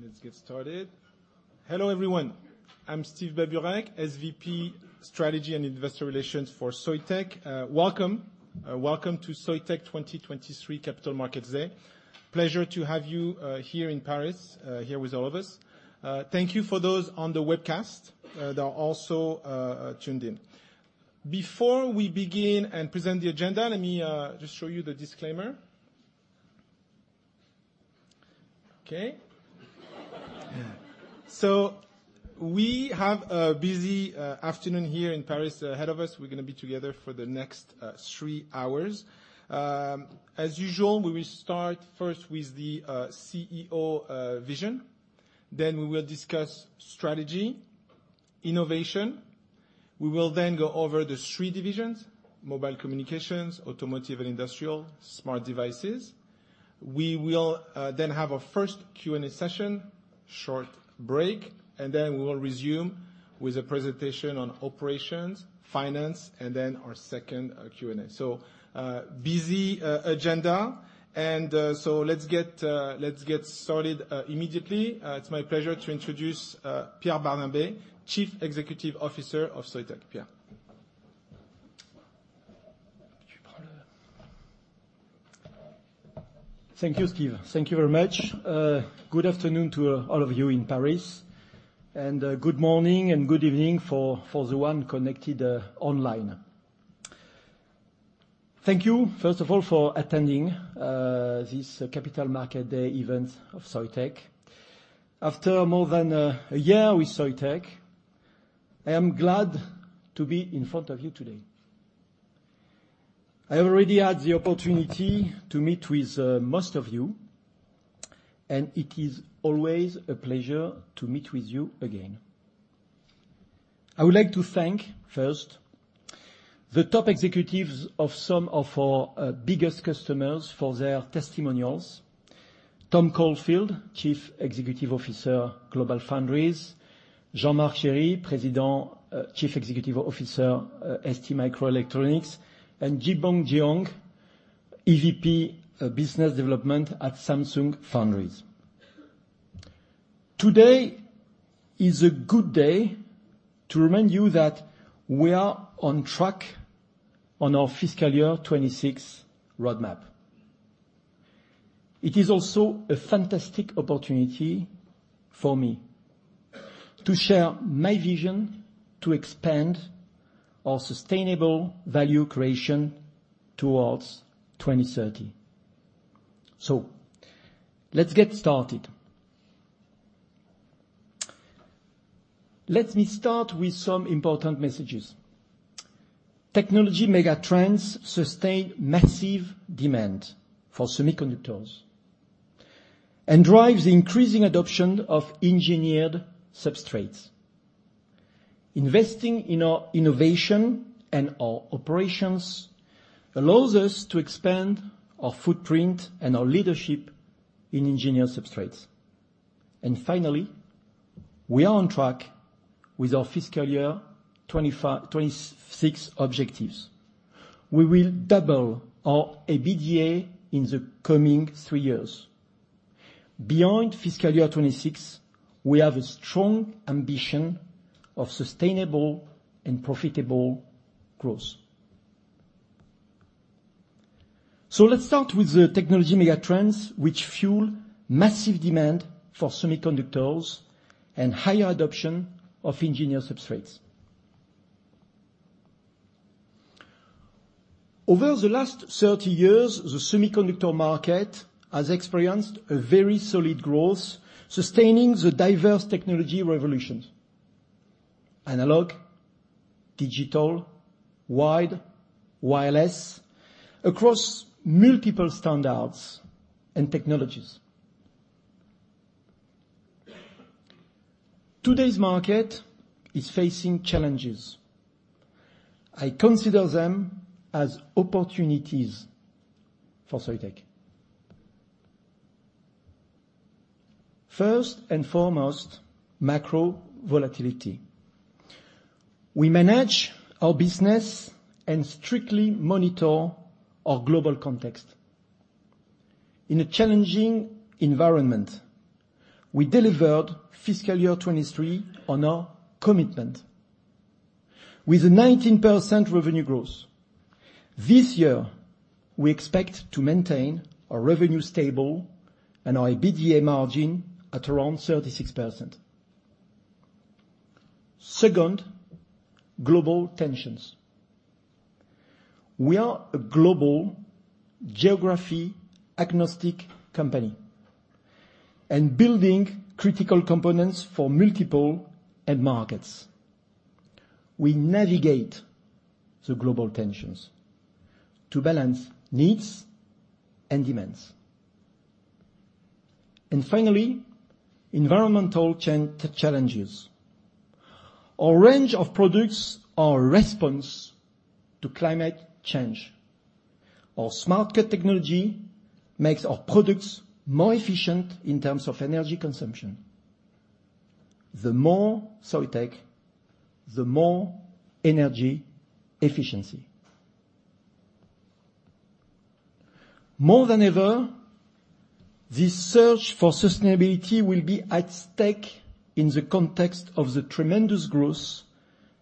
All right, let's get started. Hello, everyone. I'm Steve Baburek, SVP Strategy and Investor Relations for Soitec. Welcome, welcome to Soitec 2023 Capital Markets Day. Pleasure to have you here in Paris, here with all of us. Thank you for those on the webcast that are also tuned in. Before we begin and present the agenda, let me just show you the disclaimer. Okay. We have a busy afternoon here in Paris ahead of us. We're gonna be together for the next three hours. As usual, we will start first with the CEO vision. We will discuss strategy, innovation. We will then go over the three divisions: Mobile Communications, Automotive and Industrial, Smart Devices. We will then have our first Q&A session, short break, and then we will resume with a presentation on operations, finance, and then our second Q&A. Busy agenda, let's get started immediately. It's my pleasure to introduce Pierre Barnabé, Chief Executive Officer of Soitec. Pierre? Thank you, Steve. Thank you very much. Good afternoon to all of you in Paris, good morning and good evening for the one connected online. Thank you, first of all, for attending this Capital Market Day event of Soitec. After more than a year with Soitec, I am glad to be in front of you today. I already had the opportunity to meet with most of you, it is always a pleasure to meet with you again. I would like to thank, first, the top executives of some of our biggest customers for their testimonials. Tom Caulfield, Chief Executive Officer, GlobalFoundries, Jean-Marc Chery, President, Chief Executive Officer, STMicroelectronics, Gibong Jeong, EVP, Business Development at Samsung Foundry. Today is a good day to remind you that we are on track on our fiscal year 2026 roadmap. It is also a fantastic opportunity for me to share my vision to expand our sustainable value creation towards 2030. Let's get started. Let me start with some important messages. Technology megatrends sustain massive demand for semiconductors and drives the increasing adoption of engineered substrates. Investing in our innovation and our operations allows us to expand our footprint and our leadership in engineered substrates. Finally, we are on track with our fiscal year 2026 objectives. We will double our EBITDA in the coming three years. Beyond fiscal year 2026, we have a strong ambition of sustainable and profitable growth. Let's start with the technology megatrends, which fuel massive demand for semiconductors and higher adoption of engineered substrates. Over the last 30 years, the semiconductor market has experienced a very solid growth, sustaining the diverse technology revolutions, analog, digital, wide, wireless, across multiple standards and technologies. Today's market is facing challenges. I consider them as opportunities for Soitec. First and foremost, macro volatility. We manage our business and strictly monitor our global context. In a challenging environment, we delivered fiscal year 2023 on our commitment with a 19% revenue growth. This year, we expect to maintain our revenue stable and our EBITDA margin at around 36%. Second, global tensions. We are a global, geography-agnostic company and building critical components for multiple end markets. We navigate the global tensions to balance needs and demands. Finally, environmental challenges. Our range of products are a response to climate change. Our Smart Cut technology makes our products more efficient in terms of energy consumption. The more Soitec, the more energy efficiency. More than ever, this search for sustainability will be at stake in the context of the tremendous growth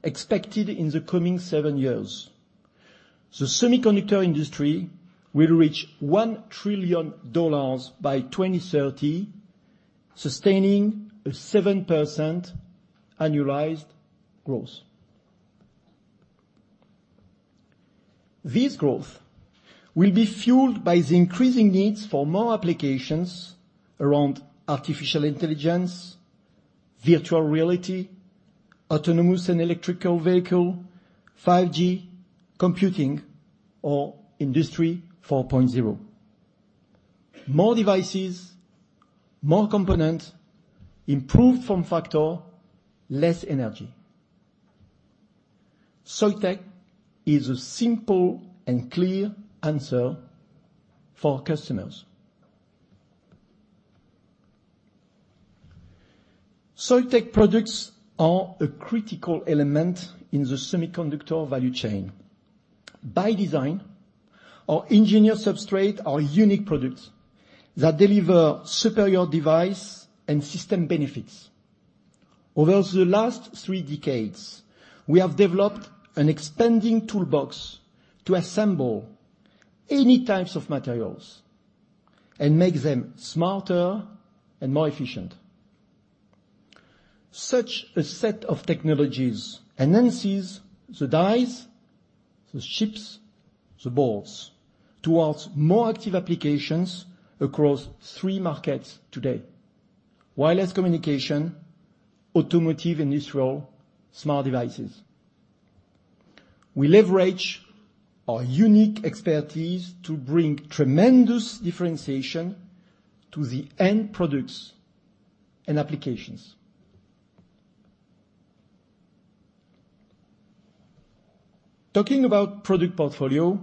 expected in the coming seven years. The semiconductor industry will reach $1 trillion by 2030, sustaining a 7% annualized growth. This growth will be fueled by the increasing needs for more applications around artificial intelligence, virtual reality, autonomous and electrical vehicle, 5G computing, or Industry 4.0. More devices, more components, improved form factor, less energy. Soitec is a simple and clear answer for our customers. Soitec products are a critical element in the semiconductor value chain. By design, our engineered substrate are unique products that deliver superior device and system benefits. Over the last three decades, we have developed an expanding toolbox to assemble any types of materials and make them smarter and more efficient. Such a set of technologies enhances the dies, the chips, the boards, towards more active applications across three markets today: wireless communication, automotive, industrial, smart devices. We leverage our unique expertise to bring tremendous differentiation to the end products and applications. Talking about product portfolio,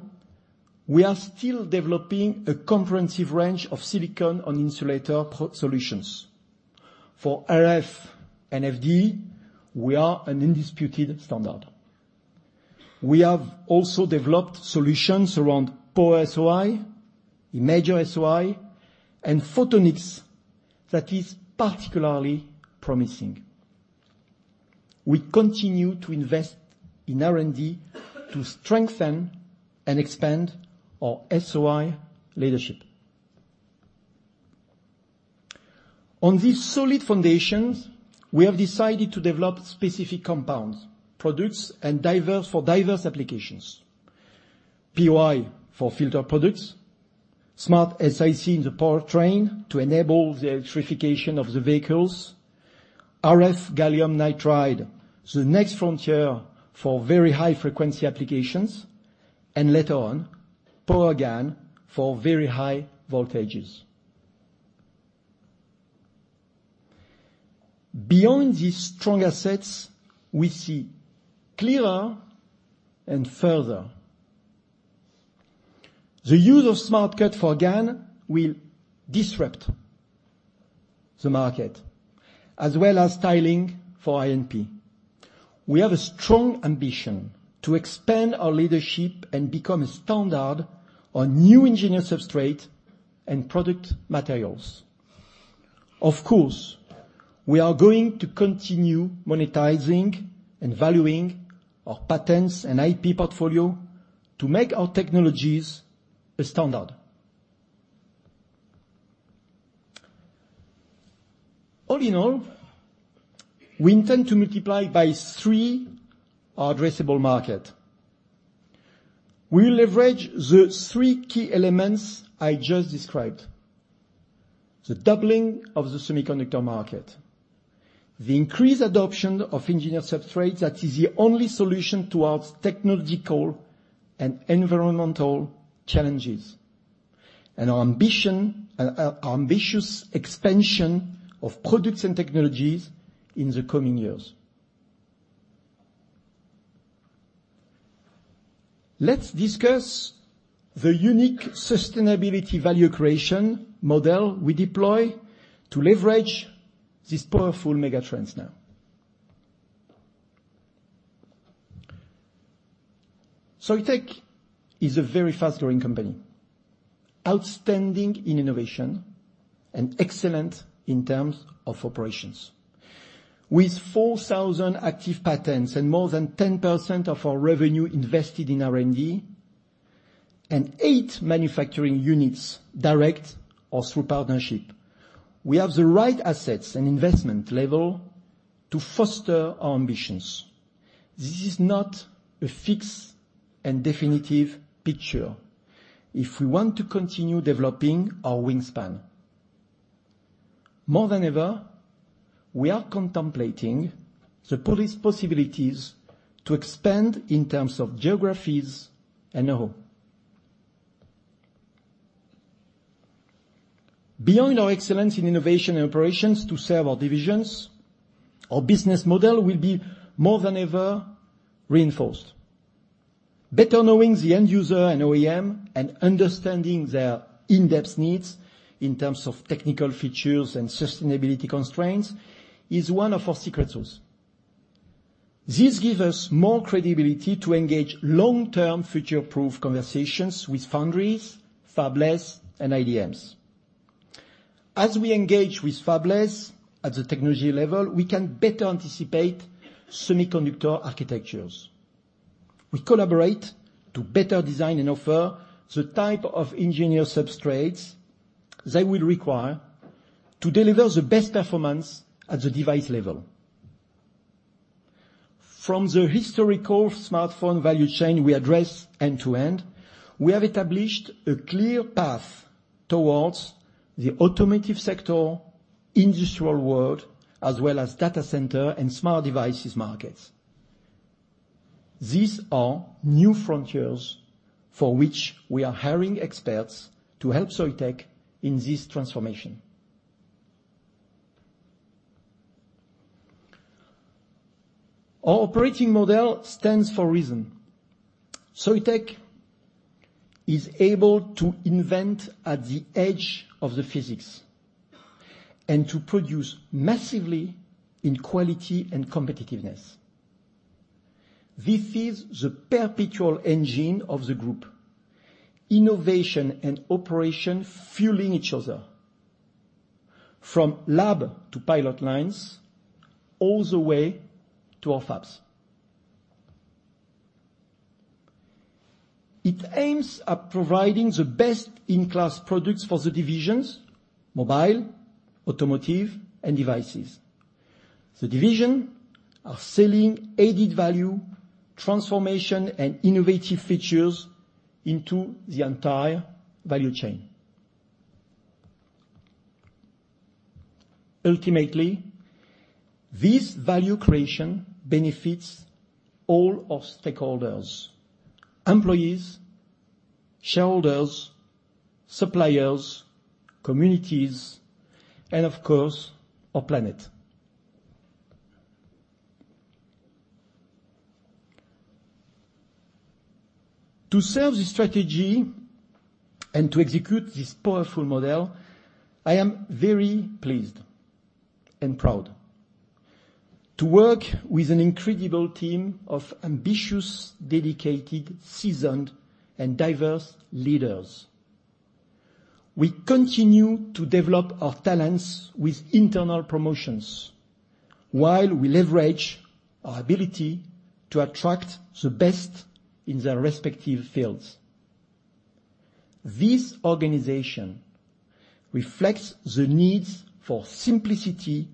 we are still developing a comprehensive range of silicon-on-insulator pro solutions. For RF and FD, we are an undisputed standard. We have also developed solutions around Power SOI, Imager-SOI, and photonics that is particularly promising. We continue to invest in R&D to strengthen and expand our SOI leadership. On these solid foundations, we have decided to develop specific compounds, products, and for diverse applications. POI for filter products, SmartSiC in the powertrain to enable the electrification of the vehicles, RF gallium nitride, the next frontier for very high frequency applications, and later on, Power GaN for very high voltages. Beyond these strong assets, we see clearer and further. The use of Smart Cut for GaN will disrupt the market, as well as tiling for InP. We have a strong ambition to expand our leadership and become a standard on new engineered substrate and product materials. Of course, we are going to continue monetizing and valuing our patents and IP portfolio to make our technologies a standard. All in all, we intend to multiply by three our addressable market. We will leverage the three key elements I just described: the doubling of the semiconductor market, the increased adoption of engineered substrates that is the only solution towards technological and environmental challenges, and our ambitious expansion of products and technologies in the coming years. Let's discuss the unique sustainability value creation model we deploy to leverage these powerful megatrends now. Soitec is a very fast-growing company, outstanding in innovation and excellent in terms of operations. With 4,000 active patents and more than 10% of our revenue invested in R&D, and eight manufacturing units, direct or through partnership, we have the right assets and investment level to foster our ambitions. This is not a fixed and definitive picture if we want to continue developing our wingspan. More than ever, we are contemplating the various possibilities to expand in terms of geographies and know-how. Beyond our excellence in innovation and operations to serve our divisions, our business model will be more than ever reinforced. Better knowing the end user and OEM and understanding their in-depth needs in terms of technical features and sustainability constraints, is one of our secret sauce. This gives us more credibility to engage long-term future-proof conversations with foundries, fabless, and IDMs. As we engage with fabless at the technology level, we can better anticipate semiconductor architectures. We collaborate to better design and offer the type of engineer substrates they will require to deliver the best performance at the device level. From the historical smartphone value chain we address end-to-end, we have established a clear path towards the automotive sector, industrial world, as well as data center and Smart Devices markets. These are new frontiers for which we are hiring experts to help Soitec in this transformation. Our operating model stands for a reason. Soitec is able to invent at the edge of the physics and to produce massively in quality and competitiveness. This is the perpetual engine of the group, innovation and operation fueling each other, from lab to pilot lines, all the way to our fabs. It aims at providing the best-in-class products for the divisions: Mobile, Automotive, and Smart Devices. The division are selling added value, transformation, and innovative features into the entire value chain. Ultimately, this value creation benefits all our stakeholders, employees, shareholders, suppliers, communities, and of course, our planet. To serve the strategy and to execute this powerful model, I am very pleased and proud to work with an incredible team of ambitious, dedicated, seasoned, and diverse leaders. We continue to develop our talents with internal promotions, while we leverage our ability to attract the best in their respective fields. This organization reflects the needs for simplicity,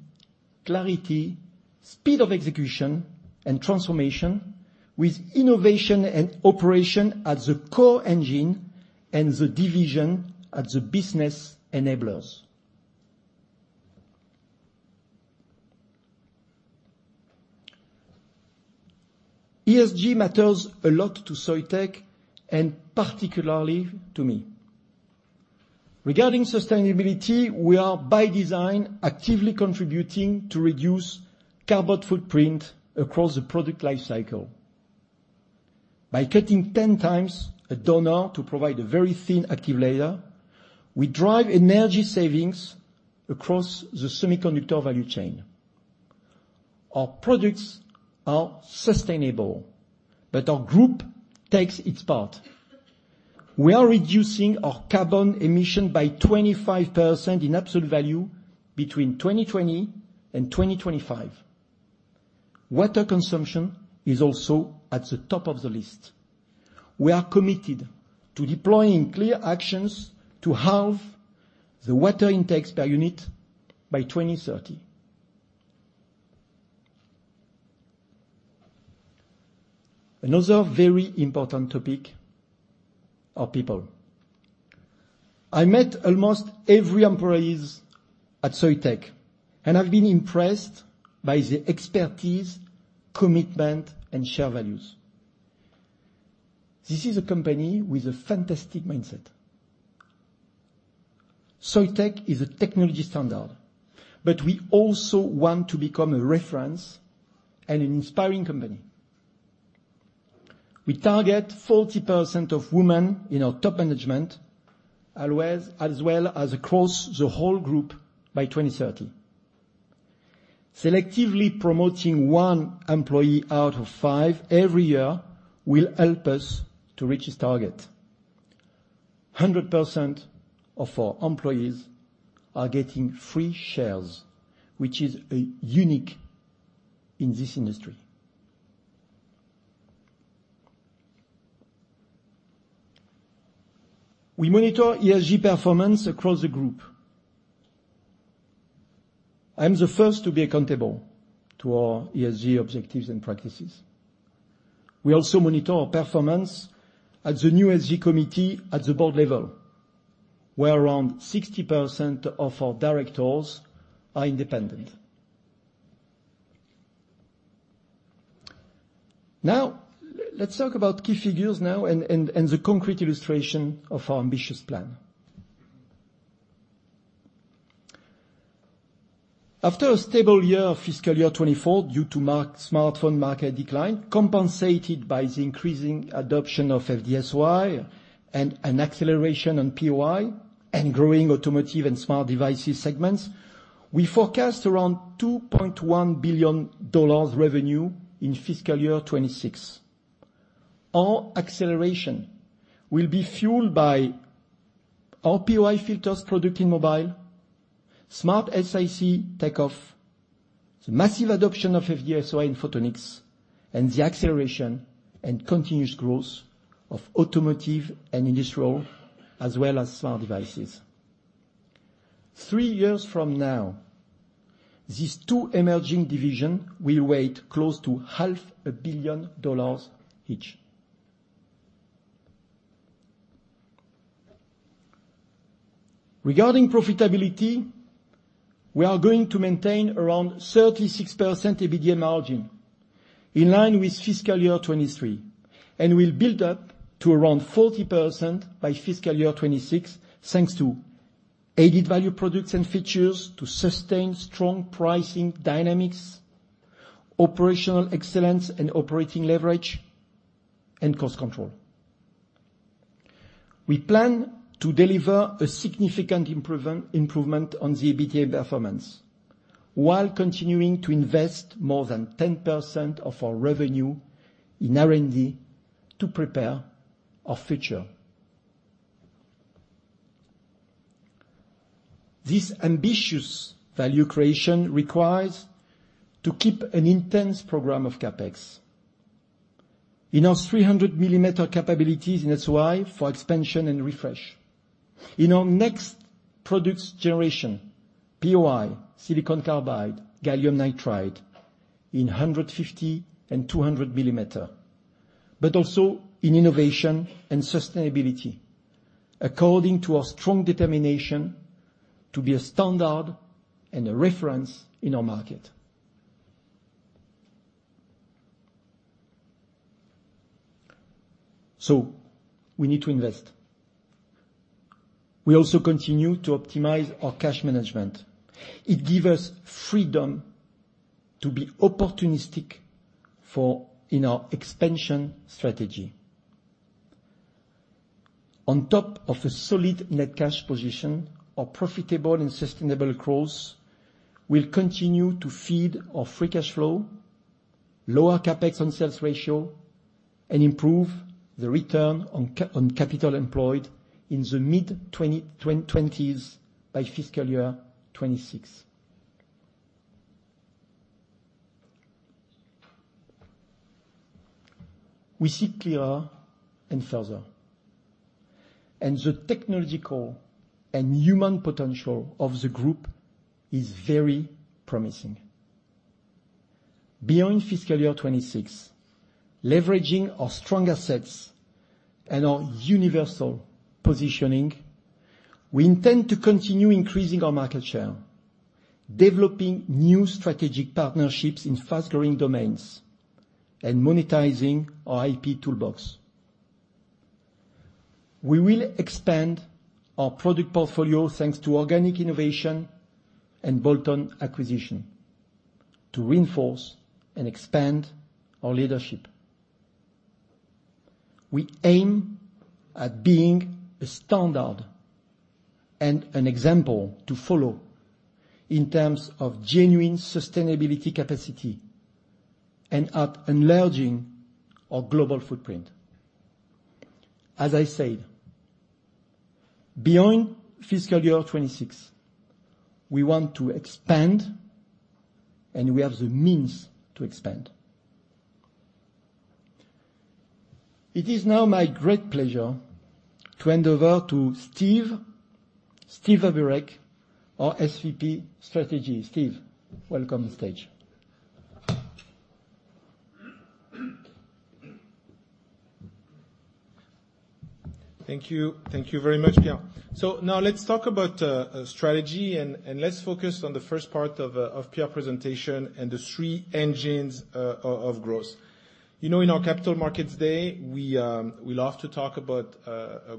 clarity, speed of execution, and transformation, with innovation and operation at the core engine and the division at the business enablers. ESG matters a lot to Soitec, and particularly to me. Regarding sustainability, we are, by design, actively contributing to reduce carbon footprint across the product life cycle. By cutting 10 times a donor to provide a very thin active layer, we drive energy savings across the semiconductor value chain. Our products are sustainable, our group takes its part. We are reducing our carbon emission by 25% in absolute value between 2020 and 2025. Water consumption is also at the top of the list. We are committed to deploying clear actions to halve the water intakes per unit by 2030. Another very important topic, are people. I met almost every employees at Soitec, and I've been impressed by the expertise, commitment, and share values. This is a company with a fantastic mindset. Soitec is a technology standard, but we also want to become a reference and an inspiring company. We target 40% of women in our top management, always, as well as across the whole group by 2030. Selectively promoting one employee out of five every year will help us to reach this target. 100% of our employees are getting free shares, which is unique in this industry. We monitor ESG performance across the group. I am the first to be accountable to our ESG objectives and practices. We also monitor our performance at the new ESG committee, at the board level, where around 60% of our directors are independent. Let's talk about key figures now and the concrete illustration of our ambitious plan. After a stable year of fiscal year 2024, due to mark smartphone market decline, compensated by the increasing adoption of FD-SOI and an acceleration on POI, and growing automotive and smart devices segments, we forecast around $2.1 billion revenue in fiscal year 2026. Our acceleration will be fueled by our POI filters product in mobile, SmartSiC takeoff, the massive adoption of FD-SOI in photonics, and the acceleration and continuous growth of automotive and industrial, as well as smart devices. Three years from now, these two emerging division will weight close to half a billion dollars each. Regarding profitability, we are going to maintain around 36% EBITDA margin, in line with fiscal year 2023, and will build up to around 40% by fiscal year 2026, thanks to added value products and features to sustain strong pricing dynamics, operational excellence and operating leverage, and cost control. We plan to deliver a significant improvement on the EBITDA performance, while continuing to invest more than 10% of our revenue in R&D to prepare our future. This ambitious value creation requires to keep an intense program of CapEx. In our 300 millimeter capabilities in SOI for expansion and refresh. In our next products generation, POI, silicon carbide, gallium nitride, in 150 and 200 millimeter, also in innovation and sustainability, according to our strong determination to be a standard and a reference in our market. We need to invest. We also continue to optimize our cash management. It give us freedom to be opportunistic for in our expansion strategy. On top of a solid net cash position, our profitable and sustainable growth will continue to feed our free cash flow, lower CapEx on sales ratio, and improve the return on capital employed in the mid-2020s by fiscal year 2026. We see clearer and further, the technological and human potential of the group is very promising. Beyond fiscal year 2026, leveraging our strong assets and our universal positioning, we intend to continue increasing our market share, developing new strategic partnerships in fast-growing domains, and monetizing our IP toolbox. We will expand our product portfolio, thanks to organic innovation and bolt-on acquisition, to reinforce and expand our leadership. We aim at being a standard and an example to follow in terms of genuine sustainability capacity and at enlarging our global footprint. As I said, beyond fiscal year 2026, we want to expand, and we have the means to expand. It is now my great pleasure to hand over to Steve Babureck, our SVP Strategy. Steve, welcome on stage. Thank you. Thank you very much, Pierre. Now let's talk about strategy and let's focus on the first part of Pierre presentation and the three engines of growth. You know, in our Capital Markets Day, we love to talk about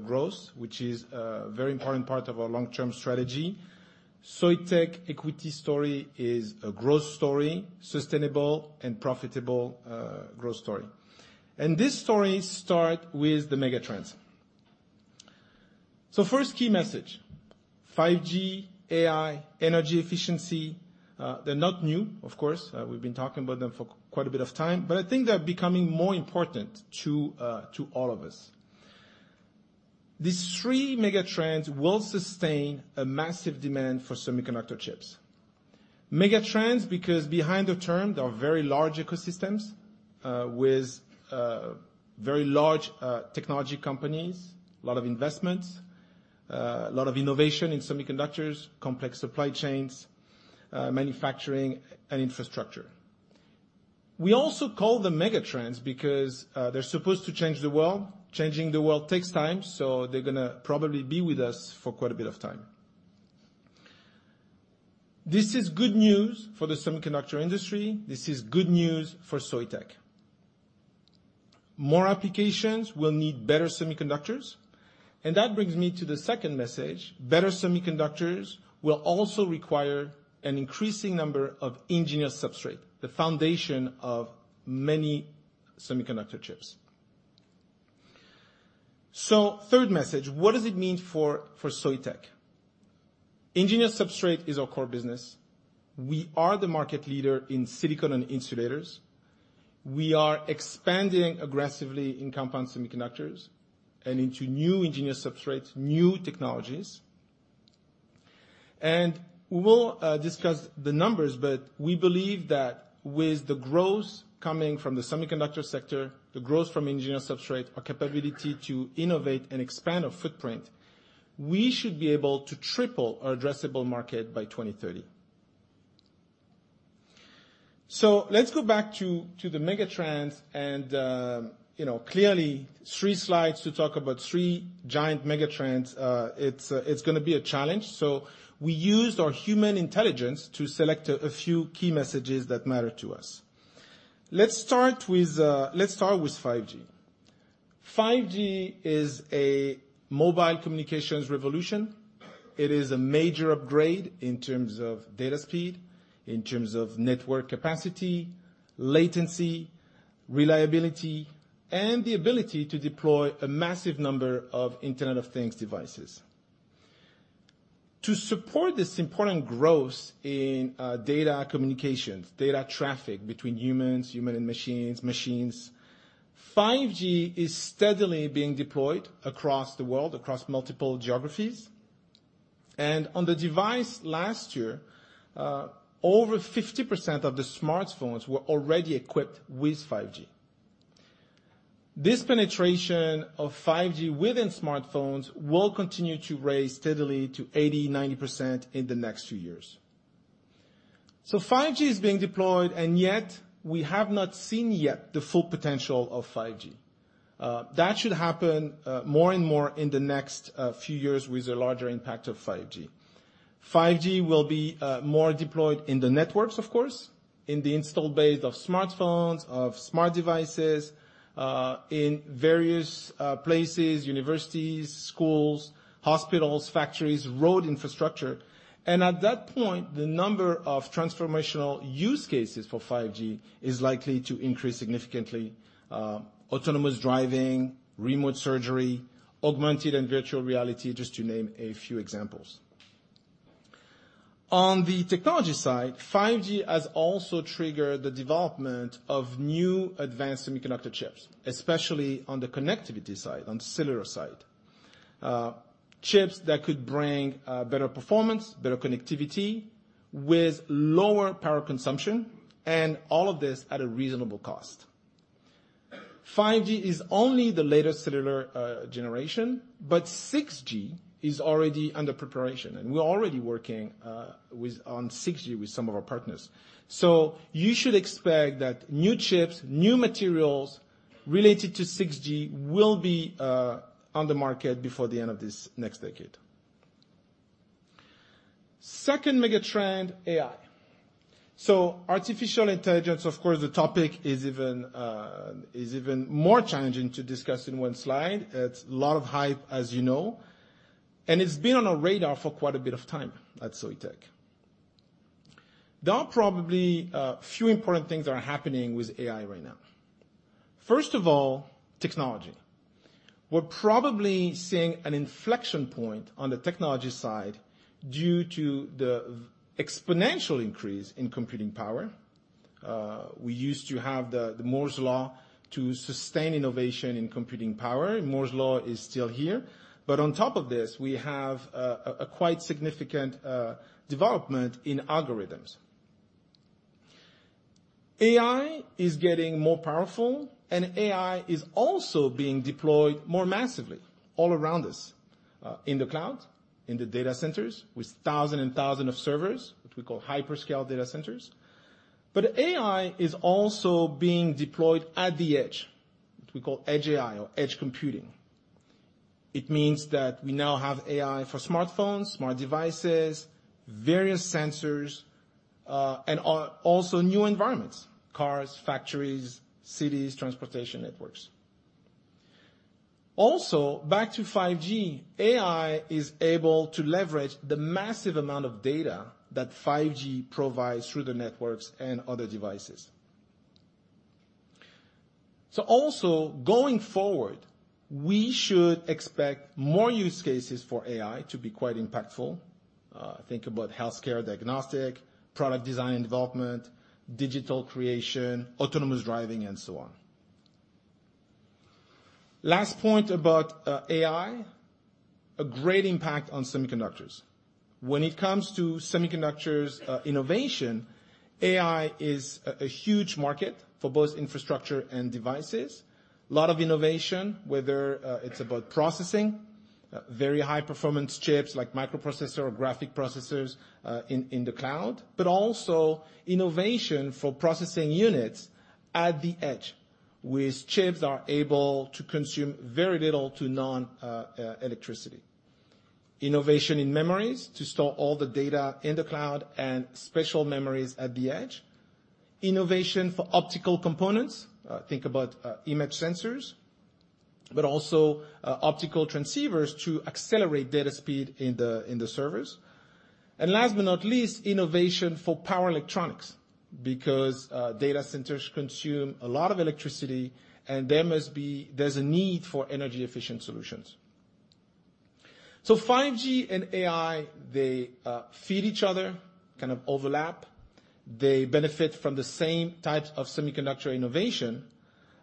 growth, which is a very important part of our long-term strategy. Soitec equity story is a growth story, sustainable and profitable growth story. This story start with the megatrends. First key message, 5G, AI, energy efficiency, they're not new, of course, we've been talking about them for quite a bit of time, but I think they're becoming more important to all of us. These three megatrends will sustain a massive demand for semiconductor chips. Megatrends, because behind the term, there are very large ecosystems, with, very large, technology companies, a lot of investments, a lot of innovation in semiconductors, complex supply chains, manufacturing and infrastructure. We also call them megatrends because, they're supposed to change the world. Changing the world takes time, so they're gonna probably be with us for quite a bit of time. This is good news for the semiconductor industry. This is good news for Soitec. More applications will need better semiconductors, and that brings me to the second message: Better semiconductors will also require an increasing number of engineered substrate, the foundation of many semiconductor chips. Third message: What does it mean for Soitec? Engineered substrate is our core business. We are the market leader in silicon and insulators. We are expanding aggressively in compound semiconductors and into new engineered substrates, new technologies. We will discuss the numbers, but we believe that with the growth coming from the semiconductor sector, the growth from engineered substrate, our capability to innovate and expand our footprint, we should be able to triple our addressable market by 2030. Let's go back to the megatrends, and, you know, clearly, three slides to talk about three giant megatrends, it's gonna be a challenge. We used our human intelligence to select a few key messages that matter to us. Let's start with 5G. 5G is a mobile communications revolution. It is a major upgrade in terms of data speed, in terms of network capacity, latency, reliability, and the ability to deploy a massive number of Internet of Things devices. To support this important growth in data communications, data traffic between humans, human and machines, 5G is steadily being deployed across the world, across multiple geographies. On the device last year, over 50% of the smartphones were already equipped with 5G. This penetration of 5G within smartphones will continue to raise steadily to 80%, 90% in the next few years. 5G is being deployed, and yet we have not seen yet the full potential of 5G. That should happen more and more in the next few years with a larger impact of 5G. 5G will be more deployed in the networks, of course, in the installed base of smartphones, of smart devices, in various places, universities, schools, hospitals, factories, road infrastructure. At that point, the number of transformational use cases for 5G is likely to increase significantly. Autonomous driving, remote surgery, augmented and virtual reality, just to name a few examples. On the technology side, 5G has also triggered the development of new advanced semiconductor chips, especially on the connectivity side, on the cellular side. Chips that could bring better performance, better connectivity with lower power consumption, and all of this at a reasonable cost. 5G is only the latest cellular generation, but 6G is already under preparation, and we're already working on 6G with some of our partners. You should expect that new chips, new materials related to 6G will be on the market before the end of this next decade. Second megatrend, AI. Artificial intelligence, of course, the topic is even more challenging to discuss in one slide. It's a lot of hype, as you know, and it's been on our radar for quite a bit of time at Soitec. There are probably a few important things that are happening with AI right now. First of all, technology. We're probably seeing an inflection point on the technology side due to the exponential increase in computing power. We used to have the Moore's Law to sustain innovation in computing power, and Moore's Law is still here. On top of this, we have a quite significant development in algorithms. AI is getting more powerful, and AI is also being deployed more massively all around us, in the cloud, in the data centers, with thousand and thousand of servers, which we call hyperscale data centers. AI is also being deployed at the edge, what we call edge AI or edge computing. It means that we now have AI for smartphones, smart devices, various sensors, and also new environments: cars, factories, cities, transportation networks. Back to 5G, AI is able to leverage the massive amount of data that 5G provides through the networks and other devices. Also, going forward, we should expect more use cases for AI to be quite impactful. Think about healthcare diagnostic, product design and development, digital creation, autonomous driving, and so on. Last point about AI, a great impact on semiconductors. When it comes to semiconductors, innovation, AI is a huge market for both infrastructure and devices. A lot of innovation, whether it's about processing very high-performance chips like microprocessor or graphic processors in the cloud, but also innovation for processing units at the edge, which chips are able to consume very little to non electricity. Innovation in memories to store all the data in the cloud and special memories at the edge. Innovation for optical components, think about image sensors, but also optical transceivers to accelerate data speed in the servers. Last but not least, innovation for power electronics, because data centers consume a lot of electricity, and there's a need for energy-efficient solutions. 5G and AI, they feed each other, kind of overlap. They benefit from the same types of semiconductor innovation.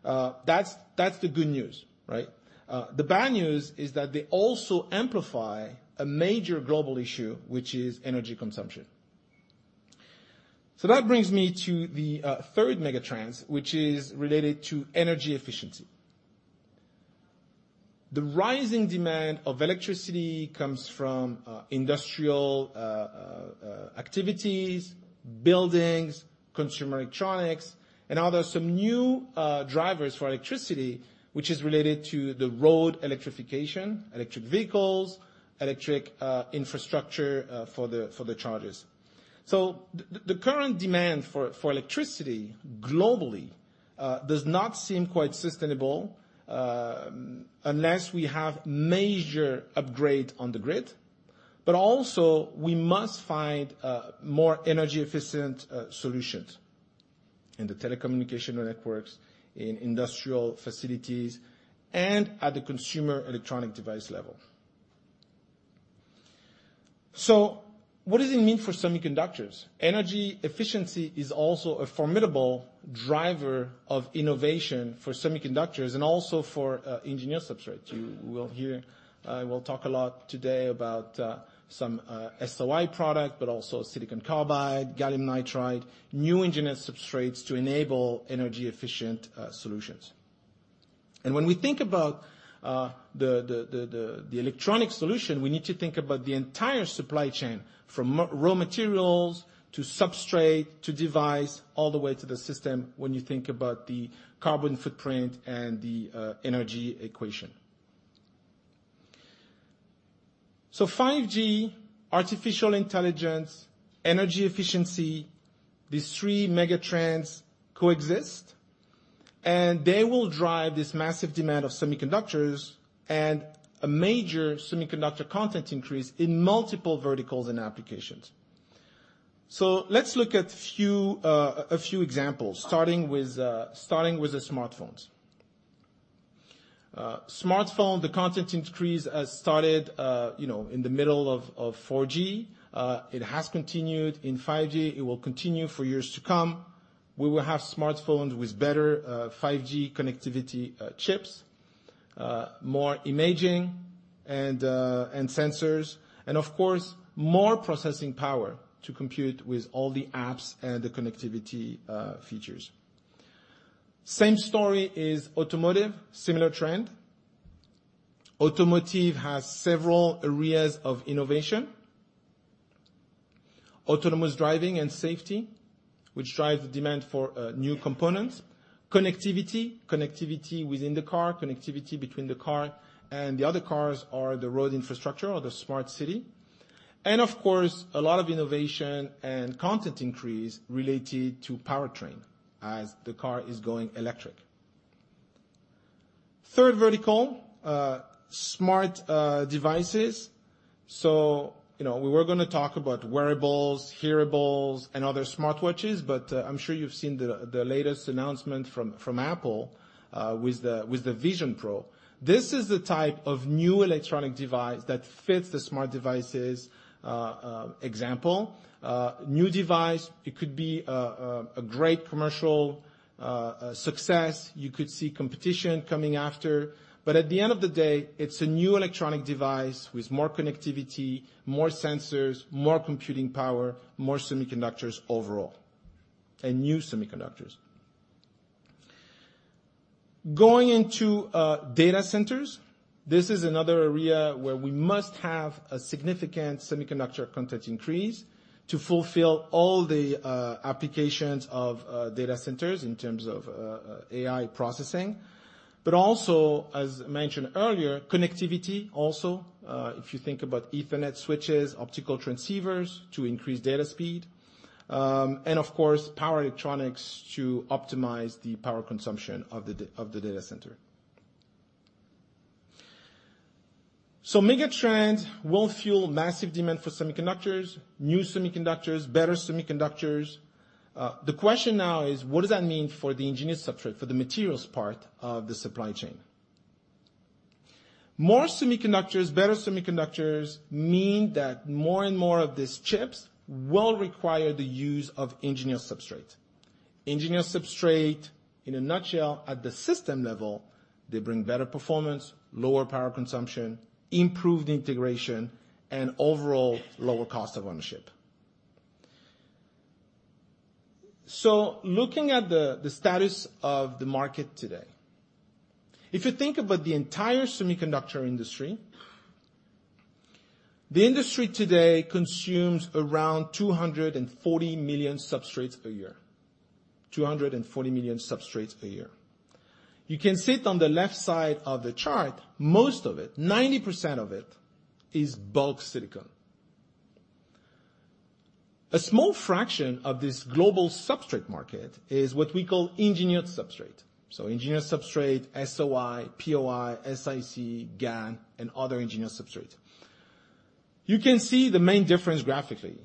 That's, that's the good news, right? The bad news is that they also amplify a major global issue, which is energy consumption. That brings me to the third megatrend, which is related to energy efficiency. The rising demand of electricity comes from industrial activities, buildings, consumer electronics, and now there are some new drivers for electricity, which is related to the road electrification, electric vehicles, electric infrastructure for the chargers. The current demand for electricity globally does not seem quite sustainable unless we have major upgrade on the grid. Also, we must find more energy-efficient solutions in the telecommunication networks, in industrial facilities, and at the consumer electronic device level. What does it mean for semiconductors? Energy efficiency is also a formidable driver of innovation for semiconductors and also for engineered substrates. You will hear, we'll talk a lot today about some SOI product, but also silicon carbide, gallium nitride, new engineered substrates to enable energy-efficient solutions. When we think about the electronic solution, we need to think about the entire supply chain, from raw materials, to substrate, to device, all the way to the system when you think about the carbon footprint and the energy equation. 5G, artificial intelligence, energy efficiency, these three megatrends coexist, and they will drive this massive demand of semiconductors and a major semiconductor content increase in multiple verticals and applications. Let's look at a few examples, starting with the smartphones. Smartphone, the content increase started, you know, in the middle of 4G. It has continued in 5G. It will continue for years to come. We will have smartphones with better 5G connectivity chips, more imaging and sensors, of course, more processing power to compute with all the apps and the connectivity features. Same story is automotive, similar trend. Automotive has several areas of innovation. Autonomous driving and safety, which drives the demand for new components. Connectivity, connectivity within the car, connectivity between the car and the other cars or the road infrastructure or the smart city. Of course, a lot of innovation and content increase related to powertrain as the car is going electric. Third vertical, smart devices. You know, we were gonna talk about wearables, hearables, and other smartwatches, but I'm sure you've seen the latest announcement from Apple, with the Vision Pro. This is the type of new electronic device that fits the Smart Devices example. New device, it could be a great commercial success. You could see competition coming after. At the end of the day, it's a new electronic device with more connectivity, more sensors, more computing power, more semiconductors overall, and new semiconductors. Going into data centers, this is another area where we must have a significant semiconductor content increase to fulfill all the applications of data centers in terms of AI processing, but also, as mentioned earlier, connectivity also, if you think about Ethernet switches, optical transceivers to increase data speed, and of course, power electronics to optimize the power consumption of the data center. Megatrends will fuel massive demand for semiconductors, new semiconductors, better semiconductors. The question now is: What does that mean for the engineered substrate, for the materials part of the supply chain? More semiconductors, better semiconductors mean that more and more of these chips will require the use of engineered substrate. Engineered substrate, in a nutshell, at the system level, they bring better performance, lower power consumption, improved integration, and overall, lower cost of ownership. Looking at the status of the market today, if you think about the entire semiconductor industry, the industry today consumes around 240 million substrates a year. 240 million substrates a year. You can see it on the left side of the chart, most of it, 90% of it, is bulk silicon. A small fraction of this global substrate market is what we call engineered substrate. Engineered substrate, SOI, POI, SiC, GaN, and other engineered substrates. You can see the main difference graphically.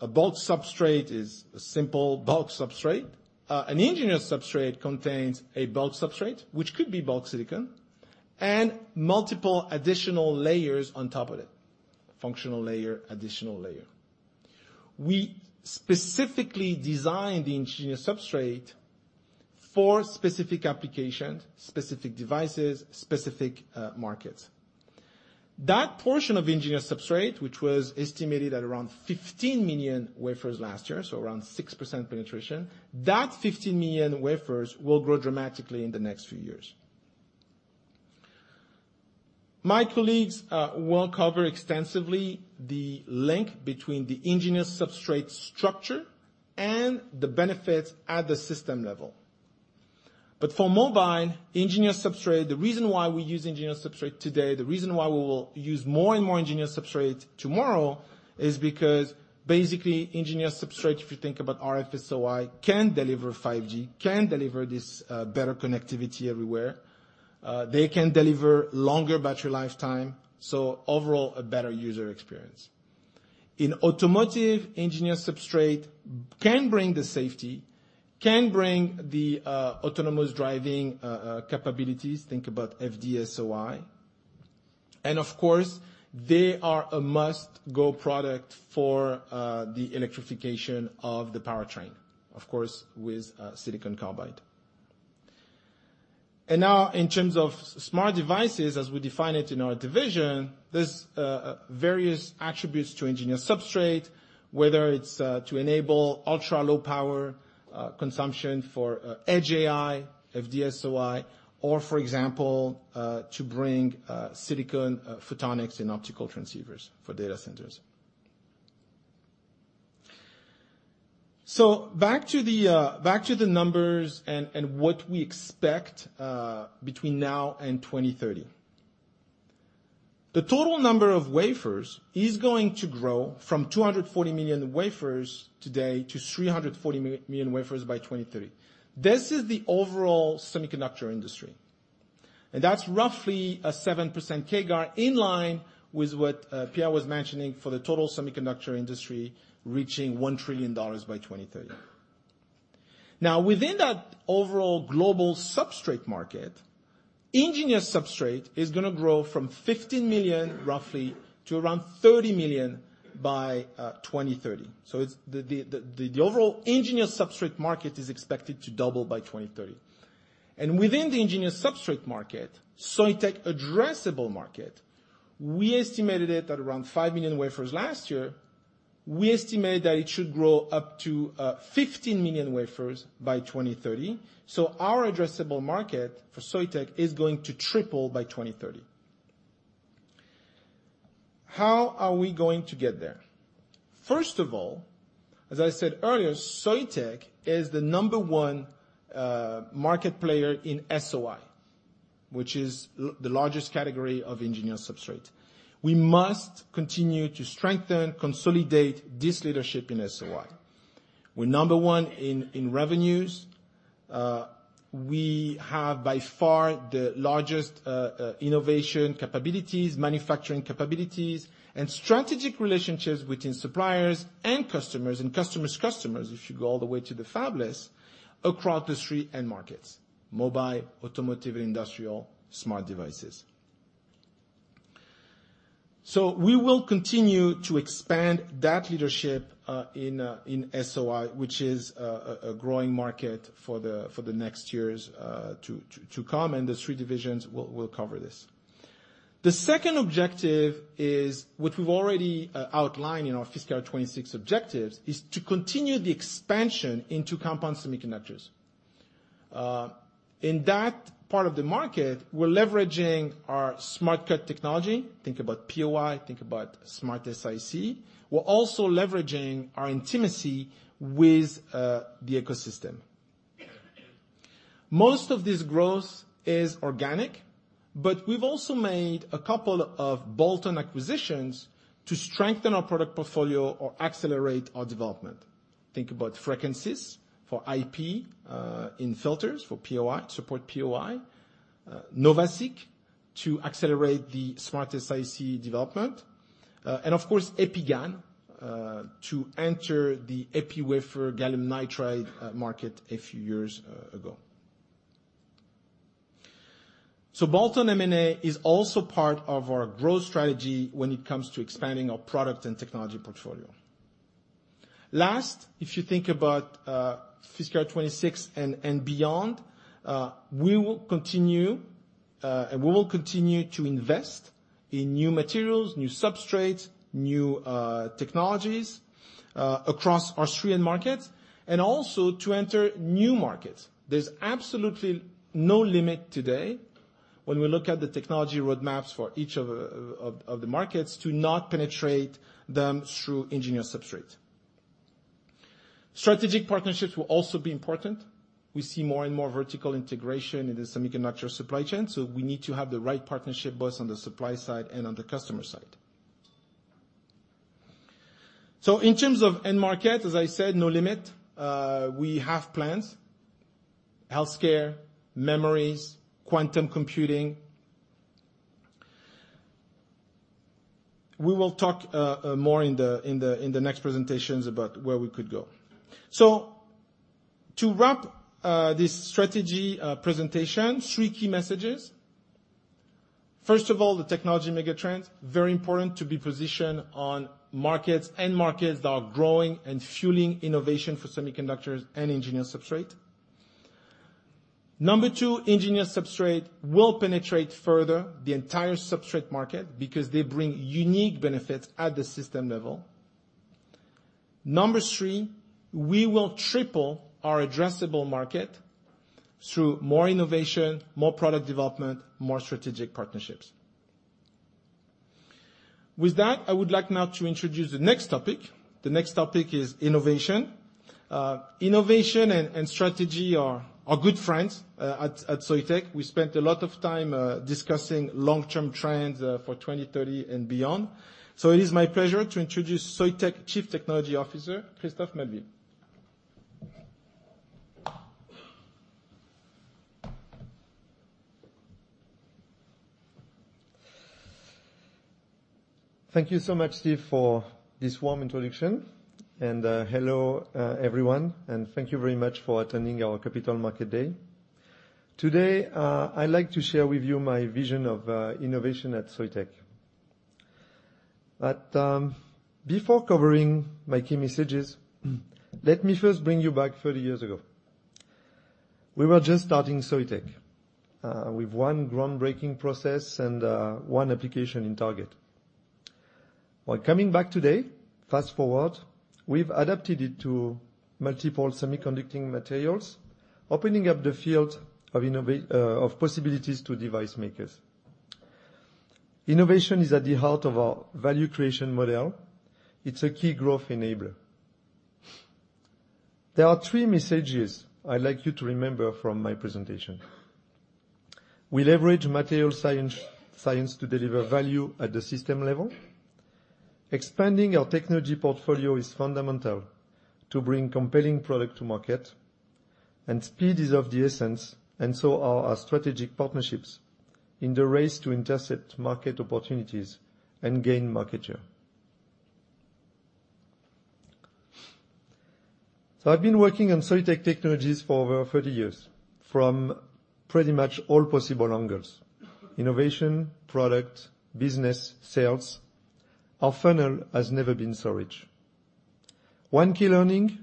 A bulk substrate is a simple bulk substrate. An engineered substrate contains a bulk substrate, which could be bulk silicon, and multiple additional layers on top of it, functional layer, additional layer. We specifically designed the engineered substrate for specific applications, specific devices, specific markets. That portion of engineered substrate, which was estimated at around 15 million wafers last year, so around 6% penetration, that 15 million wafers will grow dramatically in the next few years. My colleagues will cover extensively the link between the engineered substrate structure and the benefits at the system level. For mobile, engineered substrate, the reason why we use engineered substrate today, the reason why we will use more and more engineered substrate tomorrow, is because basically, engineered substrate, if you think about RF SOI, can deliver 5G, can deliver this, better connectivity everywhere. They can deliver longer battery lifetime, so overall, a better user experience. In automotive, engineered substrate can bring the safety, can bring the, autonomous driving, capabilities, think about FD-SOI. Of course, they are a must-go product for, the electrification of the powertrain, of course, with, silicon carbide. Now, in terms of Smart Devices, as we define it in our division, there's various attributes to engineered substrate, whether it's to enable ultra-low power consumption for edge AI, FD-SOI, or for example, to bring silicon photonics and optical transceivers for data centers. Back to the back to the numbers and what we expect between now and 2030. The total number of wafers is going to grow from 240 million wafers today to 340 million wafers by 2030. This is the overall semiconductor industry, and that's roughly a 7% CAGR, in line with what Pierre was mentioning for the total semiconductor industry, reaching $1 trillion by 2030. Within that overall global substrate market, engineered substrate is gonna grow from 15 million, roughly, to around 30 million by 2030. The overall engineered substrate market is expected to double by 2030. Within the engineered substrate market, Soitec addressable market, we estimated it at around 5 million wafers last year. We estimate that it should grow up to 15 million wafers by 2030. Our addressable market for Soitec is going to triple by 2030. How are we going to get there? First of all, as I said earlier, Soitec is the number one market player in SOI, which is the largest category of engineered substrate. We must continue to strengthen, consolidate this leadership in SOI. We're number one in revenues. We have, by far, the largest innovation capabilities, manufacturing capabilities, and strategic relationships within suppliers and customers, and customers' customers, if you go all the way to the fabless, across industry and markets: mobile, automotive, industrial, smart devices. We will continue to expand that leadership in SOI, which is a growing market for the next years to come, and the three divisions will cover this. The second objective is, what we've already outlined in our fiscal 26 objectives, is to continue the expansion into compound semiconductors. In that part of the market, we're leveraging our Smart Cut technology. Think about POI, think about SmartSiC. We're also leveraging our intimacy with the ecosystem. Most of this growth is organic, but we've also made a couple of bolt-on acquisitions to strengthen our product portfolio or accelerate our development. Think about FrequentiEL for IP, in filters for POI, to support POI, Novasic to accelerate the SmartSiC development, and of course, EpiGan, to enter the epi wafer gallium nitride market a few years ago. Bolt-on M&A is also part of our growth strategy when it comes to expanding our product and technology portfolio. Last, if you think about fiscal 26 and beyond, we will continue to invest in new materials, new substrates, new technologies, across our three end markets, and also to enter new markets. There's absolutely no limit today when we look at the technology roadmaps for each of the markets to not penetrate them through engineered substrate. Strategic partnerships will also be important. We see more and more vertical integration in the semiconductor supply chain, so we need to have the right partnership, both on the supply side and on the customer side. In terms of end market, as I said, no limit. We have plans, healthcare, memories, quantum computing. We will talk more in the next presentations about where we could go. To wrap this strategy presentation, three key messages. First of all, the technology megatrends, very important to be positioned on markets, end markets that are growing and fueling innovation for semiconductors and engineered substrate. Number two, engineered substrate will penetrate further the entire substrate market because they bring unique benefits at the system level. Number three, we will triple our addressable market through more innovation, more product development, more strategic partnerships. With that, I would like now to introduce the next topic. The next topic is innovation. Innovation and strategy are good friends at Soitec. We spent a lot of time discussing long-term trends for 2030 and beyond. It is my pleasure to introduce Soitec Chief Technology Officer, Christophe Maléville. Thank you so much, Steve, for this warm introduction. Hello everyone, and thank you very much for attending our Capital Market Day. Today, I'd like to share with you my vision of innovation at Soitec. Before covering my key messages, let me first bring you back 30 years ago. We were just starting Soitec with one groundbreaking process and one application in target. Coming back today, fast-forward, we've adapted it to multiple semiconducting materials, opening up the field of possibilities to device makers. Innovation is at the heart of our value creation model. It's a key growth enabler. There are three messages I'd like you to remember from my presentation. We leverage material science to deliver value at the system level. Expanding our technology portfolio is fundamental to bring compelling product to market, and speed is of the essence, and so are our strategic partnerships in the race to intercept market opportunities and gain market share. I've been working on Soitec technologies for over 30 years, from pretty much all possible angles: innovation, product, business, sales. Our funnel has never been so rich. One key learning,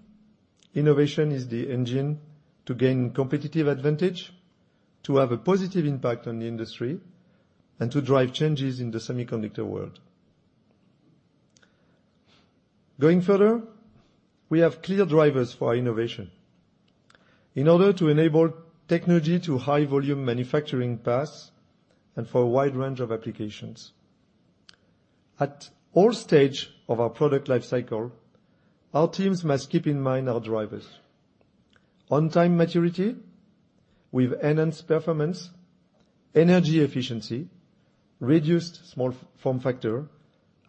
innovation is the engine to gain competitive advantage, to have a positive impact on the industry, and to drive changes in the semiconductor world. Going further, we have clear drivers for our innovation. In order to enable technology to high volume manufacturing paths and for a wide range of applications. At all stage of our product life cycle, our teams must keep in mind our drivers: on-time maturity with enhanced performance, energy efficiency, reduced small form factor,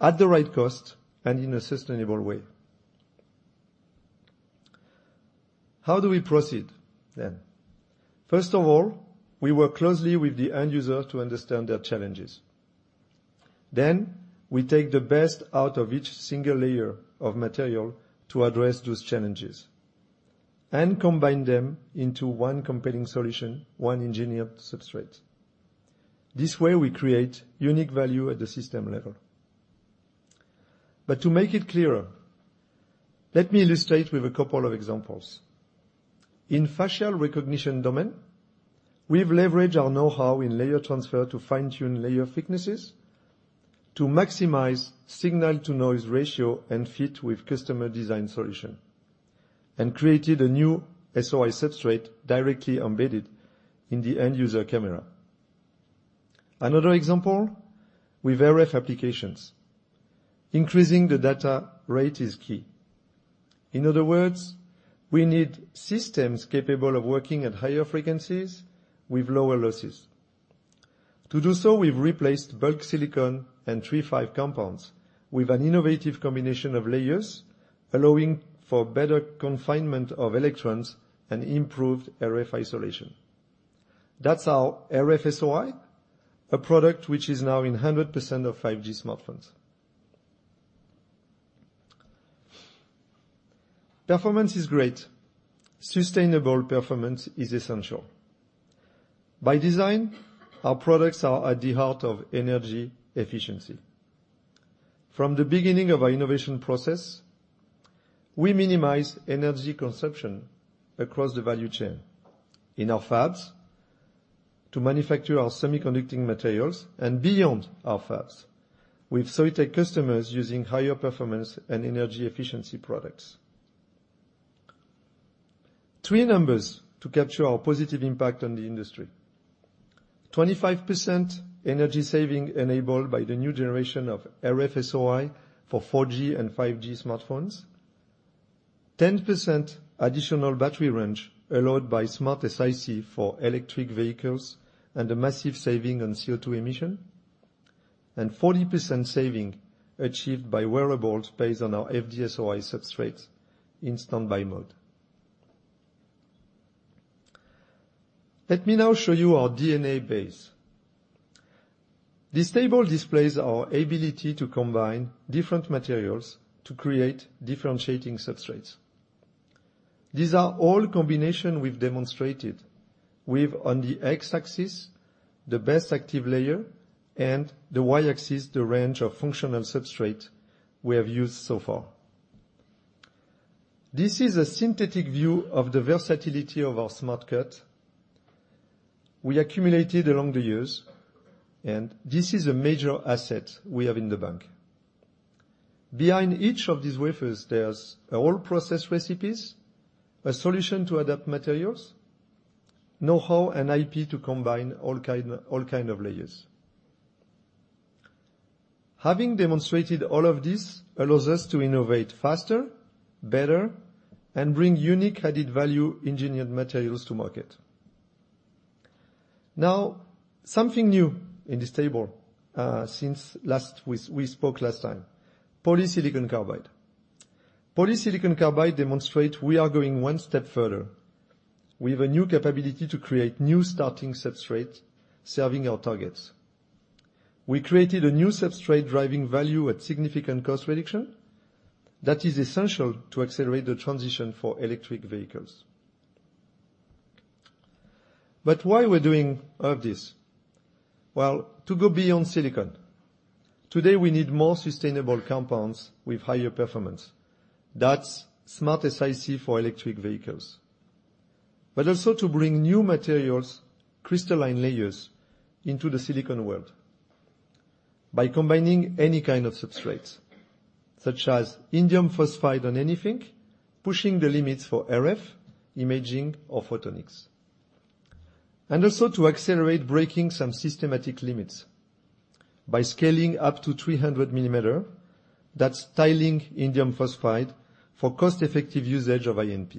at the right cost and in a sustainable way. How do we proceed, then? First of all, we work closely with the end user to understand their challenges. We take the best out of each single layer of material to address those challenges and combine them into one compelling solution, one engineered substrate. This way, we create unique value at the system level. To make it clearer, let me illustrate with a couple of examples. In facial recognition domain, we've leveraged our know-how in layer transfer to fine-tune layer thicknesses to maximize signal-to-noise ratio and fit with customer design solution, and created a new SOI substrate directly embedded in the end user camera. Another example, with RF applications, increasing the data rate is key. In other words, we need systems capable of working at higher frequencies with lower losses. To do so, we've replaced bulk silicon and III-V compounds with an innovative combination of layers, allowing for better confinement of electrons and improved RF isolation. That's our RF SOI, a product which is now in 100% of 5G smartphones. Performance is great. Sustainable performance is essential. By design, our products are at the heart of energy efficiency. From the beginning of our innovation process, we minimize energy consumption across the value chain, in our fabs, to manufacture our semiconducting materials, and beyond our fabs, with Soitec customers using higher performance and energy efficiency products. Three numbers to capture our positive impact on the industry. 25% energy saving enabled by the new generation of RF SOI for 4G and 5G smartphones. 10% additional battery range allowed by SmartSiC for electric vehicles, a massive saving on CO2 emission, 40% saving achieved by wearables based on our FD-SOI substrates in standby mode. Let me now show you our DNA base. This table displays our ability to combine different materials to create differentiating substrates. These are all combination we've demonstrated, with on the X-axis, the best active layer, the Y-axis, the range of functional substrate we have used so far. This is a synthetic view of the versatility of our Smart Cut we accumulated along the years, this is a major asset we have in the bank. Behind each of these wafers, there's all process recipes, a solution to adapt materials, know-how and IP to combine all kind of layers. Having demonstrated all of this allows us to innovate faster, better, and bring unique added value engineered materials to market. Something new in this table, since last we spoke last time, polysilicon carbide. Polysilicon carbide demonstrate we are going one step further. We have a new capability to create new starting substrates, serving our targets. We created a new substrate, driving value at significant cost reduction that is essential to accelerate the transition for electric vehicles. Why we're doing all this? Well, to go beyond silicon. Today, we need more sustainable compounds with higher performance. That's SmartSiC for electric vehicles. Also to bring new materials, crystalline layers, into the silicon world by combining any kind of substrates, such as indium phosphide on anything, pushing the limits for RF, imaging or photonics. Also to accelerate breaking some systematic limits by scaling up to 300 millimeter. That's tiling indium phosphide for cost-effective usage of InP.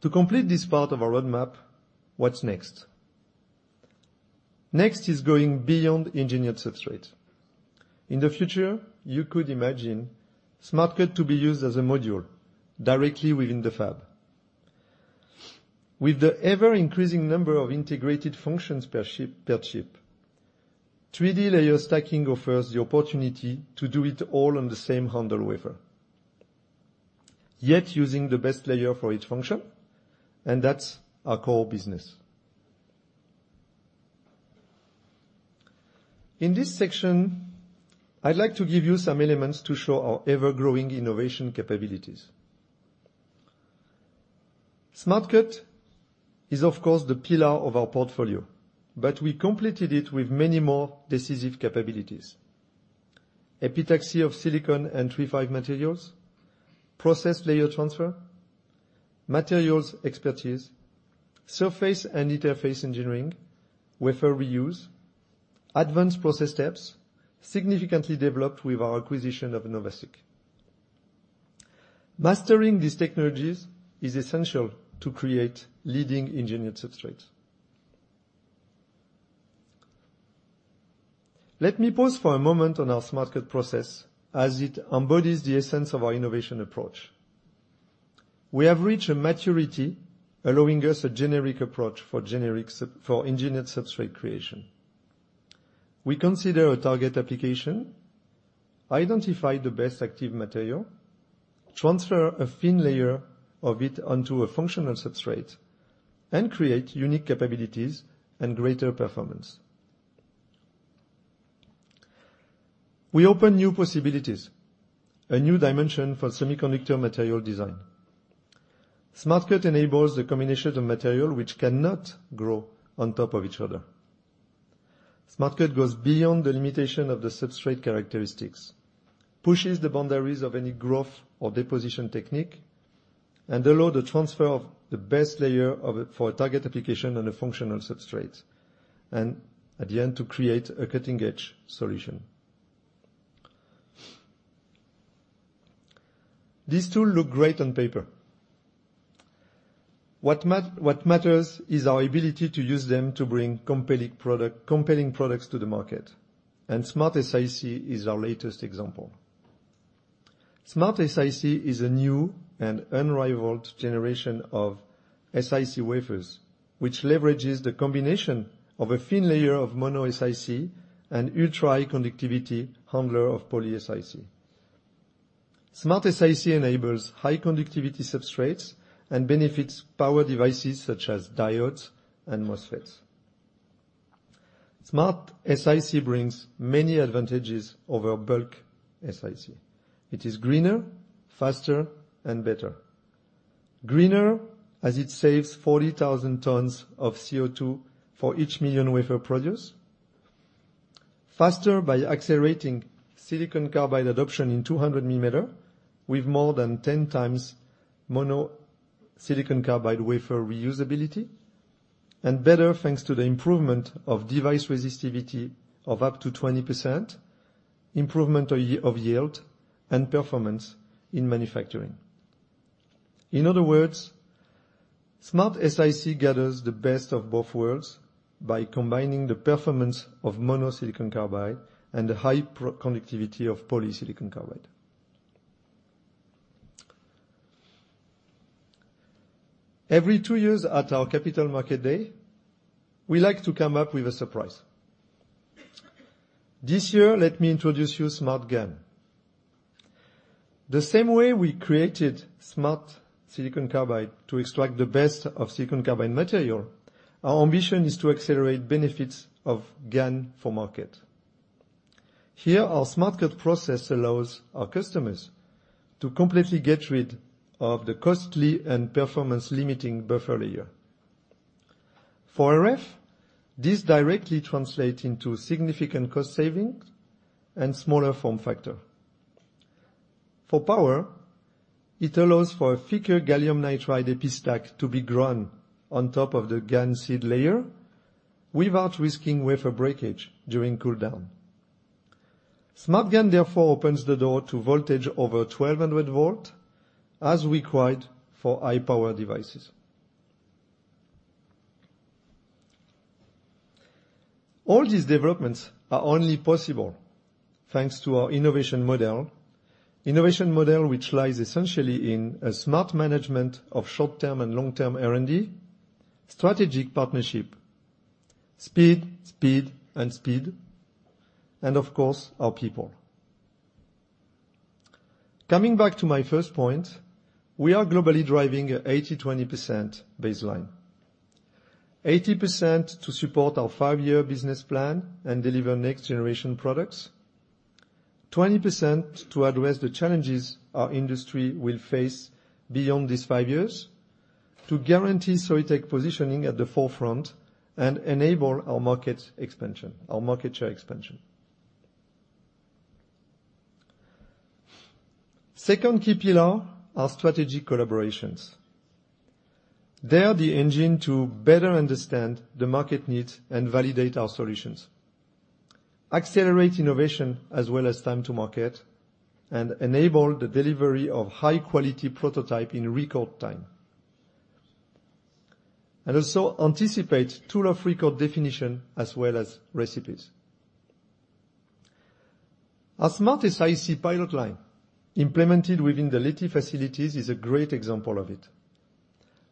To complete this part of our roadmap, what's next? Next is going beyond engineered substrate. In the future, you could imagine Smart Cut to be used as a module directly within the fab. With the ever-increasing number of integrated functions per chip, 3D layer stacking offers the opportunity to do it all on the same handle wafer, yet using the best layer for each function, and that's our core business. In this section, I'd like to give you some elements to show our ever-growing innovation capabilities. Smart Cut is, of course, the pillar of our portfolio, but we completed it with many more decisive capabilities. Epitaxy of silicon and III-V materials, process layer transfer, materials expertise, surface and interface engineering, wafer reuse, advanced process steps, significantly developed with our acquisition of NOVASiC. Mastering these technologies is essential to create leading engineered substrates. Let me pause for a moment on our Smart Cut process as it embodies the essence of our innovation approach. We have reached a maturity, allowing us a generic approach for generic for engineered substrate creation. We consider a target application, identify the best active material, transfer a thin layer of it onto a functional substrate, and create unique capabilities and greater performance. We open new possibilities, a new dimension for semiconductor material design. Smart Cut enables the combination of material which cannot grow on top of each other. Smart Cut goes beyond the limitation of the substrate characteristics, pushes the boundaries of any growth or deposition technique, and allow the transfer of the best layer of it for a target application on a functional substrate, and at the end, to create a cutting-edge solution. These two look great on paper. What matters is our ability to use them to bring compelling products to the market. SmartSiC is our latest example. SmartSiC is a new and unrivaled generation of SiC wafers, which leverages the combination of a thin layer of monoSiC and ultra-high conductivity handle of poly-SiC. SmartSiC enables high conductivity substrates and benefits power devices such as diodes and MOSFETs. SmartSiC brings many advantages over bulk SiC. It is greener, faster, and better. Greener, as it saves 40,000 tons of CO2 for each million wafer produced.... Faster by accelerating silicon carbide adoption in 200 millimeter, with more than 10 times mono silicon carbide wafer reusability, and better thanks to the improvement of device resistivity of up to 20%, improvement of yield, and performance in manufacturing. In other words, SmartSiC gathers the best of both worlds by combining the performance of mono silicon carbide and the high conductivity of poly silicon carbide. Every two years at our capital market day, we like to come up with a surprise. This year, let me introduce you SmartGaN. The same way we created SmartSiC to extract the best of silicon carbide material, our ambition is to accelerate benefits of GaN for market. Here, our Smart Cut process allows our customers to completely get rid of the costly and performance-limiting buffer layer. For RF, this directly translate into significant cost savings and smaller form factor. For power, it allows for a thicker gallium nitride epi stack to be grown on top of the GaN seed layer without risking wafer breakage during cool down. SmartGaN, therefore, opens the door to voltage over 1,200 volt, as required for high power devices. All these developments are only possible thanks to our innovation model. Innovation model, which lies essentially in a smart management of short-term and long-term R&D, strategic partnership, speed, and speed, and of course, our people. Coming back to my first point, we are globally driving a 80/20% baseline. 80% to support our five-year business plan and deliver next generation products. 20% to address the challenges our industry will face beyond these five years, to guarantee Soitec positioning at the forefront and enable our market share expansion. Second key pillar, our strategic collaborations. They are the engine to better understand the market needs and validate our solutions, accelerate innovation as well as time to market, enable the delivery of high quality prototype in record time, also anticipate tool of record definition as well as recipes. Our SmartSiC pilot line, implemented within the Leti facilities, is a great example of it.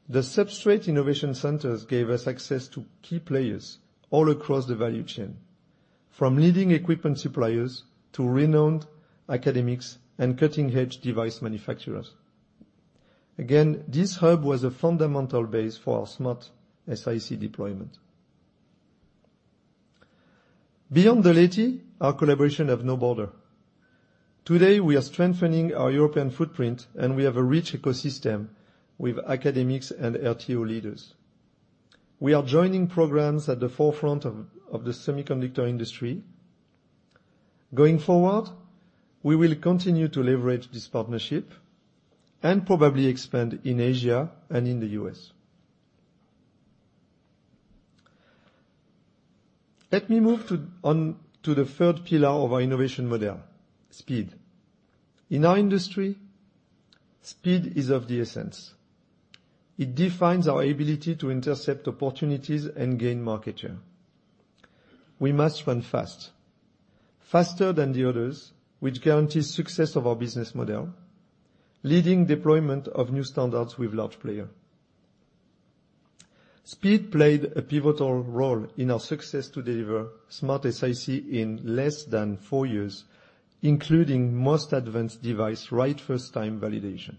The substrate innovation centers gave us access to key players all across the value chain, from leading equipment suppliers to renowned academics and cutting-edge device manufacturers. This hub was a fundamental base for our SmartSiC deployment. Beyond the Leti, our collaboration have no border. Today, we are strengthening our European footprint. We have a rich ecosystem with academics and RTO leaders. We are joining programs at the forefront of the semiconductor industry. Going forward, we will continue to leverage this partnership and probably expand in Asia and in the U.S. Let me move on to the third pillar of our innovation model, speed. In our industry, speed is of the essence. It defines our ability to intercept opportunities and gain market share. We must run fast, faster than the others, which guarantees success of our business model, leading deployment of new standards with large player. Speed played a pivotal role in our success to deliver SmartSiC in less than four years, including most advanced device, right first time validation.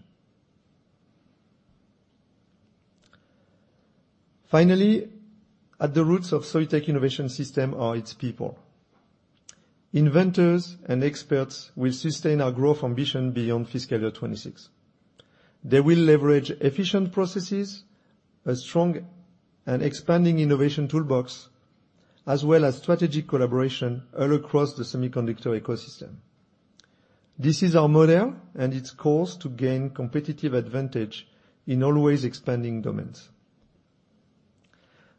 Finally, at the roots of Soitec innovation system are its people. Inventors and experts will sustain our growth ambition beyond fiscal year 2026. They will leverage efficient processes, a strong and expanding innovation toolbox, as well as strategic collaboration all across the semiconductor ecosystem. This is our model, and its course to gain competitive advantage in always expanding domains.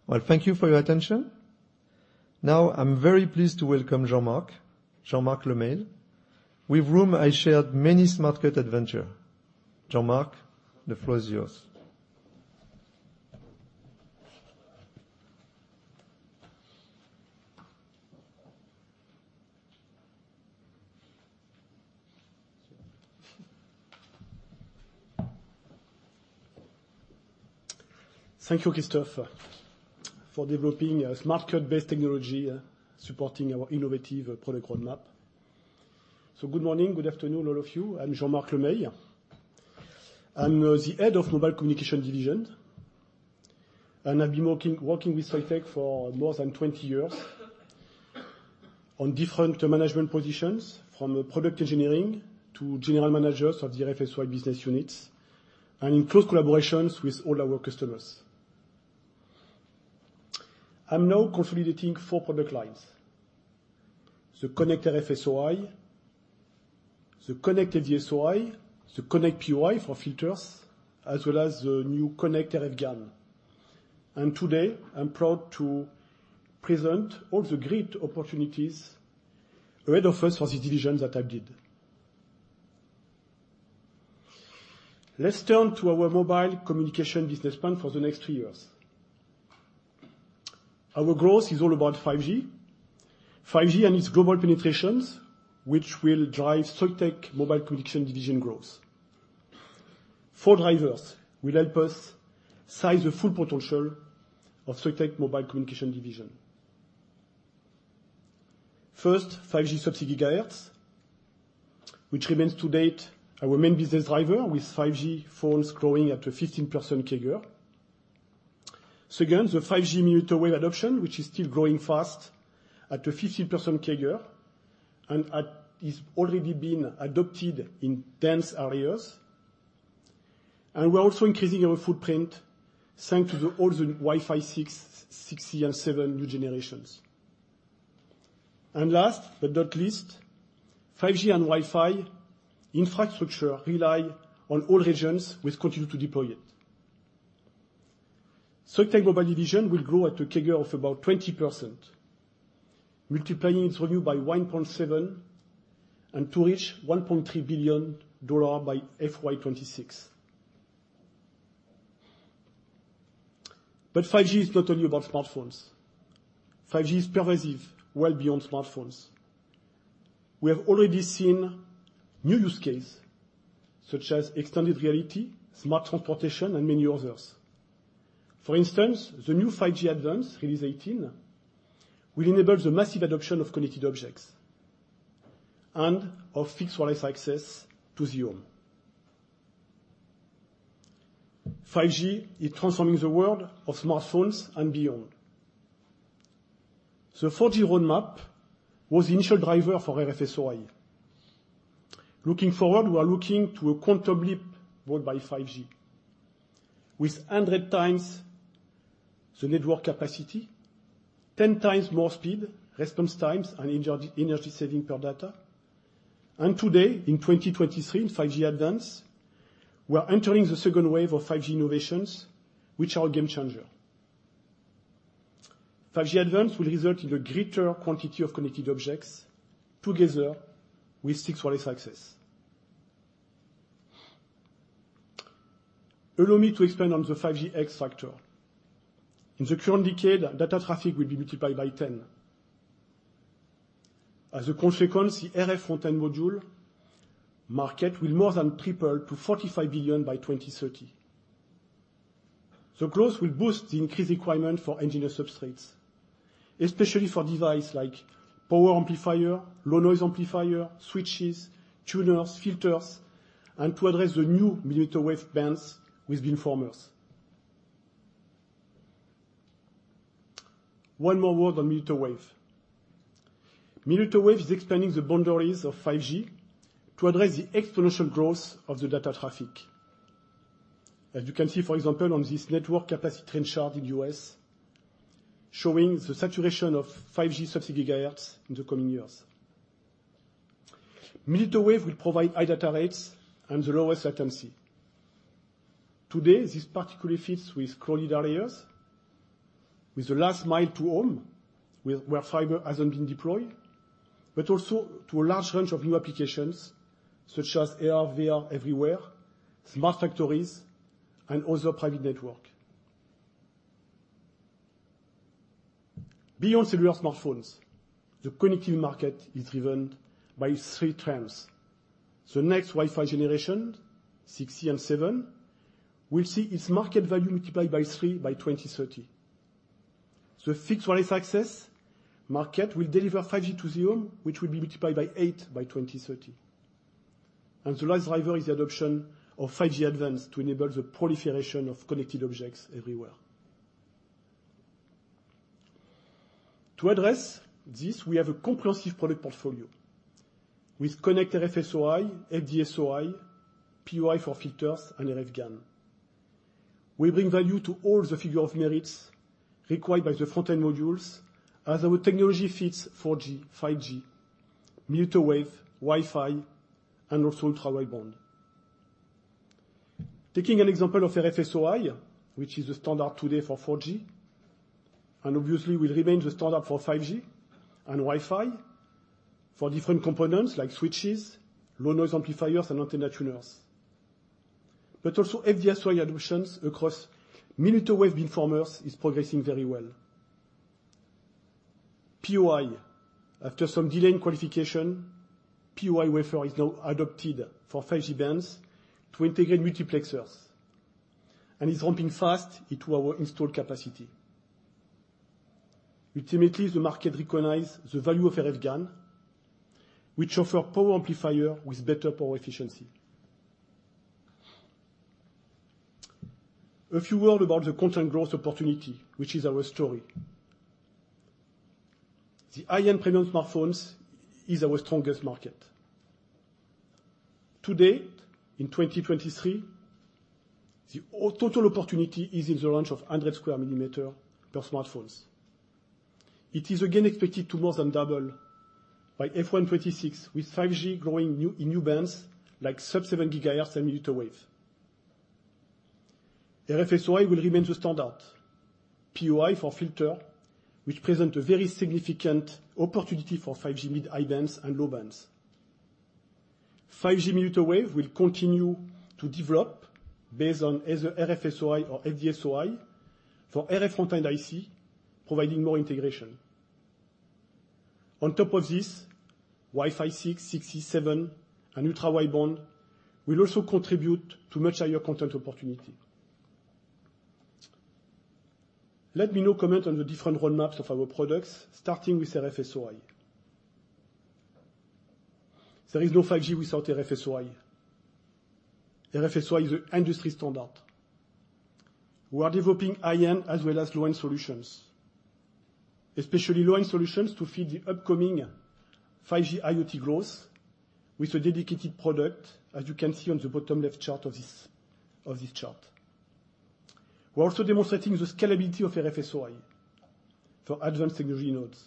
Well, thank you for your attention. Now, I'm very pleased to welcome Jean-Marc, Jean-Marc Le Meil, with whom I shared many Smart Cut adventure. Jean-Marc, the floor is yours. Thank you, Christophe, for developing a Smart Cut-based technology, supporting our innovative product roadmap. Good morning, good afternoon, all of you. I'm Jean-Marc Le Meil. I'm the head of Mobile Communication Division, I've been working with Soitec for more than 20 years on different management positions, from product engineering to general managers of the RF SOI business units, in close collaborations with all our customers. I'm now consolidating 4 product lines: the Connect RF-SOI, the Connect FD-SOI, the Connect POI for filters, as well as the new Connect RF-GaN. Today, I'm proud to present all the great opportunities ahead of us for the division that I did. Let's turn to our mobile communication business plan for the next three years. Our growth is all about 5G. 5G and its global penetrations, which will drive Soitec Mobile Communication Division growth. Four drivers will help us size the full potential of Soitec mobile communication division. First, 5G sub-6 GHz, which remains to date our main business driver, with 5G phones growing at a 15% CAGR. Second, the 5G mmWave adoption, which is still growing fast at a 15% CAGR, it's already been adopted in dense areas. We're also increasing our footprint, thanks to the, all the Wi-Fi 6, 6E, and 7 new generations. Last, but not least, 5G and Wi-Fi infrastructure rely on all regions, which continue to deploy it. Soitec Mobile division will grow at a CAGR of about 20%, multiplying its revenue by 1.7, and to reach $1.3 billion by FY 2026. 5G is not only about smartphones. 5G is pervasive, well beyond smartphones. We have already seen new use case, such as extended reality, smart transportation, and many others. For instance, the new 5G-Advanced, Release 18, will enable the massive adoption of connected objects and of fixed wireless access to the home. 5G is transforming the world of smartphones and beyond. The 4G roadmap was the initial driver for RF-SOI. Looking forward, we are looking to a quantum leap brought by 5G, with 100 times the network capacity, 10 times more speed, response times, and energy saving per data. Today, in 2023, in 5G-Advanced, we are entering the second wave of 5G innovations, which are a game changer. 5G-Advanced will result in a greater quantity of connected objects together with fixed wireless access. Allow me to expand on the 5G x factor. In the current decade, data traffic will be multiplied by 10. As a consequence, the RF front-end module market will more than triple to 45 billion by 2030. The growth will boost the increased requirement for engineer substrates, especially for device like power amplifier, low noise amplifier, switches, tuners, filters, and to address the new millimeter wave bands with beamformers. One more word on millimeter wave. Millimeter wave is expanding the boundaries of 5G to address the exponential growth of the data traffic. As you can see, for example, on this network capacity trend chart in the U.S., showing the saturation of 5G sub-6 GHz in the coming years. Millimeter wave will provide high data rates and the lowest latency. Today, this particularly fits with crowded areas, with the last mile to home, where fiber hasn't been deployed, but also to a large range of new applications such as AR/VR everywhere, smart factories, and other private network. Beyond cellular smartphones, the connectivity market is driven by three trends. The next Wi-Fi generation, 6E and 7, will see its market value multiplied by 3 by 2030. The fixed wireless access market will deliver 5G to home, which will be multiplied by 8 by 2030. The last driver is the adoption of 5G-Advanced to enable the proliferation of connected objects everywhere. To address this, we have a comprehensive product portfolio. With Connect RF-SOI, FDSOI, POI for filters, and RF GaN. We bring value to all the figure of merits required by the RF front-end modules as our technology fits 4G, 5G, mmWave, Wi-Fi, and also ultra-wideband. Taking an example of RF-SOI, which is the standard today for 4G, and obviously will remain the standard for 5G and Wi-Fi for different components like switches, low noise amplifiers, and antenna tuners. Also, FD-SOI adoptions across millimeter wave beamformers is progressing very well. POI, after some delay in qualification, POI wafer is now adopted for 5G bands to integrate multiplexers, and is ramping fast into our installed capacity. Ultimately, the market recognize the value of RF GaN, which offer power amplifier with better power efficiency. A few word about the content growth opportunity, which is our story. The high-end premium smartphones is our strongest market. Today, in 2023, the total opportunity is in the range of 100 sq mm per smartphones. It is again expected to more than double by FY 2026, with 5G growing new, in new bands, like sub-7 GHz and millimeter wave. RF-SOI will remain the standard. POI for filter, which present a very significant opportunity for 5G mid-high bands and low bands. 5G millimeter wave will continue to develop based on either RFSOI or FDSOI for RF front-end IC, providing more integration. On top of this, Wi-Fi 6, 6E, 7, and ultra-wideband will also contribute to much higher content opportunity. Let me now comment on the different roadmaps of our products, starting with RFSOI. There is no 5G without RFSOI. RFSOI is the industry standard. We are developing high-end as well as low-end solutions, especially low-end solutions to feed the upcoming 5G IoT growth with a dedicated product, as you can see on the bottom left chart of this chart. We're also demonstrating the scalability of RFSOI for advanced technology nodes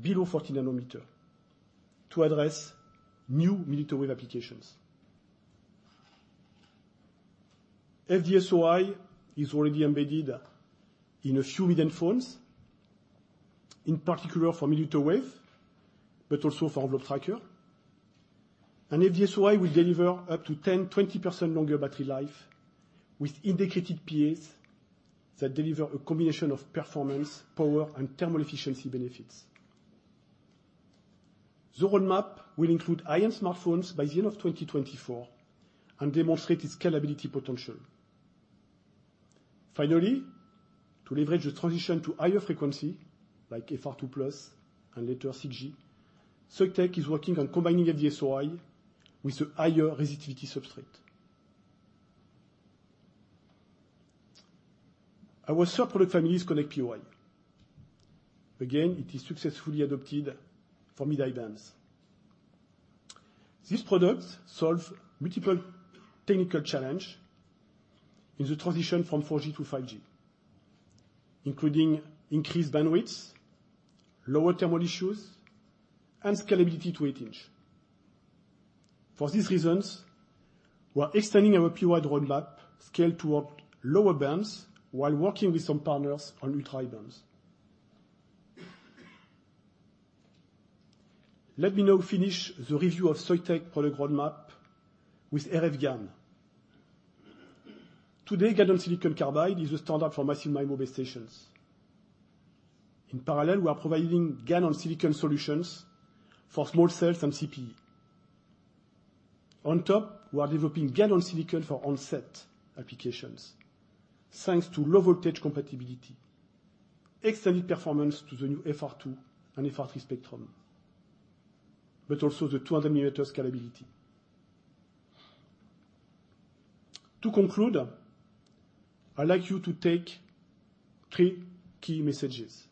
below 40 nanometer to address new millimeter wave applications. FDSOI is already embedded in a few mid-end phones, in particular for millimeter wave, but also for envelope tracker. FDSOI will deliver up to 10%, 20% longer battery life with indicated PAs that deliver a combination of performance, power, and thermal efficiency benefits. The roadmap will include high-end smartphones by the end of 2024 and demonstrate its scalability potential. Finally, to leverage the transition to higher frequency, like FR2 plus and later 6G, Soitec is working on combining FDSOI with a higher resistivity substrate. Our third product family is Connect POI. It is successfully adopted for mid-high bands. These products solve multiple technical challenge in the transition from 4G to 5G, including increased bandwidth, lower thermal issues, and scalability to 8-inch. For these reasons, we are extending our POI roadmap scale toward lower bands while working with some partners on ultra-high bands. Let me now finish the review of Soitec product roadmap with RF GaN. Today, gallium silicon carbide is the standard for massive MIMO base stations. In parallel, we are providing GaN on silicon solutions for small cells and CPE. On top, we are developing GaN on silicon for on-set applications, thanks to low-voltage compatibility, extended performance to the new FR2 and FR3 spectrum, but also the 200 millimeter scalability. To conclude, I'd like you to take 3 key messages.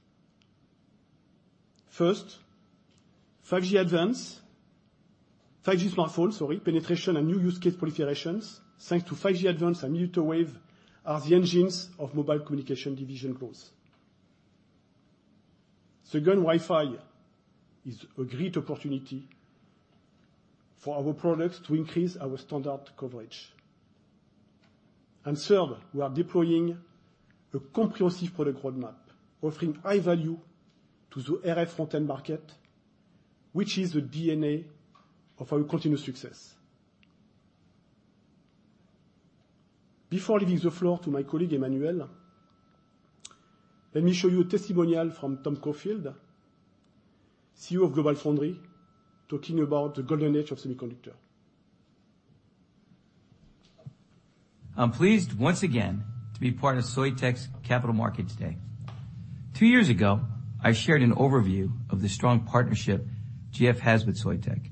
First, 5G-Advanced-- 5G smartphone, sorry, penetration and new use case proliferations, thanks to 5G-Advanced and millimeter wave, are the engines of mobile communication division growth. Second, Wi-Fi is a great opportunity for our products to increase our standard coverage. Third, we are deploying a comprehensive product roadmap, offering high value to the RF front-end market, which is the DNA of our continuous success. Before leaving the floor to my colleague, Emmanuel, let me show you a testimonial from Tom Caulfield, CEO of GlobalFoundries, talking about the golden age of semiconductor. I'm pleased once again to be part of Soitec's Capital Markets Day. Two years ago, I shared an overview of the strong partnership GF has with Soitec,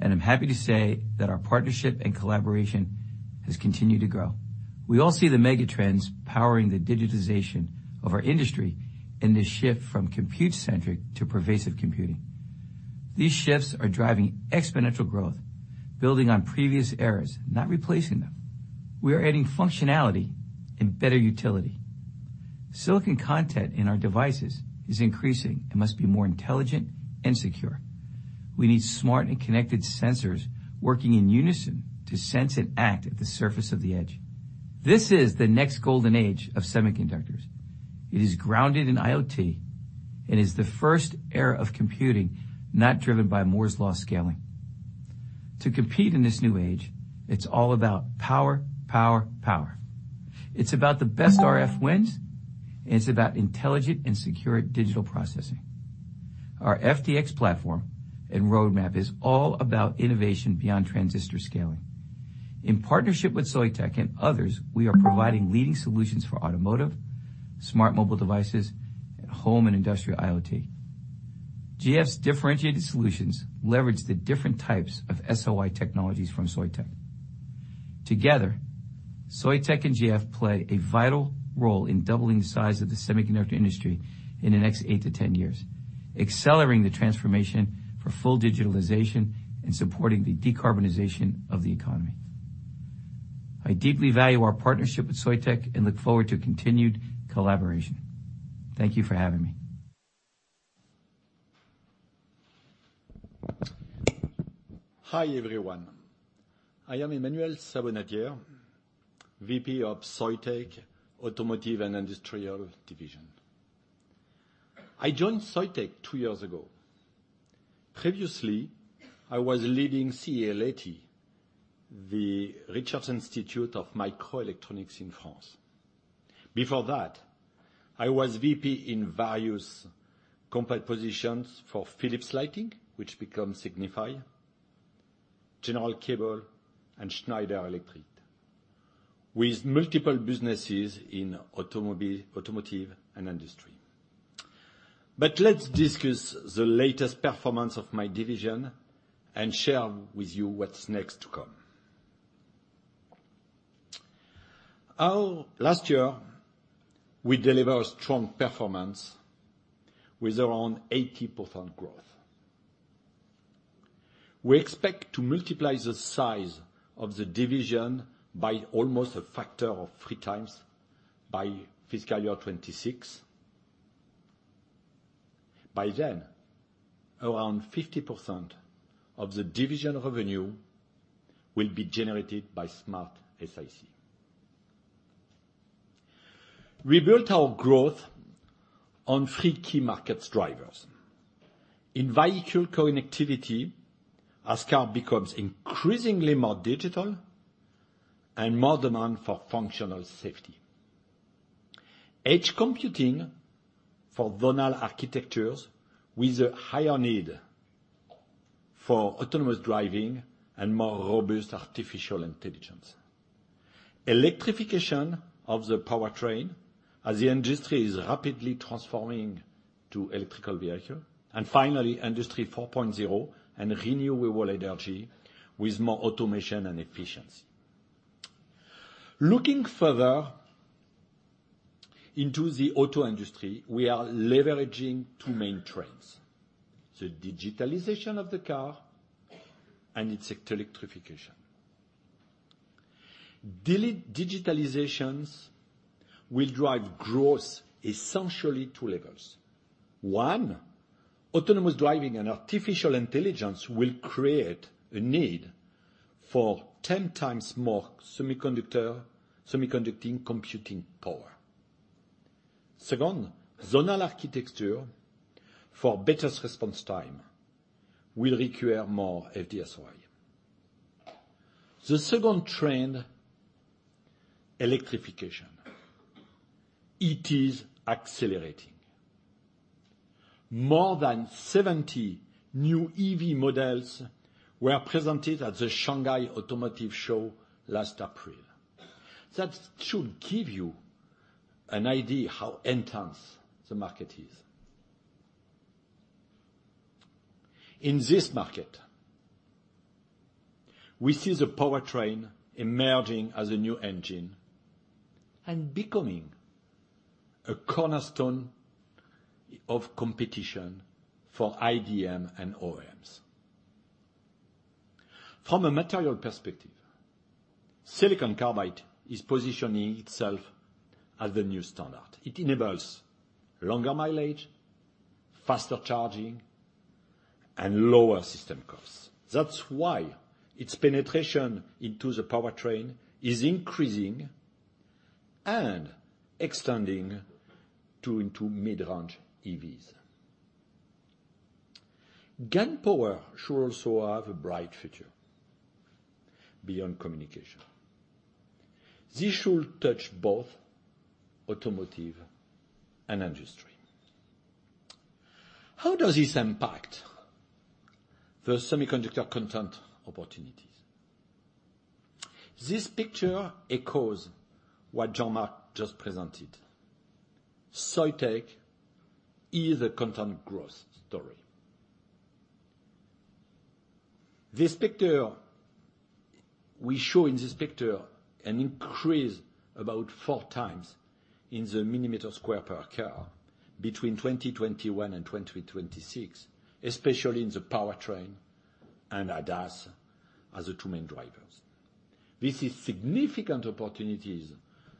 and I'm happy to say that our partnership and collaboration has continued to grow. We all see the mega trends powering the digitization of our industry and the shift from compute-centric to pervasive computing. These shifts are driving exponential growth, building on previous eras, not replacing them. We are adding functionality and better utility. Silicon content in our devices is increasing and must be more intelligent and secure. We need smart and connected sensors working in unison to sense and act at the surface of the edge. This is the next golden age of semiconductors. It is grounded in IoT and is the first era of computing not driven by Moore's Law scaling. To compete in this new age, it's all about power, power. It's about the best RF wins, it's about intelligent and secure digital processing. Our FDX platform and roadmap is all about innovation beyond transistor scaling. In partnership with Soitec and others, we are providing leading solutions for automotive, smart mobile devices, and home and industrial IoT. GF's differentiated solutions leverage the different types of SOI technologies from Soitec. Together, Soitec and GF play a vital role in doubling the size of the semiconductor industry in the next eight to 10 years, accelerating the transformation for full digitalization and supporting the decarbonization of the economy. I deeply value our partnership with Soitec and look forward to continued collaboration. Thank you for having me. Hi, everyone. I am Emmanuel Sabonnadière, VP of Soitec Automotive and Industrial Division. I joined Soitec two years ago. Previously, I was leading CEA-Leti, the research institute of microelectronics in France. Before that, I was VP in various complex positions for Philips Lighting, which become Signify, General Cable, and Schneider Electric, with multiple businesses in automobile, automotive, and industry. Let's discuss the latest performance of my division and share with you what's next to come. Our last year, we delivered strong performance with around 80% growth. We expect to multiply the size of the division by almost a factor of three times by fiscal year 2026. By then, around 50% of the division revenue will be generated by SmartSiC. We built our growth on three key markets drivers. In vehicle connectivity, as car becomes increasingly more digital and more demand for functional safety. Edge computing for zonal architectures with a higher need for autonomous driving and more robust artificial intelligence. Electrification of the powertrain as the industry is rapidly transforming to electric vehicle. Finally, Industry 4.0 and renewable energy with more automation and efficiency. Looking further into the auto industry, we are leveraging two main trends: the digitalization of the car and its electrification. Digitalizations will drive growth, essentially two levels. One, autonomous driving and artificial intelligence will create a need for 10 times more semiconductor computing power. Second, zonal architecture for better response time will require more FD-SOI. The second trend, electrification. It is accelerating. More than 70 new EV models were presented at the Auto Shanghai last April. That should give you an idea how intense the market is. In this market, we see the powertrain emerging as a new engine and becoming a cornerstone of competition for IDM and OEMs. From a material perspective, silicon carbide is positioning itself as the new standard. It enables longer mileage, faster charging, and lower system costs. That's why its penetration into the powertrain is increasing and extending into mid-range EVs. GaN power should also have a bright future beyond communication. This should touch both automotive and industry. How does this impact the semiconductor content opportunities? This picture echoes what Jean-Marc just presented. Soitec is a content growth story. In this picture, we show an increase about 4 times in the millimeter square per car between 2021 and 2026, especially in the powertrain and ADAS as the two main drivers. This is significant opportunities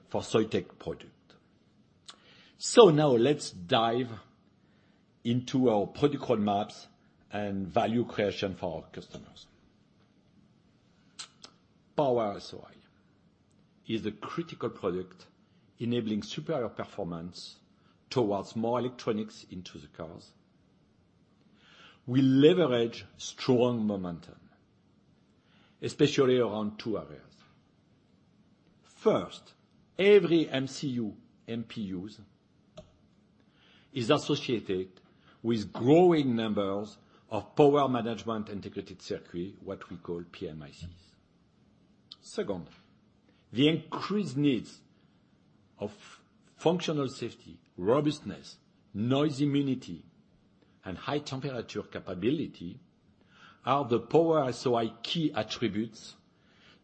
for Soitec product. Now let's dive into our product roadmaps and value creation for our customers. Power SOI is a critical product enabling superior performance towards more electronics into the cars. We leverage strong momentum, especially around two areas. First, every MCU, MPUs is associated with growing numbers of power management integrated circuit, what we call PMICs. Second, the increased needs of functional safety, robustness, noise immunity, and high temperature capability are the Power SOI key attributes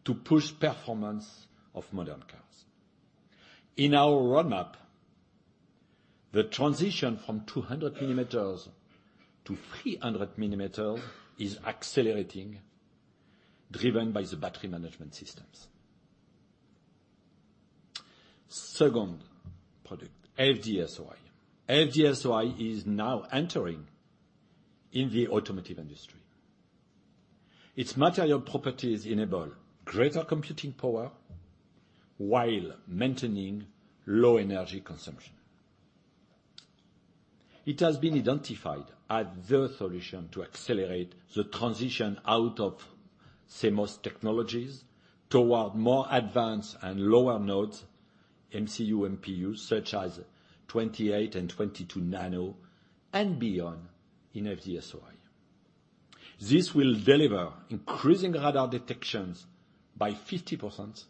to push performance of modern cars. In our roadmap, the transition from 200 millimeters to 300 millimeters is accelerating, driven by the battery management systems. Second product, FD-SOI. FD-SOI is now entering in the automotive industry. Its material properties enable greater computing power while maintaining low energy consumption. It has been identified as the solution to accelerate the transition out of CMOS technologies toward more advanced and lower nodes, MCU, MPU, such as 28 and 22 nm and beyond in FDSOI. This will deliver increasing radar detections by 50%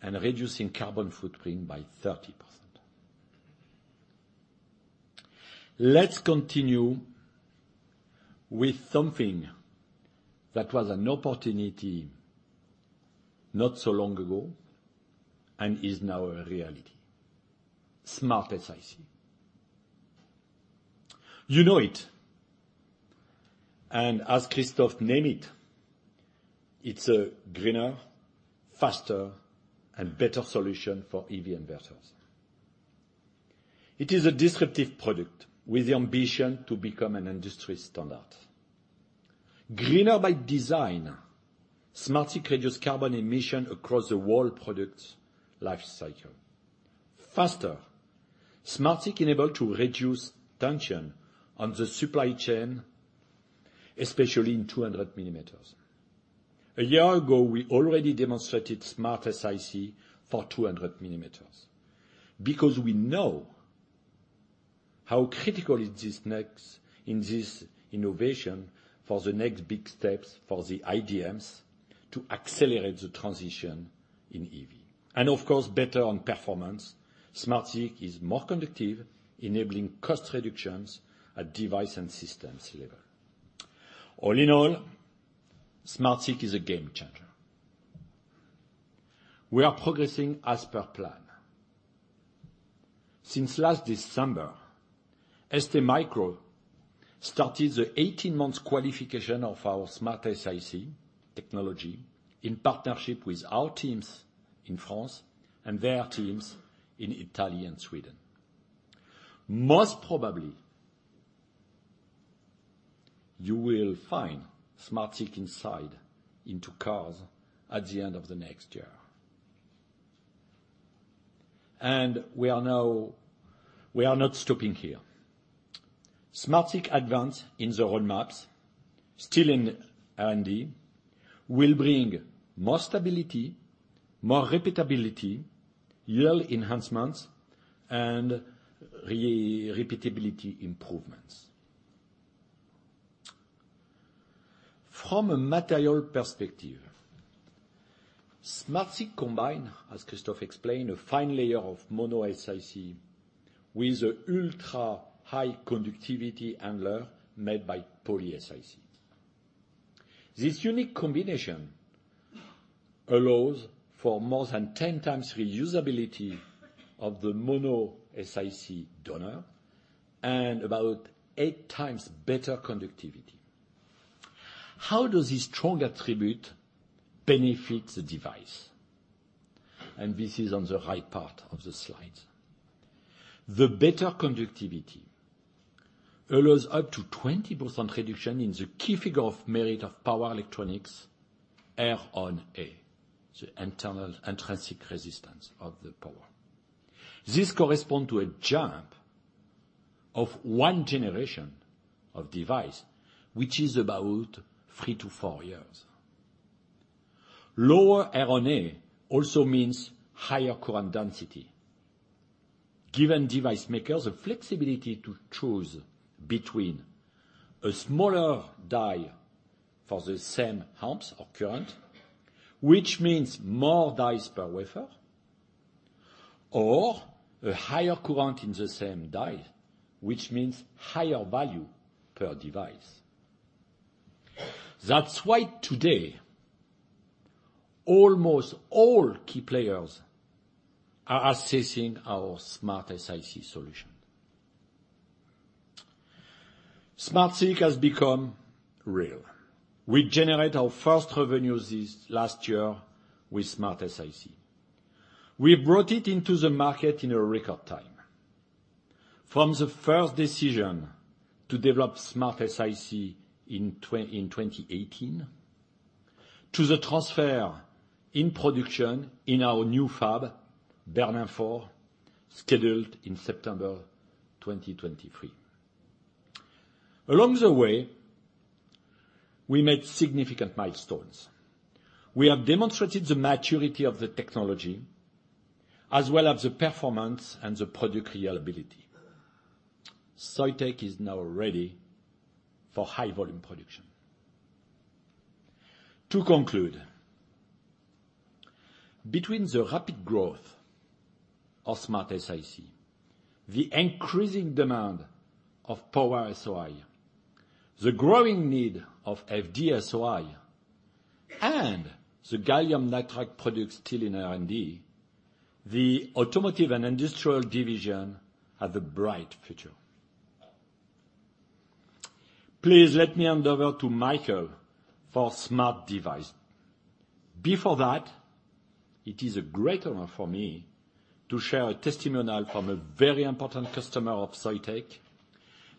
and reducing carbon footprint by 30%. Let's continue with something that was an opportunity not so long ago and is now a reality, SmartSiC. You know it, and as Christophe named it's a greener, faster, and better solution for EV inverters. It is a disruptive product with the ambition to become an industry standard. Greener by design, SmartSiC reduces carbon emission across the whole product lifecycle. Faster, SmartSiC enable to reduce tension on the supply chain, especially in 200 millimeters. A year ago, we already demonstrated SmartSiC for 200 millimeters because we know how critical it is next, in this innovation for the next big steps for the IDMs to accelerate the transition in EV. Of course, better on performance, SmartSiC is more conductive, enabling cost reductions at device and systems level. All in all, SmartSiC is a game changer. We are progressing as per plan. Since last December, STMicro started the 18-months qualification of our SmartSiC technology in partnership with our teams in France and their teams in Italy and Sweden. Most probably, you will find SmartSiC inside into cars at the end of the next year. We are not stopping here. SmartSiC advance in the roadmaps, still in R&D, will bring more stability, more repeatability, yield enhancements, and repeatability improvements. From a material perspective, SmartSiC combine, as Christophe explained, a fine layer of monoSiC with a ultra-high conductivity handler made by poly-SiC. This unique combination allows for more than 10 times reusability of the monoSiC donor, and about eight times better conductivity. How does this strong attribute benefit the device? This is on the right part of the slide. The better conductivity allows up to 20% reduction in the key figure of merit of power electronics, Ron, a, the internal intrinsic resistance of the power. This correspond to a jump of 1 generation of device, which is about three to five years. Lower Ron also means higher current density, giving device makers the flexibility to choose between a smaller die for the same amps or current, which means more dies per wafer, or a higher current in the same die, which means higher value per device. That's why today, almost all key players are assessing our SmartSiC solution. SmartSiC has become real. We generate our first revenues this last year with SmartSiC. We brought it into the market in a record time. From the first decision to develop SmartSiC in 2018, to the transfer in production in our new fab, Bernin 4, scheduled in September 2023. Along the way, we made significant milestones. We have demonstrated the maturity of the technology, as well as the performance and the product reliability. Soitec is now ready for high volume production. To conclude, between the rapid growth of SmartSiC, the increasing demand of Power SOI, the growing need of FDSOI, and the gallium nitride products still in R&D, the Automotive and Industrial Division have a bright future. Please let me hand over to Michael for Smart Devices. Before that, it is a great honor for me to share a testimonial from a very important customer of Soitec.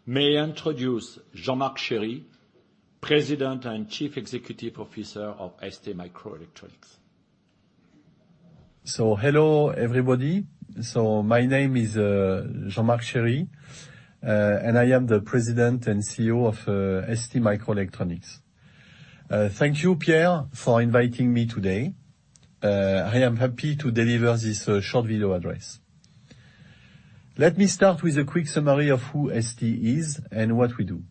May I introduce Jean-Marc Chery, President and Chief Executive Officer of STMicroelectronics. Hello, everybody. My name is Jean-Marc Chery, I am the President and CEO of STMicroelectronics. Thank you, Pierre, for inviting me today. I am happy to deliver this short video address. Let me start with a quick summary of who ST is and what we do,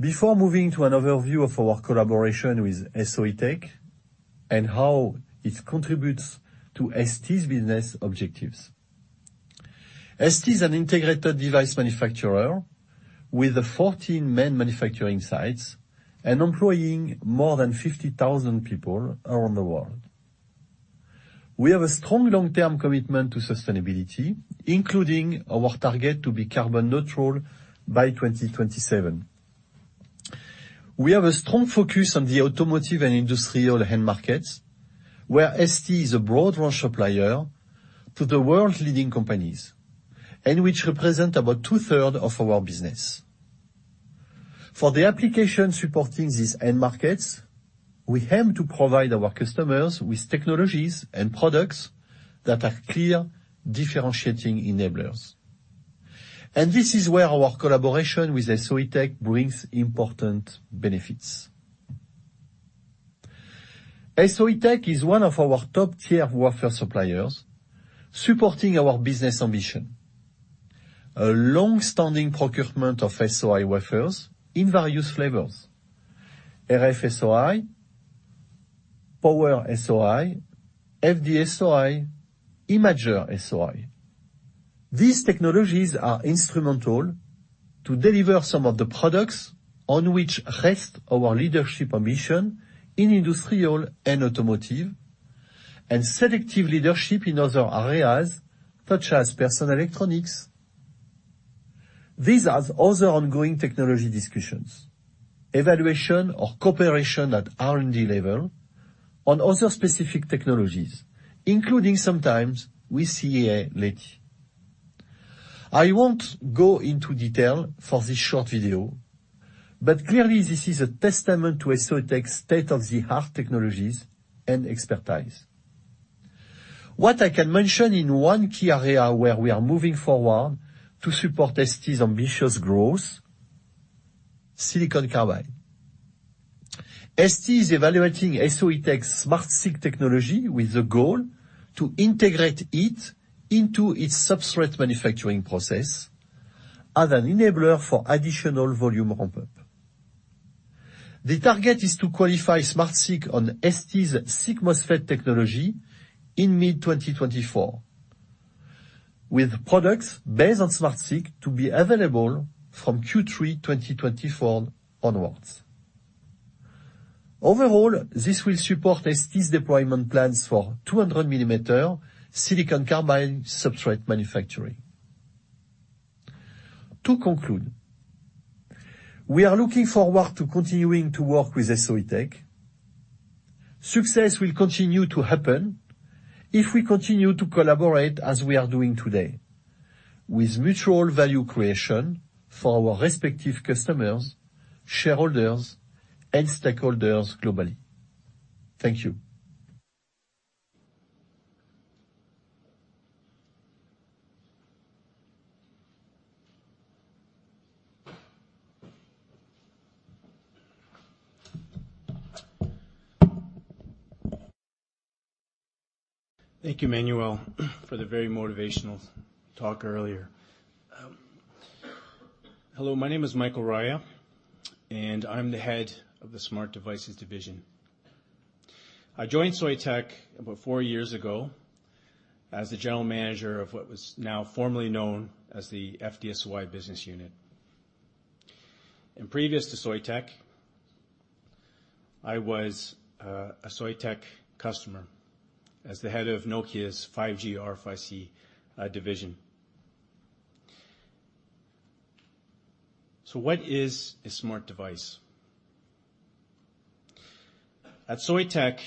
before moving to an overview of our collaboration with Soitec and how it contributes to ST's business objectives. ST is an integrated device manufacturer with 14 main manufacturing sites and employing more than 50,000 people around the world. We have a strong long-term commitment to sustainability, including our target to be carbon neutral by 2027. We have a strong focus on the automotive and industrial end markets, where ST is a broad run supplier to the world's leading companies, and which represent about 2/3 of our business. For the application supporting these end markets, we aim to provide our customers with technologies and products that are clear differentiating enablers, and this is where our collaboration with Soitec brings important benefits. Soitec is one of our top-tier wafer suppliers, supporting our business ambition. A long-standing procurement of SOI wafers in various flavors, RF-SOI, Power SOI, FD-SOI, Imager-SOI. These technologies are instrumental to deliver some of the products on which rest our leadership ambition in industrial and automotive, and selective leadership in other areas, such as personal electronics. These are other ongoing technology discussions, evaluation or cooperation at R&D level on other specific technologies, including sometimes with CEA-Leti. I won't go into detail for this short video, but clearly this is a testament to Soitec's state-of-the-art technologies and expertise. What I can mention in one key area where we are moving forward to support ST's ambitious growth: silicon carbide. ST is evaluating Soitec's SmartSiC technology with the goal to integrate it into its substrate manufacturing process as an enabler for additional volume ramp-up. The target is to qualify SmartSiC on ST's SiC MOSFET technology in mid-2024, with products based on SmartSiC to be available from Q3 2024 onwards. Overall, this will support ST's deployment plans for 200 millimeter silicon carbide substrate manufacturing. We are looking forward to continuing to work with Soitec. Success will continue to happen if we continue to collaborate as we are doing today, with mutual value creation for our respective customers, shareholders, and stakeholders globally. Thank you. Thank you, Manuel, for the very motivational talk earlier. Hello, my name is Michael Raya, and I'm the head of the Smart Devices Division. I joined Soitec about four years ago as the general manager of what was now formerly known as the FDSOI business unit. Previous to Soitec, I was a Soitec customer as the head of Nokia's 5G RFIC division. What is a smart device? At Soitec,